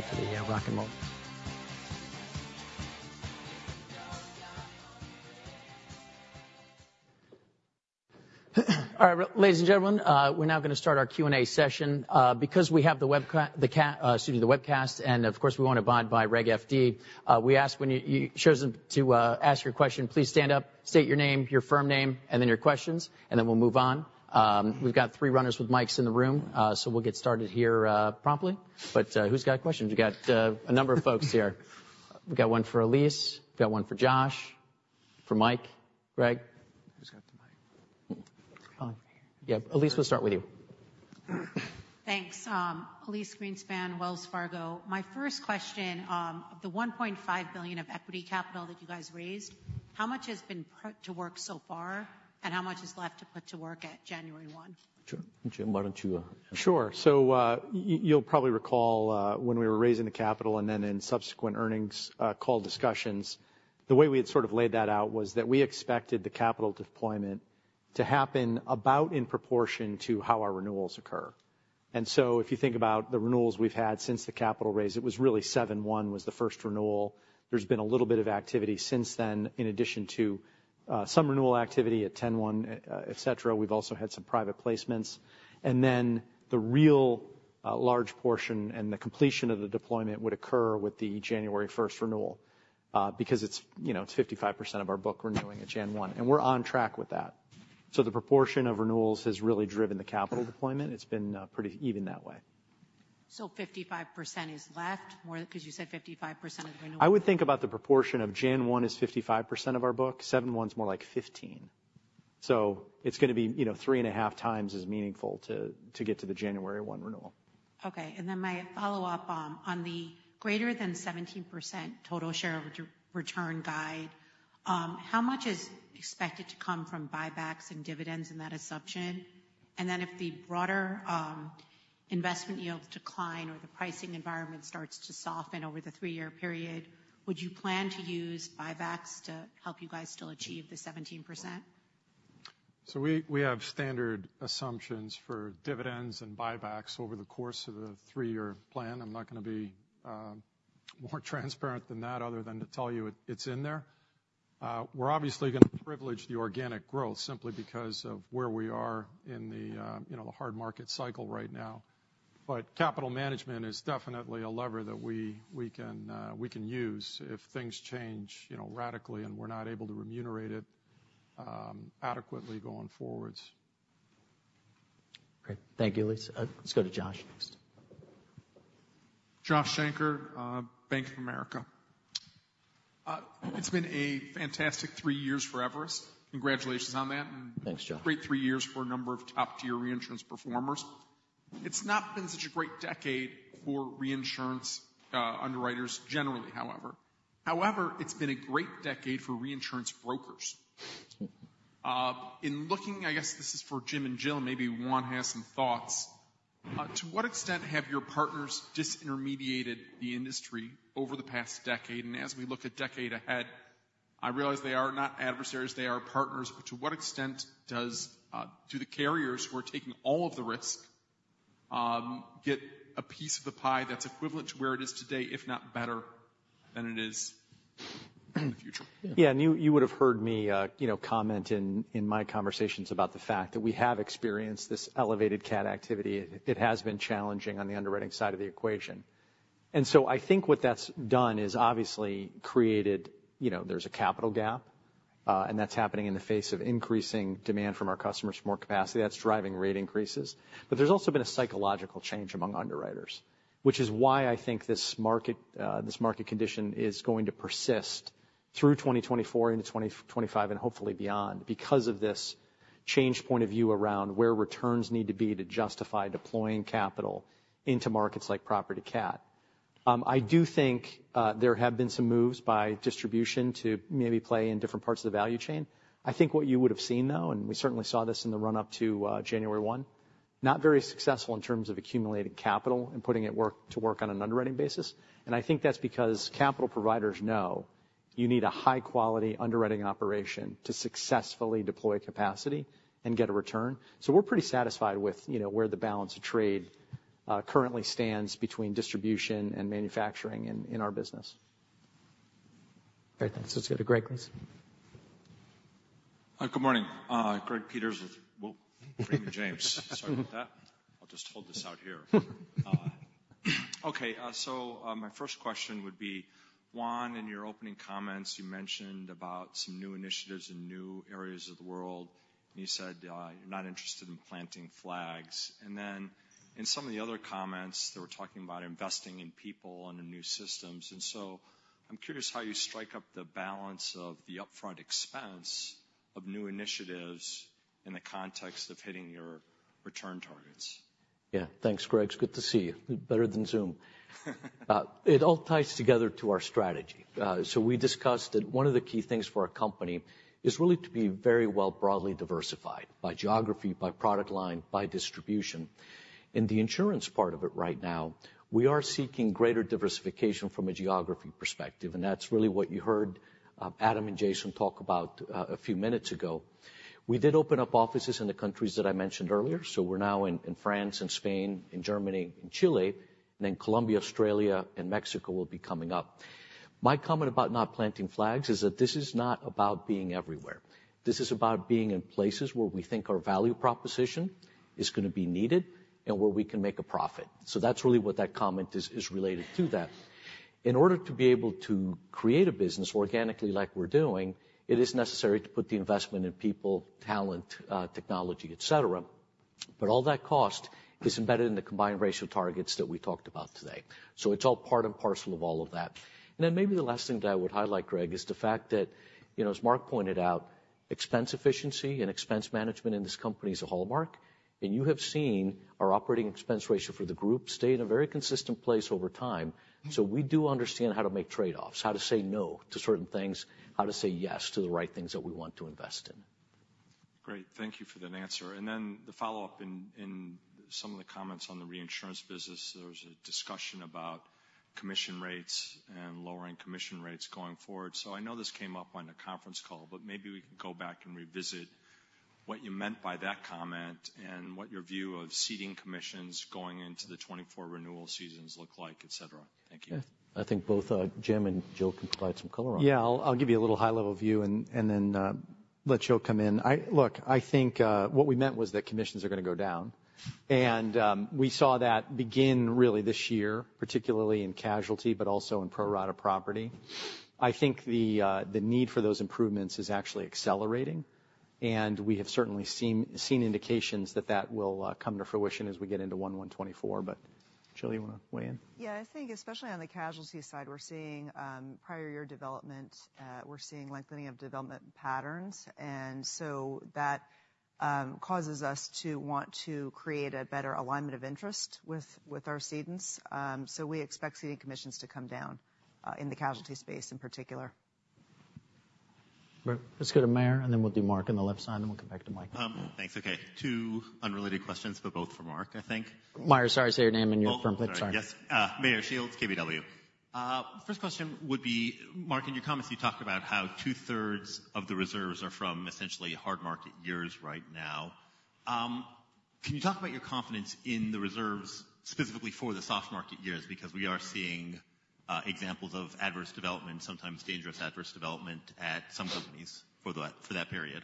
right, well, ladies and gentlemen, we're now gonna start our Q&A session. Because we have the webcast, and of course, we want to abide by Reg. FD, we ask when you've chosen to ask your question, please stand up, state your name, your firm name, and then your question, and then we'll move on. We've got three runners with mics in the room, so we'll get started here promptly. But, who's got a question? We've got a number of folks here. We've got one for Elyse, we've got one for Josh, for Mike. Greg? Who's got the mic? Yeah, Elyse, we'll start with you. Thanks. Elyse Greenspan, Wells Fargo. My first question, the $1.5 billion of equity capital that you guys raised, how much has been put to work so far, and how much is left to put to work at January 1? Sure. Jim, why don't you, Sure. You’ll probably recall when we were raising the capital and then in subsequent earnings call discussions, the way we had sort of laid that out was that we expected the capital deployment to happen about in proportion to how our renewals occur. And so if you think about the renewals we’ve had since the capital raise, it was really 7/1 was the first renewal. There’s been a little bit of activity since then, in addition to some renewal activity at 10/1, et cetera. We’ve also had some private placements. And then the real large portion and the completion of the deployment would occur with the January 1 renewal, because it’s, you know, it’s 55% of our book renewing at Jan. 1, and we’re on track with that. So the proportion of renewals has really driven the capital deployment. It's been pretty even that way. 55% is left? Because you said 55% of the renewal. I would think about the proportion of January 1 is 55% of our book. July 1's more like 15. So it's gonna be, you know, 3.5 times as meaningful to get to the January 1 renewal. Okay. And then my follow-up, on the greater than 17% total shareholder return guide, how much is expected to come from buybacks and dividends in that assumption? And then if the broader, investment yields decline or the pricing environment starts to soften over the three-year period, would you plan to use buybacks to help you guys still achieve the 17%? So we have standard assumptions for dividends and buybacks over the course of the three-year plan. I'm not gonna be more transparent than that, other than to tell you it's in there. We're obviously gonna privilege the organic growth simply because of where we are in the, you know, the hard market cycle right now. But capital management is definitely a lever that we can use if things change, you know, radically and we're not able to remunerate it adequately going forwards. Great. Thank you, Elyse. Let's go to Josh next. Josh Shanker, Bank of America. It's been a fantastic three years for Everest. Congratulations on that. Thanks, Josh. Great three years for a number of top-tier reinsurance performers. It's not been such a great decade for reinsurance, underwriters generally, however. However, it's been a great decade for reinsurance brokers. In looking, I guess this is for Jim and Jill, maybe Juan has some thoughts. To what extent have your partners disintermediated the industry over the past decade? And as we look a decade ahead, I realize they are not adversaries, they are partners, but to what extent does, do the carriers who are taking all of the risk, get a piece of the pie that's equivalent to where it is today, if not better than it is in the future? Yeah, and you would have heard me, you know, comment in my conversations about the fact that we have experienced this elevated cat activity. It has been challenging on the underwriting side of the equation. And so I think what that's done is obviously created, you know, there's a capital gap, and that's happening in the face of increasing demand from our customers for more capacity. That's driving rate increases. But there's also been a psychological change among underwriters, which is why I think this market, this market condition is going to persist through 2024 into 2025 and hopefully beyond, because of this change point of view around where returns need to be to justify deploying capital into markets like property cat. I do think there have been some moves by distribution to maybe play in different parts of the value chain. I think what you would have seen, though, and we certainly saw this in the run-up to January one, not very successful in terms of accumulating capital and putting it to work on an underwriting basis. I think that's because capital providers know you need a high-quality underwriting operation to successfully deploy capacity and get a return. We're pretty satisfied with, you know, where the balance of trade currently stands between distribution and manufacturing in our business. Great, thanks. Let's go to Greg, please. Good morning, Greg Peters with Raymond James. Okay, so my first question would be, Juan, in your opening comments, you mentioned about some new initiatives in new areas of the world, and you said you're not interested in planting flags. And then in some of the other comments, they were talking about investing in people and in new systems. And so I'm curious how you strike up the balance of the upfront expense of new initiatives in the context of hitting your return targets? Yeah. Thanks, Greg. It's good to see you. Better than Zoom. It all ties together to our strategy. So we discussed that one of the key things for our company is really to be very well broadly diversified, by geography, by product line, by distribution. In the insurance part of it right now, we are seeking greater diversification from a geography perspective, and that's really what you heard, Adam and Jason talk about, a few minutes ago. We did open up offices in the countries that I mentioned earlier, so we're now in France and Spain, in Germany and Chile, and then Colombia, Australia, and Mexico will be coming up. My comment about not planting flags is that this is not about being everywhere. This is about being in places where we think our value proposition is gonna be needed and where we can make a profit. So that's really what that comment is, is related to that. In order to be able to create a business organically, like we're doing, it is necessary to put the investment in people, talent, technology, et cetera, but all that cost is embedded in the combined ratio targets that we talked about today. So it's all part and parcel of all of that. And then maybe the last thing that I would highlight, Greg, is the fact that, you know, as Mark pointed out, expense efficiency and expense management in this company is a hallmark, and you have seen our operating expense ratio for the group stay in a very consistent place over time. So we do understand how to make trade-offs, how to say no to certain things, how to say yes to the right things that we want to invest in. Great. Thank you for that answer. Then the follow-up in some of the comments on the reinsurance business, there was a discussion about commission rates and lowering commission rates going forward. I know this came up on the conference call, but maybe we could go back and revisit what you meant by that comment, and what your view of ceding commissions going into the 2024 renewal seasons look like, et cetera. Thank you. Yeah. I think both, Jim and Jill can provide some color on that. Yeah, I'll give you a little high-level view and then let Jill come in. Look, I think what we meant was that commissions are gonna go down. And we saw that begin really this year, particularly in casualty, but also in pro rata property. I think the need for those improvements is actually accelerating, and we have certainly seen indications that will come to fruition as we get into 2024. But Jill, you wanna weigh in? Yeah, I think especially on the casualty side, we're seeing prior year development, we're seeing lengthening of development patterns. And so that causes us to want to create a better alignment of interest with, with our cedents. So we expect ceding commissions to come down in the casualty space in particular. Let's go to Meyer, and then we'll do Mark on the left side, and we'll come back to Mike. Thanks. Okay, two unrelated questions, but both for Mark, I think. Meyer, sorry, I see your name and your firm, but sorry. Yes. Meyer Shields, KBW. First question would be, Mark, in your comments, you talked about how two-thirds of the reserves are from essentially hard market years right now. Can you talk about your confidence in the reserves, specifically for the soft market years? Because we are seeing examples of adverse development, sometimes dangerous adverse development at some companies for that, for that period.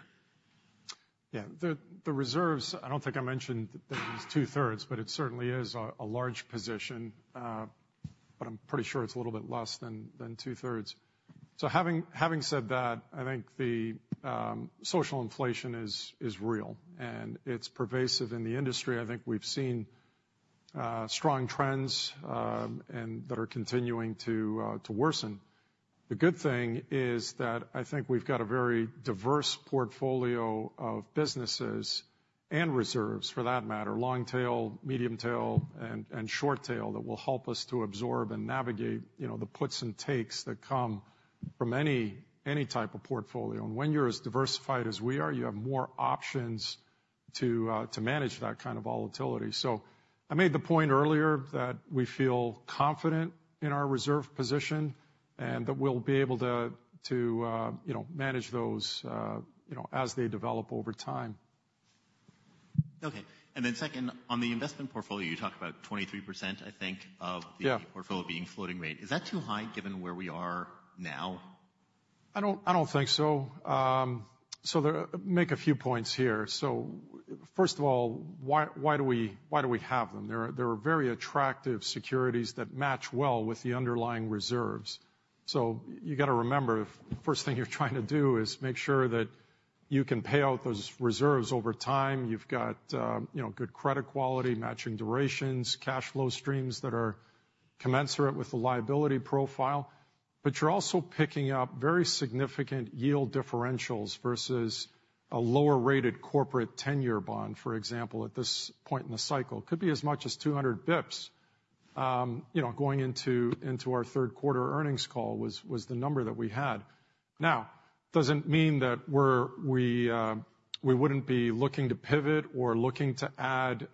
Yeah. The reserves, I don't think I mentioned that it was two-thirds, but it certainly is a large position, but I'm pretty sure it's a little bit less than two-thirds. So having said that, I think the social inflation is real, and it's pervasive in the industry. I think we've seen strong trends and that are continuing to worsen. The good thing is that I think we've got a very diverse portfolio of businesses and reserves, for that matter, long tail, medium tail, and short tail, that will help us to absorb and navigate, you know, the puts and takes that come from any type of portfolio. And when you're as diversified as we are, you have more options to manage that kind of volatility. I made the point earlier that we feel confident in our reserve position, and that we'll be able to you know, manage those you know, as they develop over time. Okay. And then second, on the investment portfolio, you talked about 23%, I think- Yeah... of the portfolio being floating rate. Is that too high, given where we are now? I don't, I don't think so. So, make a few points here. So first of all, why, why do we, why do we have them? They're, they're very attractive securities that match well with the underlying reserves. So you gotta remember, first thing you're trying to do is make sure that you can pay out those reserves over time. You've got, you know, good credit quality, matching durations, cash flow streams that are commensurate with the liability profile, but you're also picking up very significant yield differentials versus a lower-rated corporate 10-year bond, for example, at this point in the cycle. Could be as much as 200 basis points, you know, going into our third quarter earnings call, was the number that we had. Now, doesn't mean that we wouldn't be looking to pivot or looking to add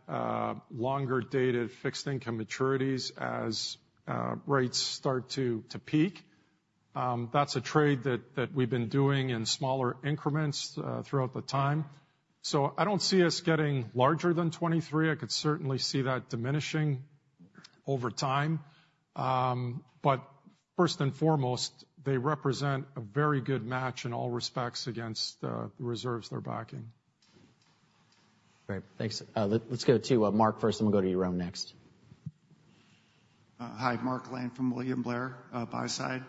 longer-dated fixed income maturities as rates start to peak. That's a trade that we've been doing in smaller increments throughout the time. So I don't see us getting larger than 23. I could certainly see that diminishing over time. But first and foremost, they represent a very good match in all respects against the reserves they're backing. Great. Thanks. Let's go to Mark first, then we'll go to you, Yaron, next. Hi, Mark Lane from William Blair, buy side.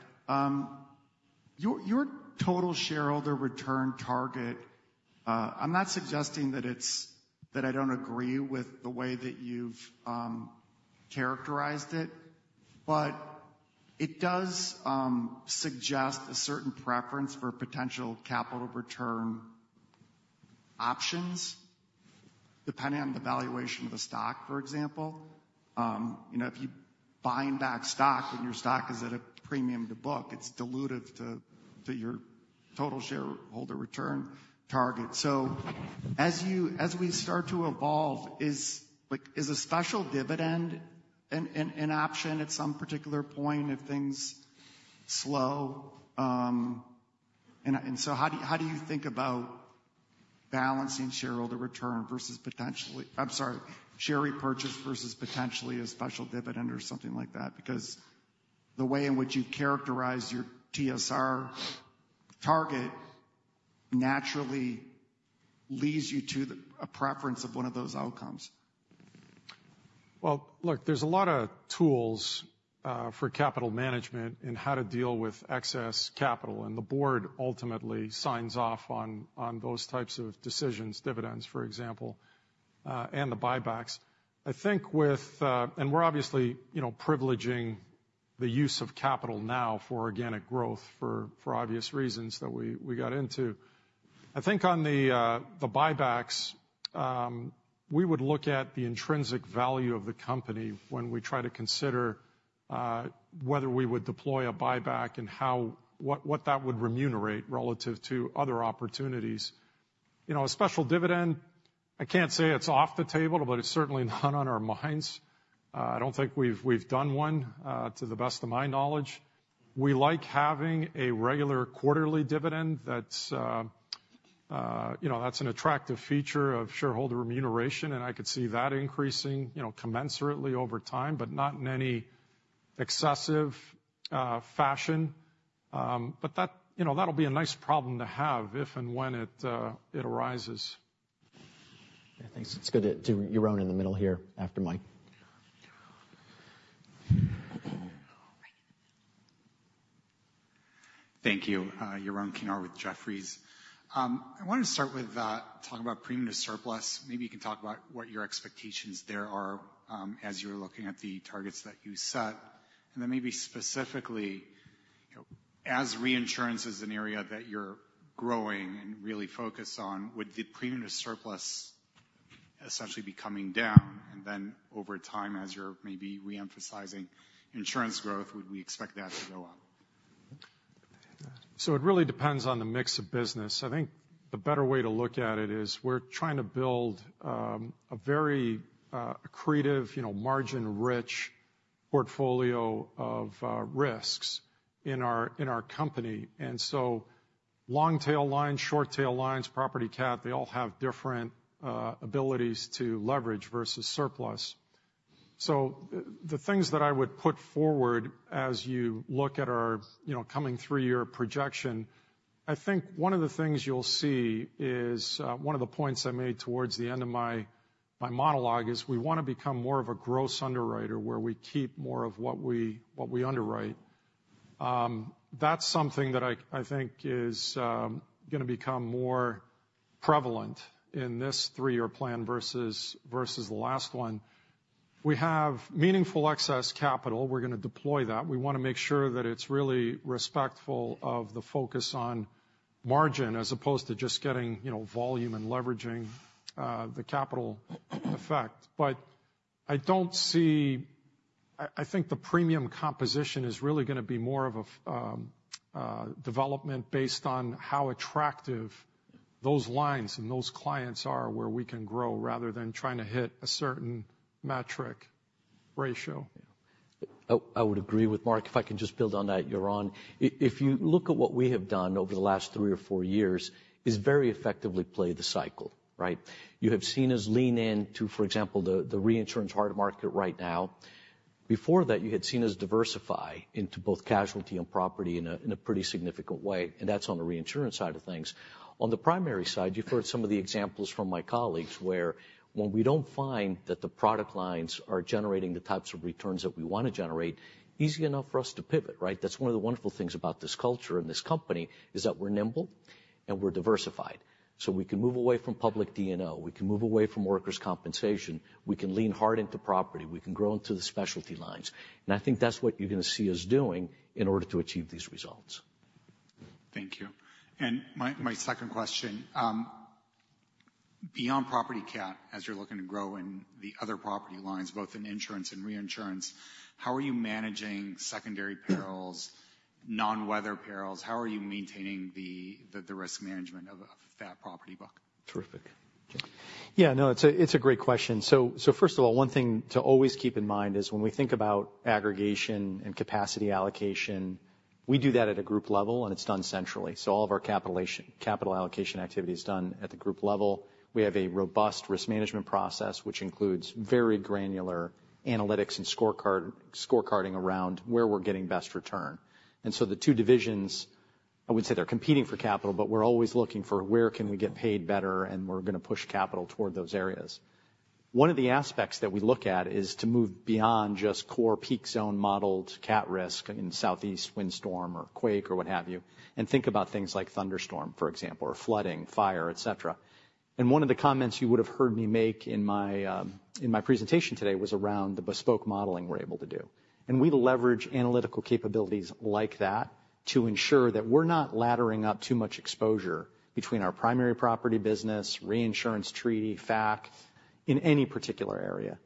Your total shareholder return target, I'm not suggesting that I don't agree with the way that you've characterized it, but it does suggest a certain preference for potential capital return options, depending on the valuation of the stock, for example. You know, if you buying back stock, and your stock is at a premium to book, it's dilutive to your total shareholder return target. So as you- as we start to evolve, is, like, is a special dividend an option at some particular point, if things slow, and so how do you think about balancing shareholder return versus potentially-- I'm sorry, share repurchase versus potentially a special dividend or something like that? Because the way in which you characterize your TSR target naturally leads you to a preference of one of those outcomes. Well, look, there's a lot of tools for capital management and how to deal with excess capital, and the board ultimately signs off on those types of decisions, dividends, for example, and the buybacks. I think with, and we're obviously, you know, privileging the use of capital now for organic growth for obvious reasons that we got into. I think on the buybacks, we would look at the intrinsic value of the company when we try to consider whether we would deploy a buyback and what that would remunerate relative to other opportunities. You know, a special dividend, I can't say it's off the table, but it's certainly not on our minds. I don't think we've done one to the best of my knowledge. We like having a regular quarterly dividend that's, you know, that's an attractive feature of shareholder remuneration, and I could see that increasing, you know, commensurately over time, but not in any excessive fashion. But that, you know, that'll be a nice problem to have if and when it arises. Yeah, thanks. It's good to do Yaron in the middle here, after Mike. Thank you. Yaron Kinar with Jefferies. I wanted to start with talking about premium to surplus. Maybe you can talk about what your expectations there are, as you're looking at the targets that you set. And then maybe specifically, you know, as reinsurance is an area that you're growing and really focused on, would the premium to surplus essentially be coming down, and then over time, as you're maybe re-emphasizing insurance growth, would we expect that to go up? It really depends on the mix of business. I think the better way to look at it is we're trying to build a very creative, you know, margin-rich portfolio of risks in our, in our company. Long-tail lines, short-tail lines, property cat, they all have different abilities to leverage versus surplus. The things that I would put forward as you look at our, you know, coming three-year projection, I think one of the things you'll see is one of the points I made towards the end of my, my monologue, is we want to become more of a gross underwriter, where we keep more of what we, what we underwrite. That's something that I, I think is going to become more prevalent in this three-year plan versus, versus the last one. We have meaningful excess capital. We're going to deploy that. We want to make sure that it's really respectful of the focus on margin, as opposed to just getting, you know, volume and leveraging, the capital effect. But I don't see. I think the premium composition is really going to be more of a development based on how attractive those lines and those clients are, where we can grow rather than trying to hit a certain metric ratio. I would agree with Mark. If I can just build on that, Yaron. If you look at what we have done over the last three or four years, is very effectively play the cycle, right? You have seen us lean in to, for example, the reinsurance hard market right now. Before that, you had seen us diversify into both casualty and property in a pretty significant way, and that's on the reinsurance side of things. On the primary side, you've heard some of the examples from my colleagues, where when we don't find that the product lines are generating the types of returns that we want to generate, easy enough for us to pivot, right? That's one of the wonderful things about this culture and this company, is that we're nimble and we're diversified, so we can move away from public D&O, we can move away from workers' compensation, we can lean hard into property, we can grow into the specialty lines, and I think that's what you're going to see us doing in order to achieve these results. Thank you. And my second question, beyond property cat, as you're looking to grow in the other property lines, both in insurance and reinsurance, how are you managing secondary perils, non-weather perils? How are you maintaining the risk management of that property book? Terrific. Yeah, no, it's a great question. So first of all, one thing to always keep in mind is when we think about aggregation and capacity allocation, we do that at a group level, and it's done centrally. So all of our capital allocation activity is done at the group level. We have a robust risk management process, which includes very granular analytics and scorecarding around where we're getting best return. And so the two divisions, I wouldn't say they're competing for capital, but we're always looking for where can we get paid better, and we're going to push capital toward those areas. One of the aspects that we look at is to move beyond just core peak zone modeled cat risk in southeast windstorm or quake or what have you, and think about things like thunderstorm, for example, or flooding, fire, et cetera. One of the comments you would have heard me make in my, in my presentation today was around the bespoke modeling we're able to do. We leverage analytical capabilities like that to ensure that we're not laddering up too much exposure between our primary property business, reinsurance, treaty, FAC, in any particular area.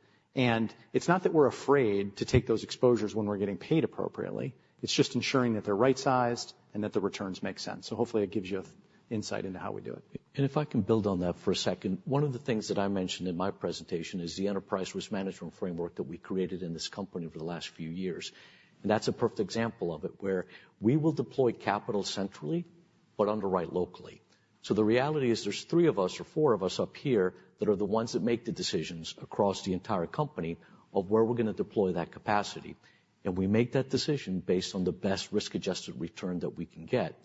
It's not that we're afraid to take those exposures when we're getting paid appropriately, it's just ensuring that they're right-sized and that the returns make sense. Hopefully, that gives you insight into how we do it. And if I can build on that for a second. One of the things that I mentioned in my presentation is the enterprise risk management framework that we created in this company over the last few years. And that's a perfect example of it, where we will deploy capital centrally, but underwrite locally. So the reality is, there's three of us or four of us up here that are the ones that make the decisions across the entire company of where we're gonna deploy that capacity. And we make that decision based on the best risk-adjusted return that we can get.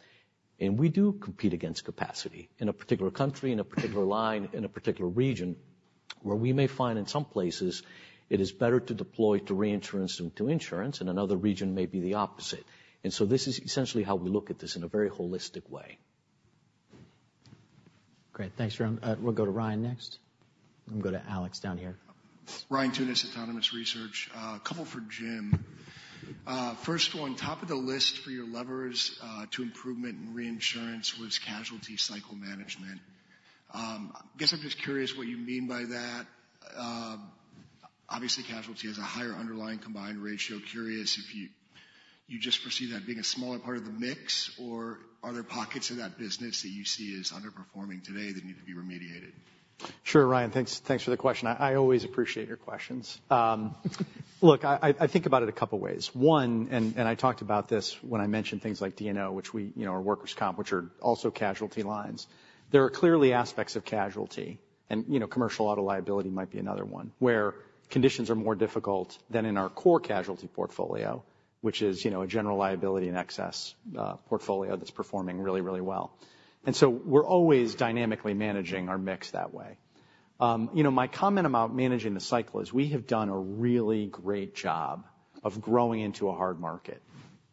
And we do compete against capacity in a particular country, in a particular line, in a particular region, where we may find in some places it is better to deploy to reinsurance than to insurance, in another region may be the opposite. This is essentially how we look at this in a very holistic way. Great. Thanks, Yaron. We'll go to Ryan next. Then we'll go to Alex down here. Ryan Tunis, Autonomous Research. A couple for Jim. First one, top of the list for your levers to improvement in reinsurance was casualty cycle management. I guess I'm just curious what you mean by that. Obviously, casualty has a higher underlying combined ratio. Curious if you just foresee that being a smaller part of the mix, or are there pockets of that business that you see as underperforming today that need to be remediated? Sure, Ryan. Thanks, thanks for the question. I always appreciate your questions. Look, I think about it a couple ways. One, and I talked about this when I mentioned things like D&O, which we, you know, are workers' comp, which are also casualty lines. There are clearly aspects of casualty, and, you know, commercial auto liability might be another one, where conditions are more difficult than in our core casualty portfolio, which is, you know, a general liability and excess portfolio that's performing really, really well. And so we're always dynamically managing our mix that way. You know, my comment about managing the cycle is, we have done a really great job of growing into a hard market.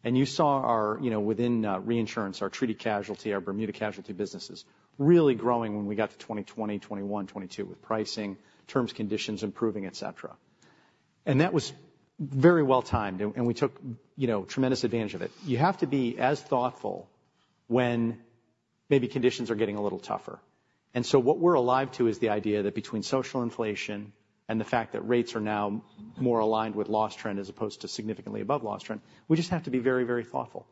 And you saw our, you know, within reinsurance, our treaty casualty, our Bermuda casualty businesses really growing when we got to 2020, 2021, 2022, with pricing, terms, conditions improving, etc. And that was very well timed, and we took, you know, tremendous advantage of it. You have to be as thoughtful when maybe conditions are getting a little tougher. And so what we're alive to is the idea that between social inflation and the fact that rates are now more aligned with loss trend as opposed to significantly above loss trend, we just have to be very, very thoughtful.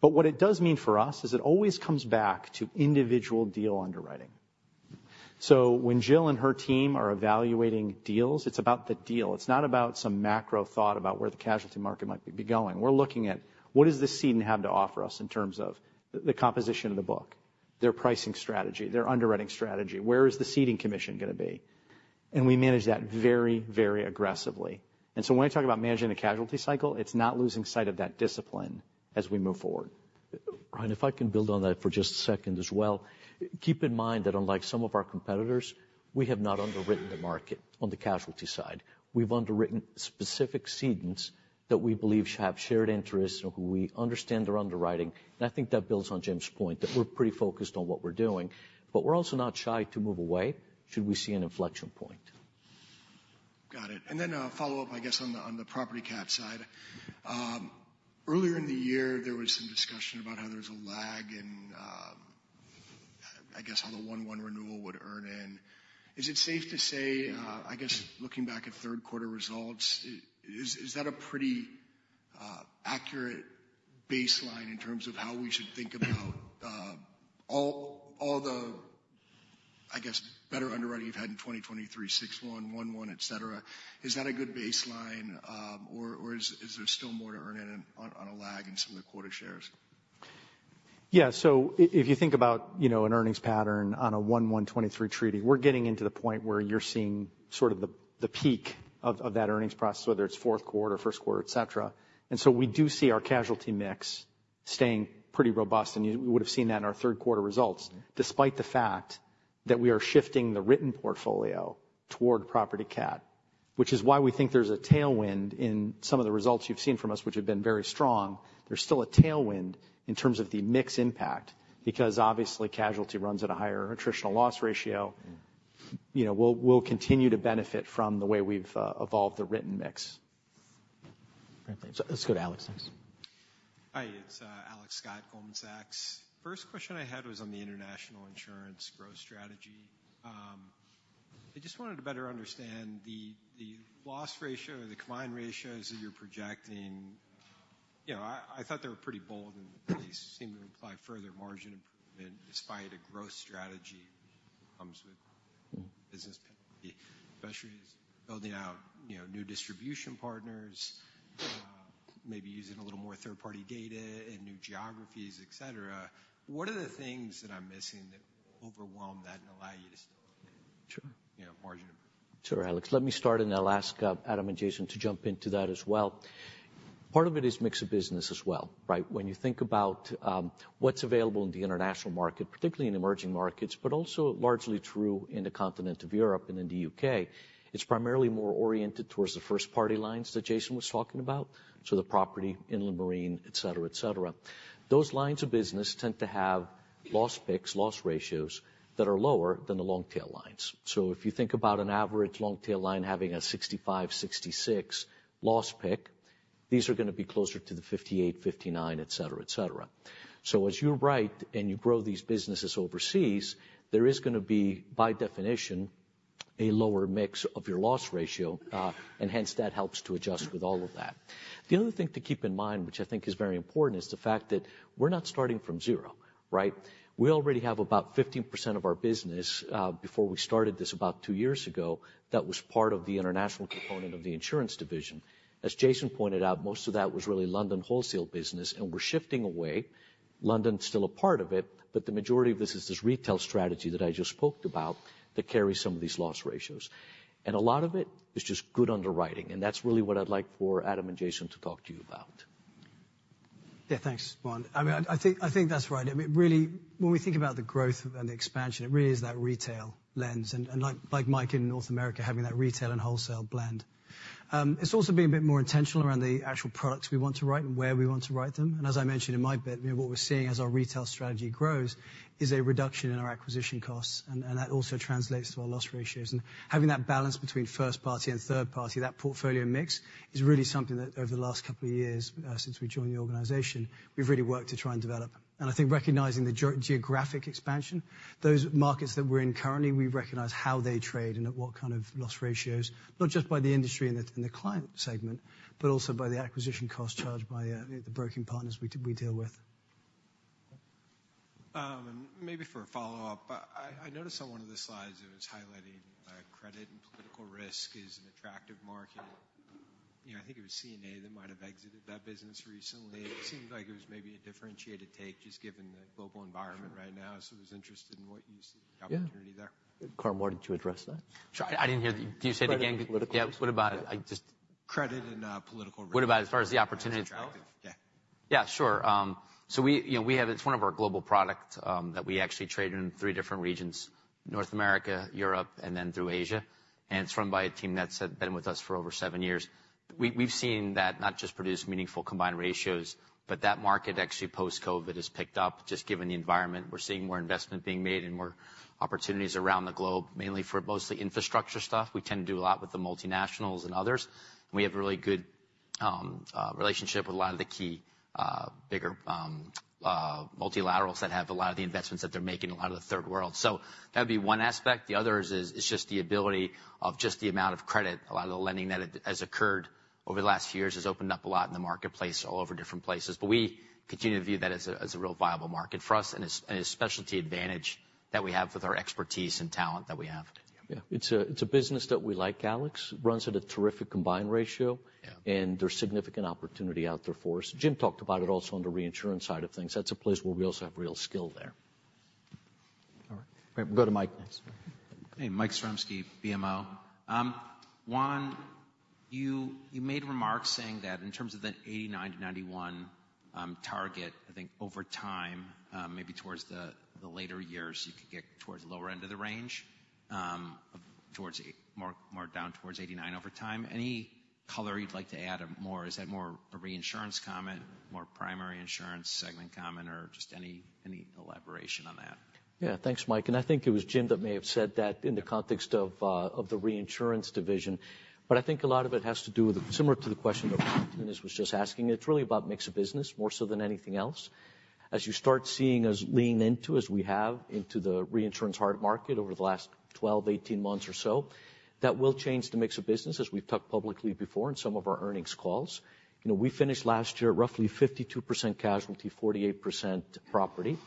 But what it does mean for us is it always comes back to individual deal underwriting. So when Jill and her team are evaluating deals, it's about the deal. It's not about some macro thought about where the casualty market might be going. We're looking at: What does this ceding have to offer us in terms of the composition of the book, their pricing strategy, their underwriting strategy? Where is the ceding commission gonna be? And we manage that very, very aggressively. And so when I talk about managing the casualty cycle, it's not losing sight of that discipline as we move forward. Ryan, if I can build on that for just a second as well. Keep in mind that unlike some of our competitors, we have not underwritten the market on the casualty side. We've underwritten specific cedents that we believe have shared interests and who we understand their underwriting. And I think that builds on Jim's point, that we're pretty focused on what we're doing, but we're also not shy to move away should we see an inflection point. Got it. And then a follow-up, I guess, on the, on the property cat side. Earlier in the year, there was some discussion about how there's a lag in, I guess, how the 1/1 renewal would earn in. Is it safe to say, I guess, looking back at third quarter results, is, is that a pretty, accurate baseline in terms of how we should think about, all, all the, I guess, better underwriting you've had in 2023, 6/1, 1/1, et cetera? Is that a good baseline, or, or is, is there still more to earn in on, on a lag in some of the quota shares? Yeah. So if you think about, you know, an earnings pattern on a 1/1/23 treaty, we're getting into the point where you're seeing sort of the peak of that earnings process, whether it's fourth quarter, first quarter, et cetera. And so we do see our casualty mix staying pretty robust, and we would've seen that in our third quarter results, despite the fact that we are shifting the written portfolio toward property cat. Which is why we think there's a tailwind in some of the results you've seen from us, which have been very strong. There's still a tailwind in terms of the mix impact, because obviously casualty runs at a higher attritional loss ratio. Mm-hmm. You know, we'll continue to benefit from the way we've evolved the written mix. Great, thanks. Let's go to Alex next. Hi, it's Alex Scott, Goldman Sachs. First question I had was on the international insurance growth strategy. I just wanted to better understand the loss ratio or the combined ratios that you're projecting. You know, I thought they were pretty bold, and they seem to imply further margin improvement despite a growth strategy that comes with business, especially building out, you know, new distribution partners, maybe using a little more third-party data and new geographies, et cetera. What are the things that I'm missing that overwhelm that and allow you to still- Sure. You know, margin? Sure, Alex. Let me start, and I'll ask Adam and Jason to jump into that as well. Part of it is mix of business as well, right? When you think about what's available in the international market, particularly in emerging markets, but also largely true in the continent of Europe and in the UK, it's primarily more oriented towards the first party lines that Jason was talking about, so the property, inland marine, et cetera, et cetera. Those lines of business tend to have loss picks, loss ratios that are lower than the long tail lines. So if you think about an average long tail line having a 65, 66 loss pick, these are going to be closer to the 58, 59, et cetera, et cetera. So as you're right, and you grow these businesses overseas, there is going to be, by definition, a lower mix of your loss ratio, and hence, that helps to adjust with all of that. The other thing to keep in mind, which I think is very important, is the fact that we're not starting from zero, right? We already have about 15% of our business, before we started this about two years ago, that was part of the international component of the insurance division. As Jason pointed out, most of that was really London wholesale business, and we're shifting away. London is still a part of it, but the majority of this is this retail strategy that I just spoke about, that carries some of these loss ratios. A lot of it is just good underwriting, and that's really what I'd like for Adam and Jason to talk to you about. Yeah, thanks, Juan. I mean, I think that's right. I mean, really, when we think about the growth and the expansion, it really is that retail lens. And like Mike in North America, having that retail and wholesale blend. It's also being a bit more intentional around the actual products we want to write and where we want to write them. And as I mentioned in my bit, you know, what we're seeing as our retail strategy grows is a reduction in our acquisition costs, and that also translates to our loss ratios. And having that balance between first party and third party, that portfolio mix, is really something that over the last couple of years, since we joined the organization, we've really worked to try and develop. I think recognizing the geographic expansion, those markets that we're in currently, we recognize how they trade and at what kind of loss ratios, not just by the industry and the client segment, but also by the acquisition cost charged by the broking partners we deal with. Maybe for a follow-up. I noticed on one of the slides it was highlighting credit and political risk is an attractive market. You know, I think it was CNA that might have exited that business recently. It seemed like it was maybe a differentiated take, just given the global environment right now. So I was interested in what you see the opportunity there. Yeah. Karm, did you address that? Sure. I didn't hear the --. Can you say it again? Credit and political risk. Yeah, what about it? I just- Credit and political risk. What about as far as the opportunity? Attractive. Yeah. Yeah, sure. So we, you know, we have—It's one of our global products that we actually trade in three different regions, North America, Europe, and then through Asia, and it's run by a team that's been with us for over seven years. We, we've seen that not just produce meaningful combined ratios, but that market actually, post-COVID, has picked up, just given the environment. We're seeing more investment being made and more opportunities around the globe, mainly for mostly infrastructure stuff. We tend to do a lot with the multinationals and others. We have a really good relationship with a lot of the key bigger multilaterals that have a lot of the investments that they're making in a lot of the third world. So that'd be one aspect. The other is just the ability of just the amount of credit. A lot of the lending that has occurred over the last few years has opened up a lot in the marketplace, all over different places. But we continue to view that as a real viable market for us and a specialty advantage that we have with our expertise and talent that we have. Yeah, it's a business that we like, Alex. Runs at a terrific combined ratio- Yeah. There's significant opportunity out there for us. Jim talked about it also on the reinsurance side of things. That's a place where we also have real skill there. All right. We'll go to Mike next. Hey, Mike Zaremski, BMO. Juan, you made remarks saying that in terms of the 89-91 target, I think over time, maybe towards the later years, you could get towards the lower end of the range, towards more down towards 89 over time. Any color you'd like to add more? Is that more a reinsurance comment, more primary insurance segment comment, or just any elaboration on that? Yeah. Thanks, Mike, and I think it was Jim that may have said that in the context of the reinsurance division, but I think a lot of it has to do with, similar to the question that Eunice was just asking. It's really about mix of business, more so than anything else. As you start seeing us lean into, as we have, into the reinsurance hard market over the last 12-18 months or so, that will change the mix of business, as we've talked publicly before in some of our earnings calls. You know, we finished last year at roughly 52% casualty, 48% property.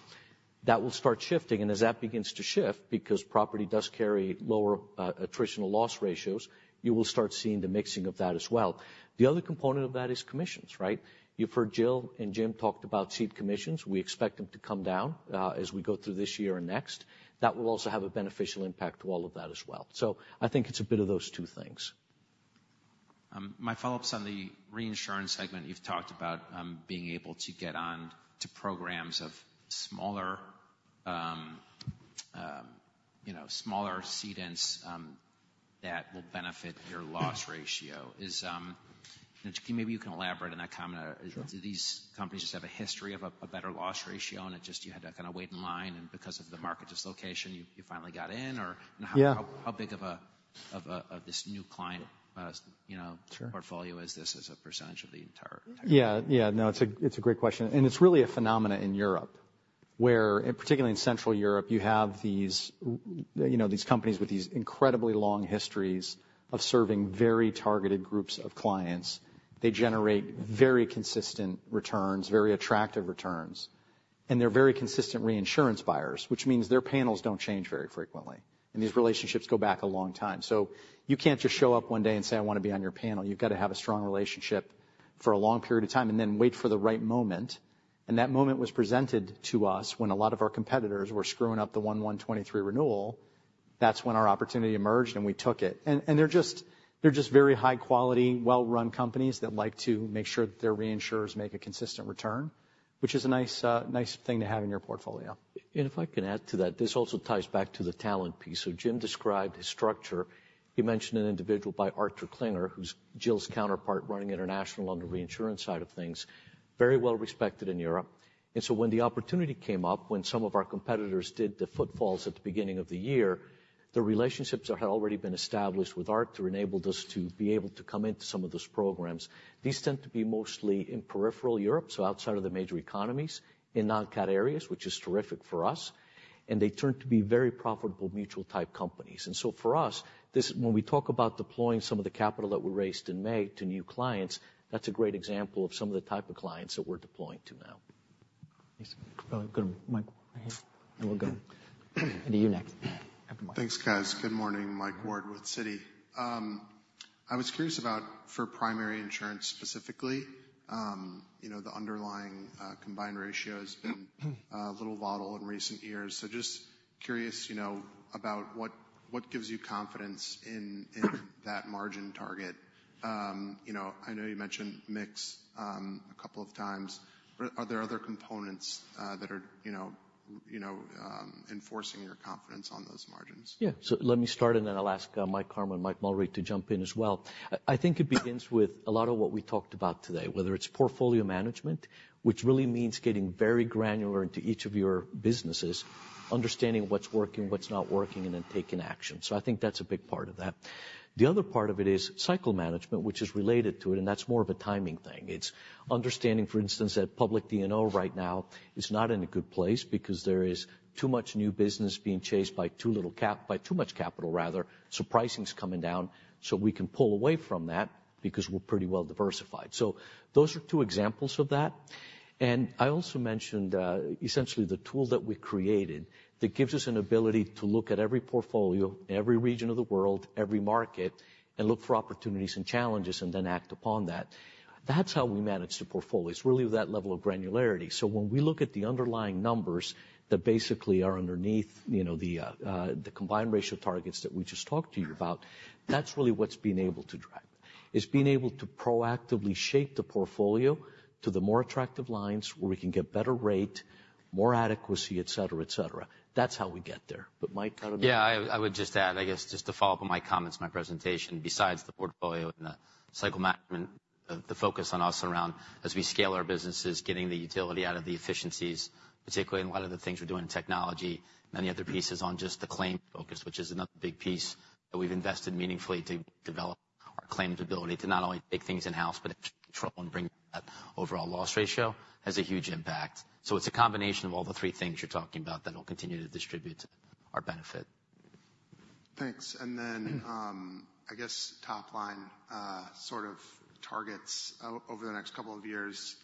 That will start shifting, and as that begins to shift, because property does carry lower attritional loss ratios, you will start seeing the mixing of that as well. The other component of that is commissions, right? You've heard Jill and Jim talked about ceding commissions. We expect them to come down, as we go through this year and next. That will also have a beneficial impact to all of that as well. So I think it's a bit of those two things. My follow-up's on the reinsurance segment. You've talked about being able to get on to programs of smaller, you know, smaller cedents that will benefit your loss ratio. Maybe you can elaborate on that comment. Sure. Do these companies just have a history of a better loss ratio, and it just, you had to kind of wait in line, and because of the market dislocation, you finally got in? Or- Yeah. - how big of this new client, you know- Sure... portfolio is this as a percentage of the entire? Yeah, yeah. No, it's a, it's a great question, and it's really a phenomenon in Europe, where, particularly in Central Europe, you have these, you know, these companies with these incredibly long histories of serving very targeted groups of clients. They generate very consistent returns, very attractive returns, and they're very consistent reinsurance buyers, which means their panels don't change very frequently, and these relationships go back a long time. So you can't just show up one day and say, "I want to be on your panel." You've got to have a strong relationship for a long period of time and then wait for the right moment. And that moment was presented to us when a lot of our competitors were screwing up the 1/1/2023 renewal.... That's when our opportunity emerged, and we took it. And they're just very high quality, well-run companies that like to make sure that their reinsurers make a consistent return, which is a nice thing to have in your portfolio. If I can add to that, this also ties back to the talent piece. So Jim described his structure. He mentioned an individual named Artur Klinger, who's Jill's counterpart, running international on the reinsurance side of things, very well respected in Europe. And so when the opportunity came up, when some of our competitors did the fallouts at the beginning of the year, the relationships that had already been established with Artur enabled us to be able to come into some of those programs. These tend to be mostly in peripheral Europe, so outside of the major economies, in non-cat areas, which is terrific for us, and they tend to be very profitable mutual-type companies. So for us, this, when we talk about deploying some of the capital that we raised in May to new clients, that's a great example of some of the type of clients that we're deploying to now. Yes. Good, Mike, and we'll go to you next. Thanks, guys. Good morning, Mike Ward with Citi. I was curious about for primary insurance specifically, you know, the underlying, combined ratio has been, a little volatile in recent years. So just curious, you know, about what, what gives you confidence in, in that margin target? You know, I know you mentioned mix, a couple of times. Are, are there other components, that are, you know, you know, enforcing your confidence on those margins? Yeah. So let me start, and then I'll ask Mike Karmilowicz and Mike Mulray to jump in as well. I think it begins with a lot of what we talked about today, whether it's portfolio management, which really means getting very granular into each of your businesses, understanding what's working, what's not working, and then taking action. So I think that's a big part of that. The other part of it is cycle management, which is related to it, and that's more of a timing thing. It's understanding, for instance, that public D&O right now is not in a good place because there is too much new business being chased by too much capital, rather, so pricing's coming down, so we can pull away from that because we're pretty well diversified. So those are two examples of that. And I also mentioned, essentially the tool that we created that gives us an ability to look at every portfolio, every region of the world, every market, and look for opportunities and challenges, and then act upon that. That's how we manage the portfolio. It's really that level of granularity. So when we look at the underlying numbers that basically are underneath, you know, the, the combined ratio targets that we just talked to you about, that's really what's been able to drive. It's being able to proactively shape the portfolio to the more attractive lines, where we can get better rate, more adequacy, et cetera, et cetera. That's how we get there. But Mike, I don't know- Yeah, I would just add, I guess, just to follow up on my comments in my presentation, besides the portfolio and the cycle management, the focus on us around as we scale our businesses, getting the utility out of the efficiencies, particularly in a lot of the things we're doing in technology, many other pieces on just the claim focus, which is another big piece that we've invested meaningfully to develop our claims ability to not only take things in-house but control and bring that overall loss ratio, has a huge impact. So it's a combination of all the three things you're talking about that will continue to distribute our benefit. Thanks. Then, I guess top line, sort of targets over the next couple of years.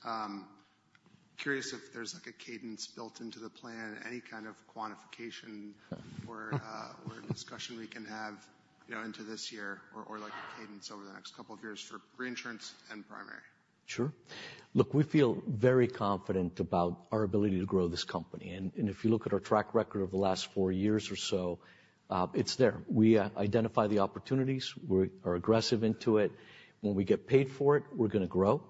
Curious if there's like a cadence built into the plan, any kind of quantification or discussion we can have, you know, into this year or like a cadence over the next couple of years for reinsurance and primary? Sure. Look, we feel very confident about our ability to grow this company, and, and if you look at our track record over the last four years or so, it's there. We identify the opportunities, we are aggressive into it. When we get paid for it, we're gonna grow.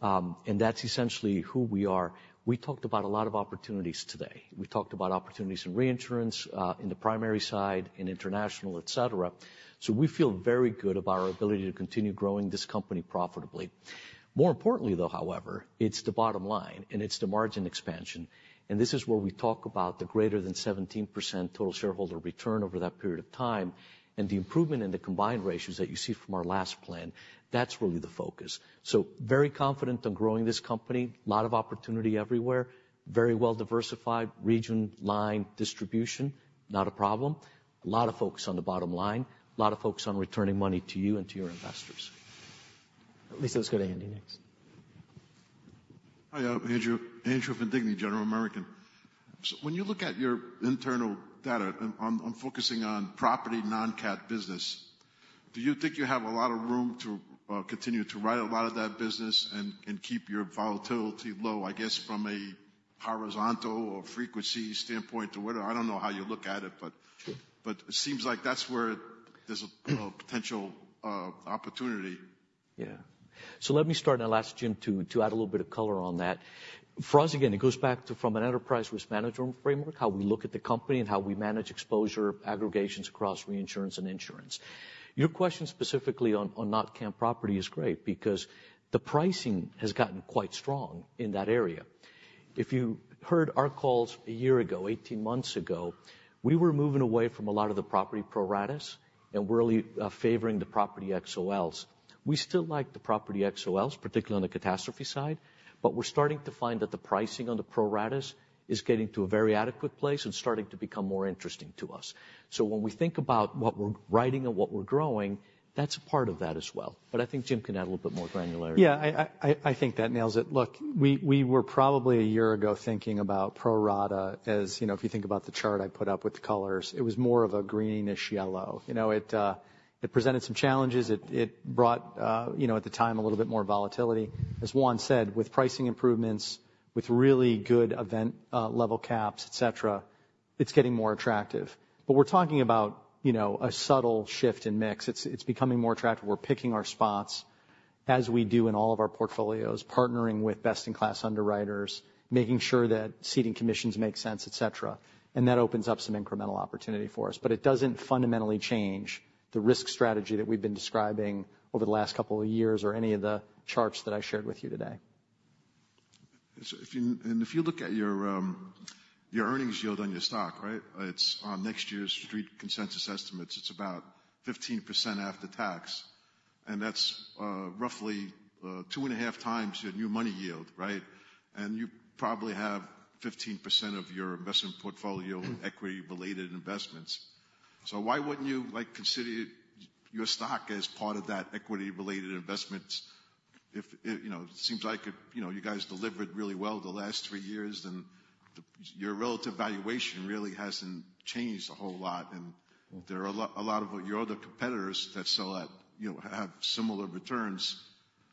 And that's essentially who we are. We talked about a lot of opportunities today. We talked about opportunities in reinsurance, in the primary side, in international, et cetera. So we feel very good about our ability to continue growing this company profitably. More importantly, though, however, it's the bottom line, and it's the margin expansion. And this is where we talk about the greater than 17% total shareholder return over that period of time, and the improvement in the combined ratios that you see from our last plan, that's really the focus. Very confident on growing this company, lot of opportunity everywhere, very well diversified region, line, distribution, not a problem. A lot of focus on the bottom line, a lot of focus on returning money to you and to your investors. At least, let's go to Andy next. Hi, I'm Andrew, Andrew Vindigni, General American. So when you look at your internal data on, on focusing on property non-cat business, do you think you have a lot of room to continue to write a lot of that business and, and keep your volatility low, I guess, from a horizontal or frequency standpoint or whatever? I don't know how you look at it, but, but it seems like that's where there's a, you know, potential opportunity. Yeah. So let me start, and I'll ask Jim to add a little bit of color on that. For us, again, it goes back to, from an enterprise risk management framework, how we look at the company and how we manage exposure, aggregations across reinsurance and insurance. Your question specifically on not cat property is great because the pricing has gotten quite strong in that area. If you heard our calls a year ago, 18 months ago, we were moving away from a lot of the property pro ratas, and we're really favoring the property XOLs. We still like the property XOLs, particularly on the catastrophe side, but we're starting to find that the pricing on the pro ratas is getting to a very adequate place and starting to become more interesting to us. When we think about what we're writing and what we're growing, that's a part of that as well. I think Jim can add a little bit more granularity. Yeah, I think that nails it. Look, we were probably a year ago thinking about pro rata. As you know, if you think about the chart I put up with the colors, it was more of a greenish yellow. You know, it presented some challenges. It brought, you know, at the time, a little bit more volatility. As Juan said, with pricing improvements, with really good event level caps, et cetera, it's getting more attractive. But we're talking about, you know, a subtle shift in mix. It's becoming more attractive. We're picking our spots... as we do in all of our portfolios, partnering with best-in-class underwriters, making sure that ceding commissions make sense, et cetera, and that opens up some incremental opportunity for us. But it doesn't fundamentally change the risk strategy that we've been describing over the last couple of years or any of the charts that I shared with you today. So if you, and if you look at your, your earnings yield on your stock, right? It's on next year's Street consensus estimates, it's about 15% after tax, and that's, roughly, 2.5 times your new money yield, right? And you probably have 15% of your investment portfolio in equity-related investments. So why wouldn't you, like, consider your stock as part of that equity-related investment if it-- you know, it seems like it, you know, you guys delivered really well the last three years, and the, your relative valuation really hasn't changed a whole lot. And there are a lot of your other competitors that sell at, you know, have similar returns,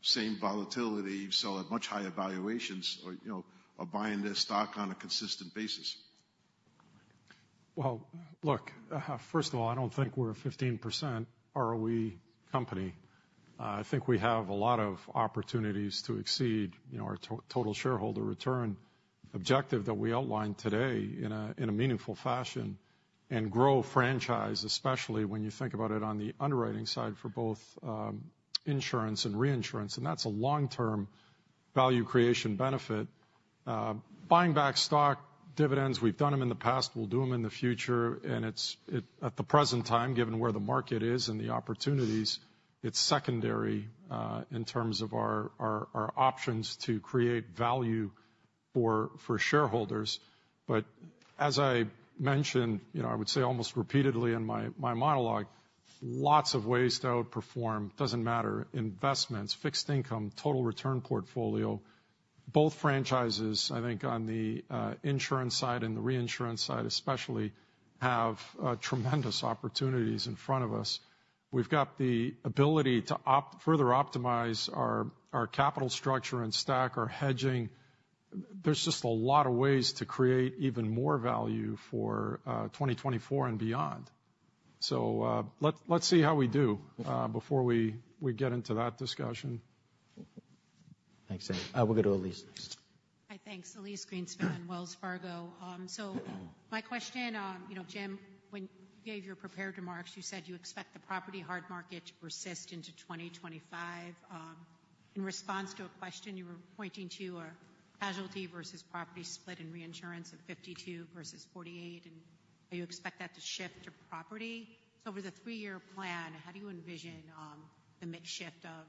same volatility, sell at much higher valuations or, you know, are buying their stock on a consistent basis. Well, look, first of all, I don't think we're a 15% ROE company. I think we have a lot of opportunities to exceed, you know, our total shareholder return objective that we outlined today in a meaningful fashion and grow franchise, especially when you think about it on the underwriting side for both, insurance and reinsurance, and that's a long-term value creation benefit. Buying back stock, dividends, we've done them in the past, we'll do them in the future, and it's at the present time, given where the market is and the opportunities, it's secondary in terms of our options to create value for shareholders. But as I mentioned, you know, I would say almost repeatedly in my monologue, lots of ways to outperform. Doesn't matter, investments, fixed income, total return portfolio, both franchises, I think, on the insurance side and the reinsurance side, especially, have tremendous opportunities in front of us. We've got the ability to further optimize our capital structure and stack our hedging. There's just a lot of ways to create even more value for 2024 and beyond. So, let's see how we do before we get into that discussion. Thanks, Andy. We'll go to Elyse next. Hi, thanks. Elyse Greenspan, Wells Fargo. So my question, you know, Jim, when you gave your prepared remarks, you said you expect the property hard market to persist into 2025. In response to a question, you were pointing to a casualty versus property split in reinsurance of 52 versus 48, and do you expect that to shift to property? Over the three-year plan, how do you envision the mix shift of?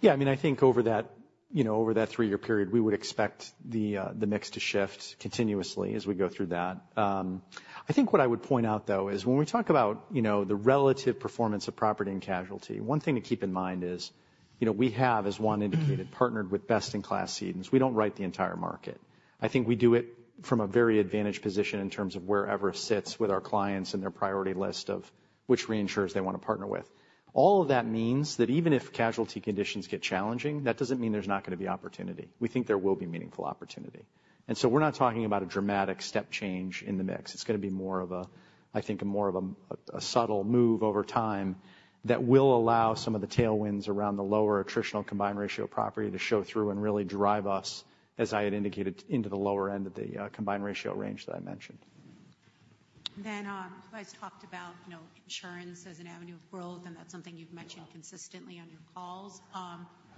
Yeah, I mean, I think over that, you know, over that three-year period, we would expect the, the mix to shift continuously as we go through that. I think what I would point out, though, is when we talk about, you know, the relative performance of property and casualty, one thing to keep in mind is, you know, we have, as one indicated, partnered with best-in-class cedents. We don't write the entire market. I think we do it from a very advantaged position in terms of wherever it sits with our clients and their priority list of which reinsurers they want to partner with. All of that means that even if casualty conditions get challenging, that doesn't mean there's not going to be opportunity. We think there will be meaningful opportunity. And so we're not talking about a dramatic step change in the mix. It's going to be more of a, I think, subtle move over time that will allow some of the tailwinds around the lower attritional combined ratio of property to show through and really drive us, as I had indicated, into the lower end of the combined ratio range that I mentioned. Then, you guys talked about, you know, insurance as an avenue of growth, and that's something you've mentioned consistently on your calls.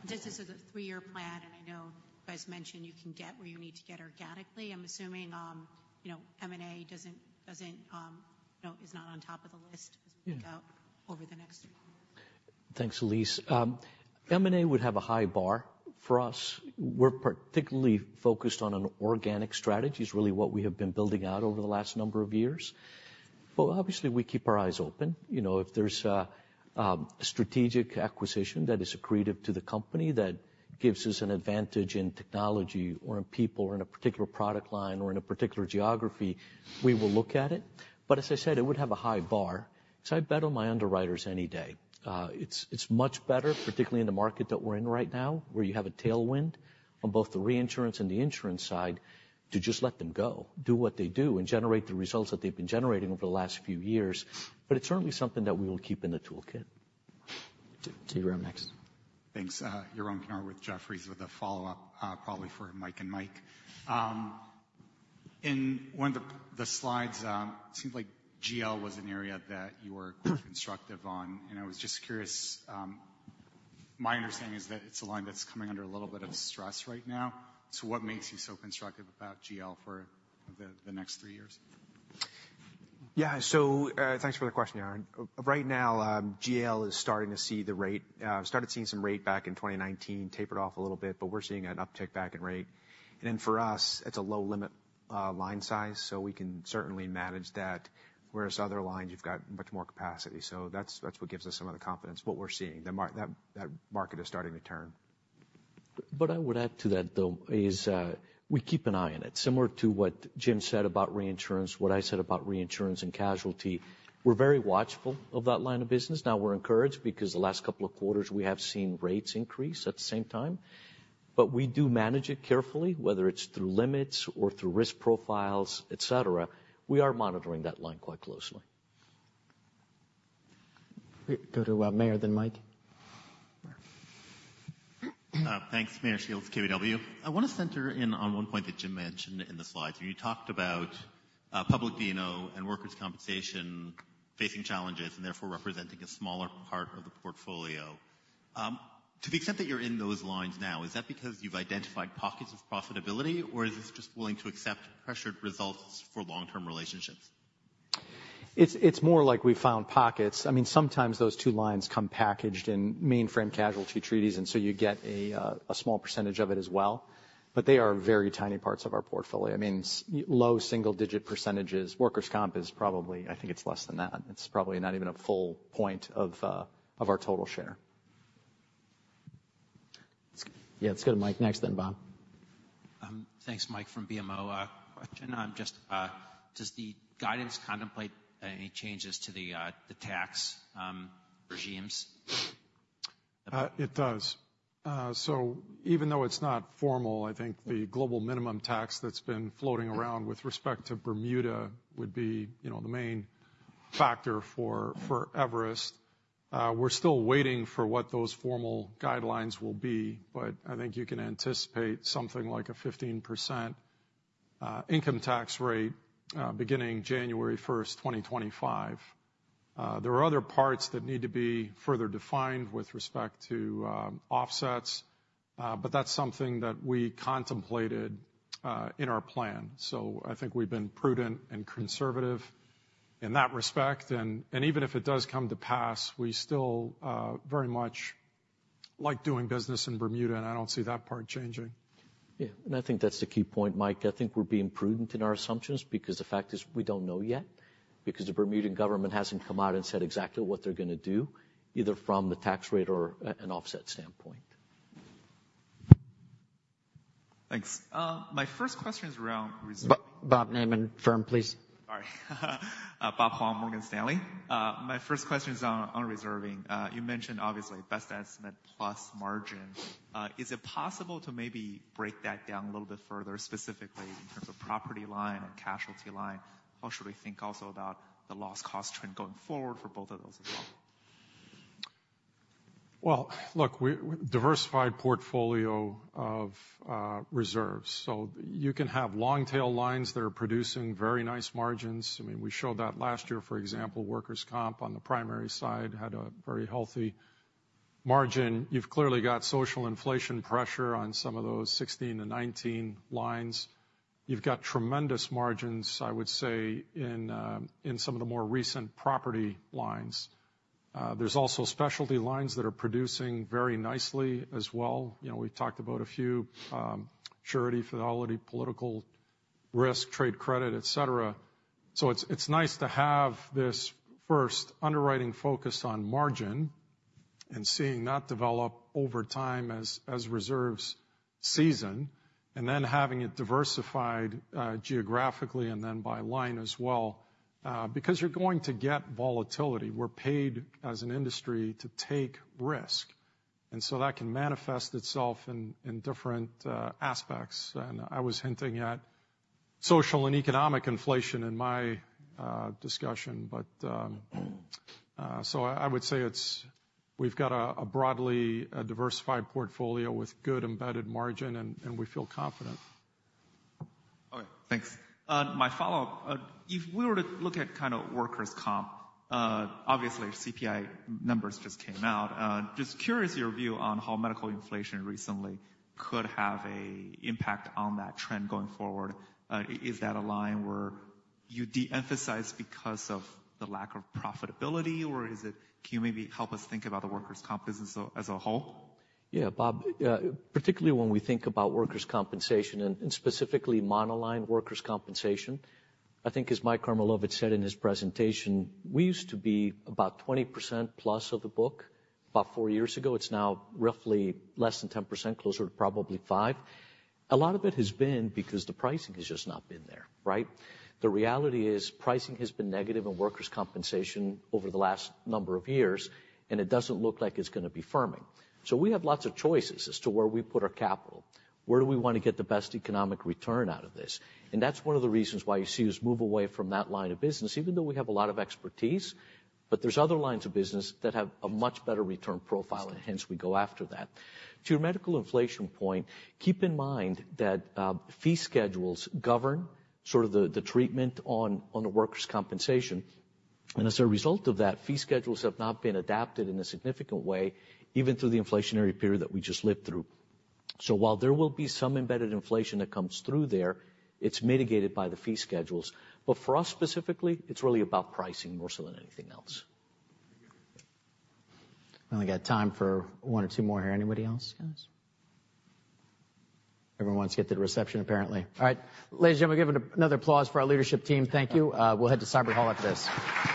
This is a three-year plan, and I know you guys mentioned you can get where you need to get organically. I'm assuming, you know, M&A doesn't, you know, is not on top of the list as we go- Yeah over the next... Thanks, Elyse. M&A would have a high bar for us. We're particularly focused on an organic strategy. It's really what we have been building out over the last number of years. But obviously, we keep our eyes open. You know, if there's a strategic acquisition that is accretive to the company, that gives us an advantage in technology or in people or in a particular product line or in a particular geography, we will look at it. But as I said, it would have a high bar, so I'd bet on my underwriters any day. It's much better, particularly in the market that we're in right now, where you have a tailwind on both the reinsurance and the insurance side, to just let them go, do what they do, and generate the results that they've been generating over the last few years. But it's certainly something that we will keep in the toolkit. Yaron next. Thanks. Yaron Kinar with Jefferies, with a follow-up, probably for Mike and Mike. In one of the slides, it seems like GL was an area that you were constructive on, and I was just curious. My understanding is that it's a line that's coming under a little bit of stress right now, so what makes you so constructive about GL for the next three years? Yeah. So, thanks for the question, Yaron. Right now, GL is starting to see the rate, started seeing some rate back in 2019, tapered off a little bit, but we're seeing an uptick back in rate. And then for us, it's a low limit, line size, so we can certainly manage that, whereas other lines, you've got much more capacity. So that's, that's what gives us some of the confidence, what we're seeing. The mar, that market is starting to turn. What I would add to that, though, is, we keep an eye on it. Similar to what Jim said about reinsurance, what I said about reinsurance and casualty, we're very watchful of that line of business. Now, we're encouraged because the last couple of quarters, we have seen rates increase at the same time but we do manage it carefully, whether it's through limits or through risk profiles, et cetera, we are monitoring that line quite closely. We go to Meyer, then Mike. Thanks. Meyer Shields, KBW. I want to center in on one point that Jim mentioned in the slides, where you talked about public D&O and workers' compensation facing challenges, and therefore representing a smaller part of the portfolio. To the extent that you're in those lines now, is that because you've identified pockets of profitability, or is this just willing to accept pressured results for long-term relationships? It's more like we found pockets. I mean, sometimes those two lines come packaged in mainframe casualty treaties, and so you get a small percentage of it as well. But they are very tiny parts of our portfolio. I mean, low single digit percentages. Workers' comp is probably. I think it's less than that. It's probably not even a full point of our total share. Yeah, let's go to Mike next, then Bob. Thanks. Mike, from BMO. Question, just, does the guidance contemplate any changes to the, the tax, regimes? It does. So even though it's not formal, I think the global minimum tax that's been floating around with respect to Bermuda would be, you know, the main factor for, for Everest. We're still waiting for what those formal guidelines will be, but I think you can anticipate something like a 15%, income tax rate, beginning January 1, 2025. There are other parts that need to be further defined with respect to, offsets, but that's something that we contemplated, in our plan. So I think we've been prudent and conservative in that respect, and, and even if it does come to pass, we still, very much like doing business in Bermuda, and I don't see that part changing. Yeah, and I think that's the key point, Mike. I think we're being prudent in our assumptions, because the fact is, we don't know yet, because the Bermudan government hasn't come out and said exactly what they're gonna do, either from the tax rate or an offset standpoint. Thanks. My first question is around reser- Bob, name and firm, please. Sorry. Bob Huang, Morgan Stanley. My first question is on reserving. You mentioned obviously, best estimate plus margin. Is it possible to maybe break that down a little bit further, specifically in terms of property line and casualty line? How should we think also about the loss cost trend going forward for both of those as well? Well, look, we diversified portfolio of reserves, so you can have long tail lines that are producing very nice margins. I mean, we showed that last year. For example, workers' comp on the primary side had a very healthy margin. You've clearly got social inflation pressure on some of those 16-19 lines. You've got tremendous margins, I would say, in some of the more recent property lines. There's also specialty lines that are producing very nicely as well. You know, we've talked about a few, surety, fidelity, political risk, trade, credit, et cetera. So it's nice to have this first underwriting focus on margin and seeing that develop over time as reserves season, and then having it diversified geographically and then by line as well, because you're going to get volatility. We're paid as an industry to take risk, and so that can manifest itself in different aspects. I was hinting at social and economic inflation in my discussion. But so I would say we've got a broadly diversified portfolio with good embedded margin, and we feel confident. All right. Thanks. My follow-up. If we were to look at kind of workers' comp, obviously CPI numbers just came out. Just curious, your view on how medical inflation recently could have an impact on that trend going forward. Is that a line where you deemphasize because of the lack of profitability, or is it... Can you maybe help us think about the workers' comp as a whole? Yeah, Bob, particularly when we think about workers' compensation and, and specifically monoline workers' compensation, I think as Mike Karmilowicz said in his presentation, we used to be about 20% plus of the book about 4 years ago. It's now roughly less than 10%, closer to probably 5%. A lot of it has been because the pricing has just not been there, right? The reality is, pricing has been negative in workers' compensation over the last number of years, and it doesn't look like it's gonna be firming. So we have lots of choices as to where we put our capital. Where do we want to get the best economic return out of this? And that's one of the reasons why you see us move away from that line of business, even though we have a lot of expertise. But there's other lines of business that have a much better return profile, and hence we go after that. To your medical inflation point, keep in mind that, fee schedules govern sort of the treatment on the workers' compensation. And as a result of that, fee schedules have not been adapted in a significant way, even through the inflationary period that we just lived through. So while there will be some embedded inflation that comes through there, it's mitigated by the fee schedules. But for us specifically, it's really about pricing more so than anything else. Thank you. We only got time for one or two more here. Anybody else, guys? Everyone wants to get to the reception, apparently. All right, ladies and gentlemen, give another applause for our leadership team. Thank you. We'll head to Siebert Hall after this.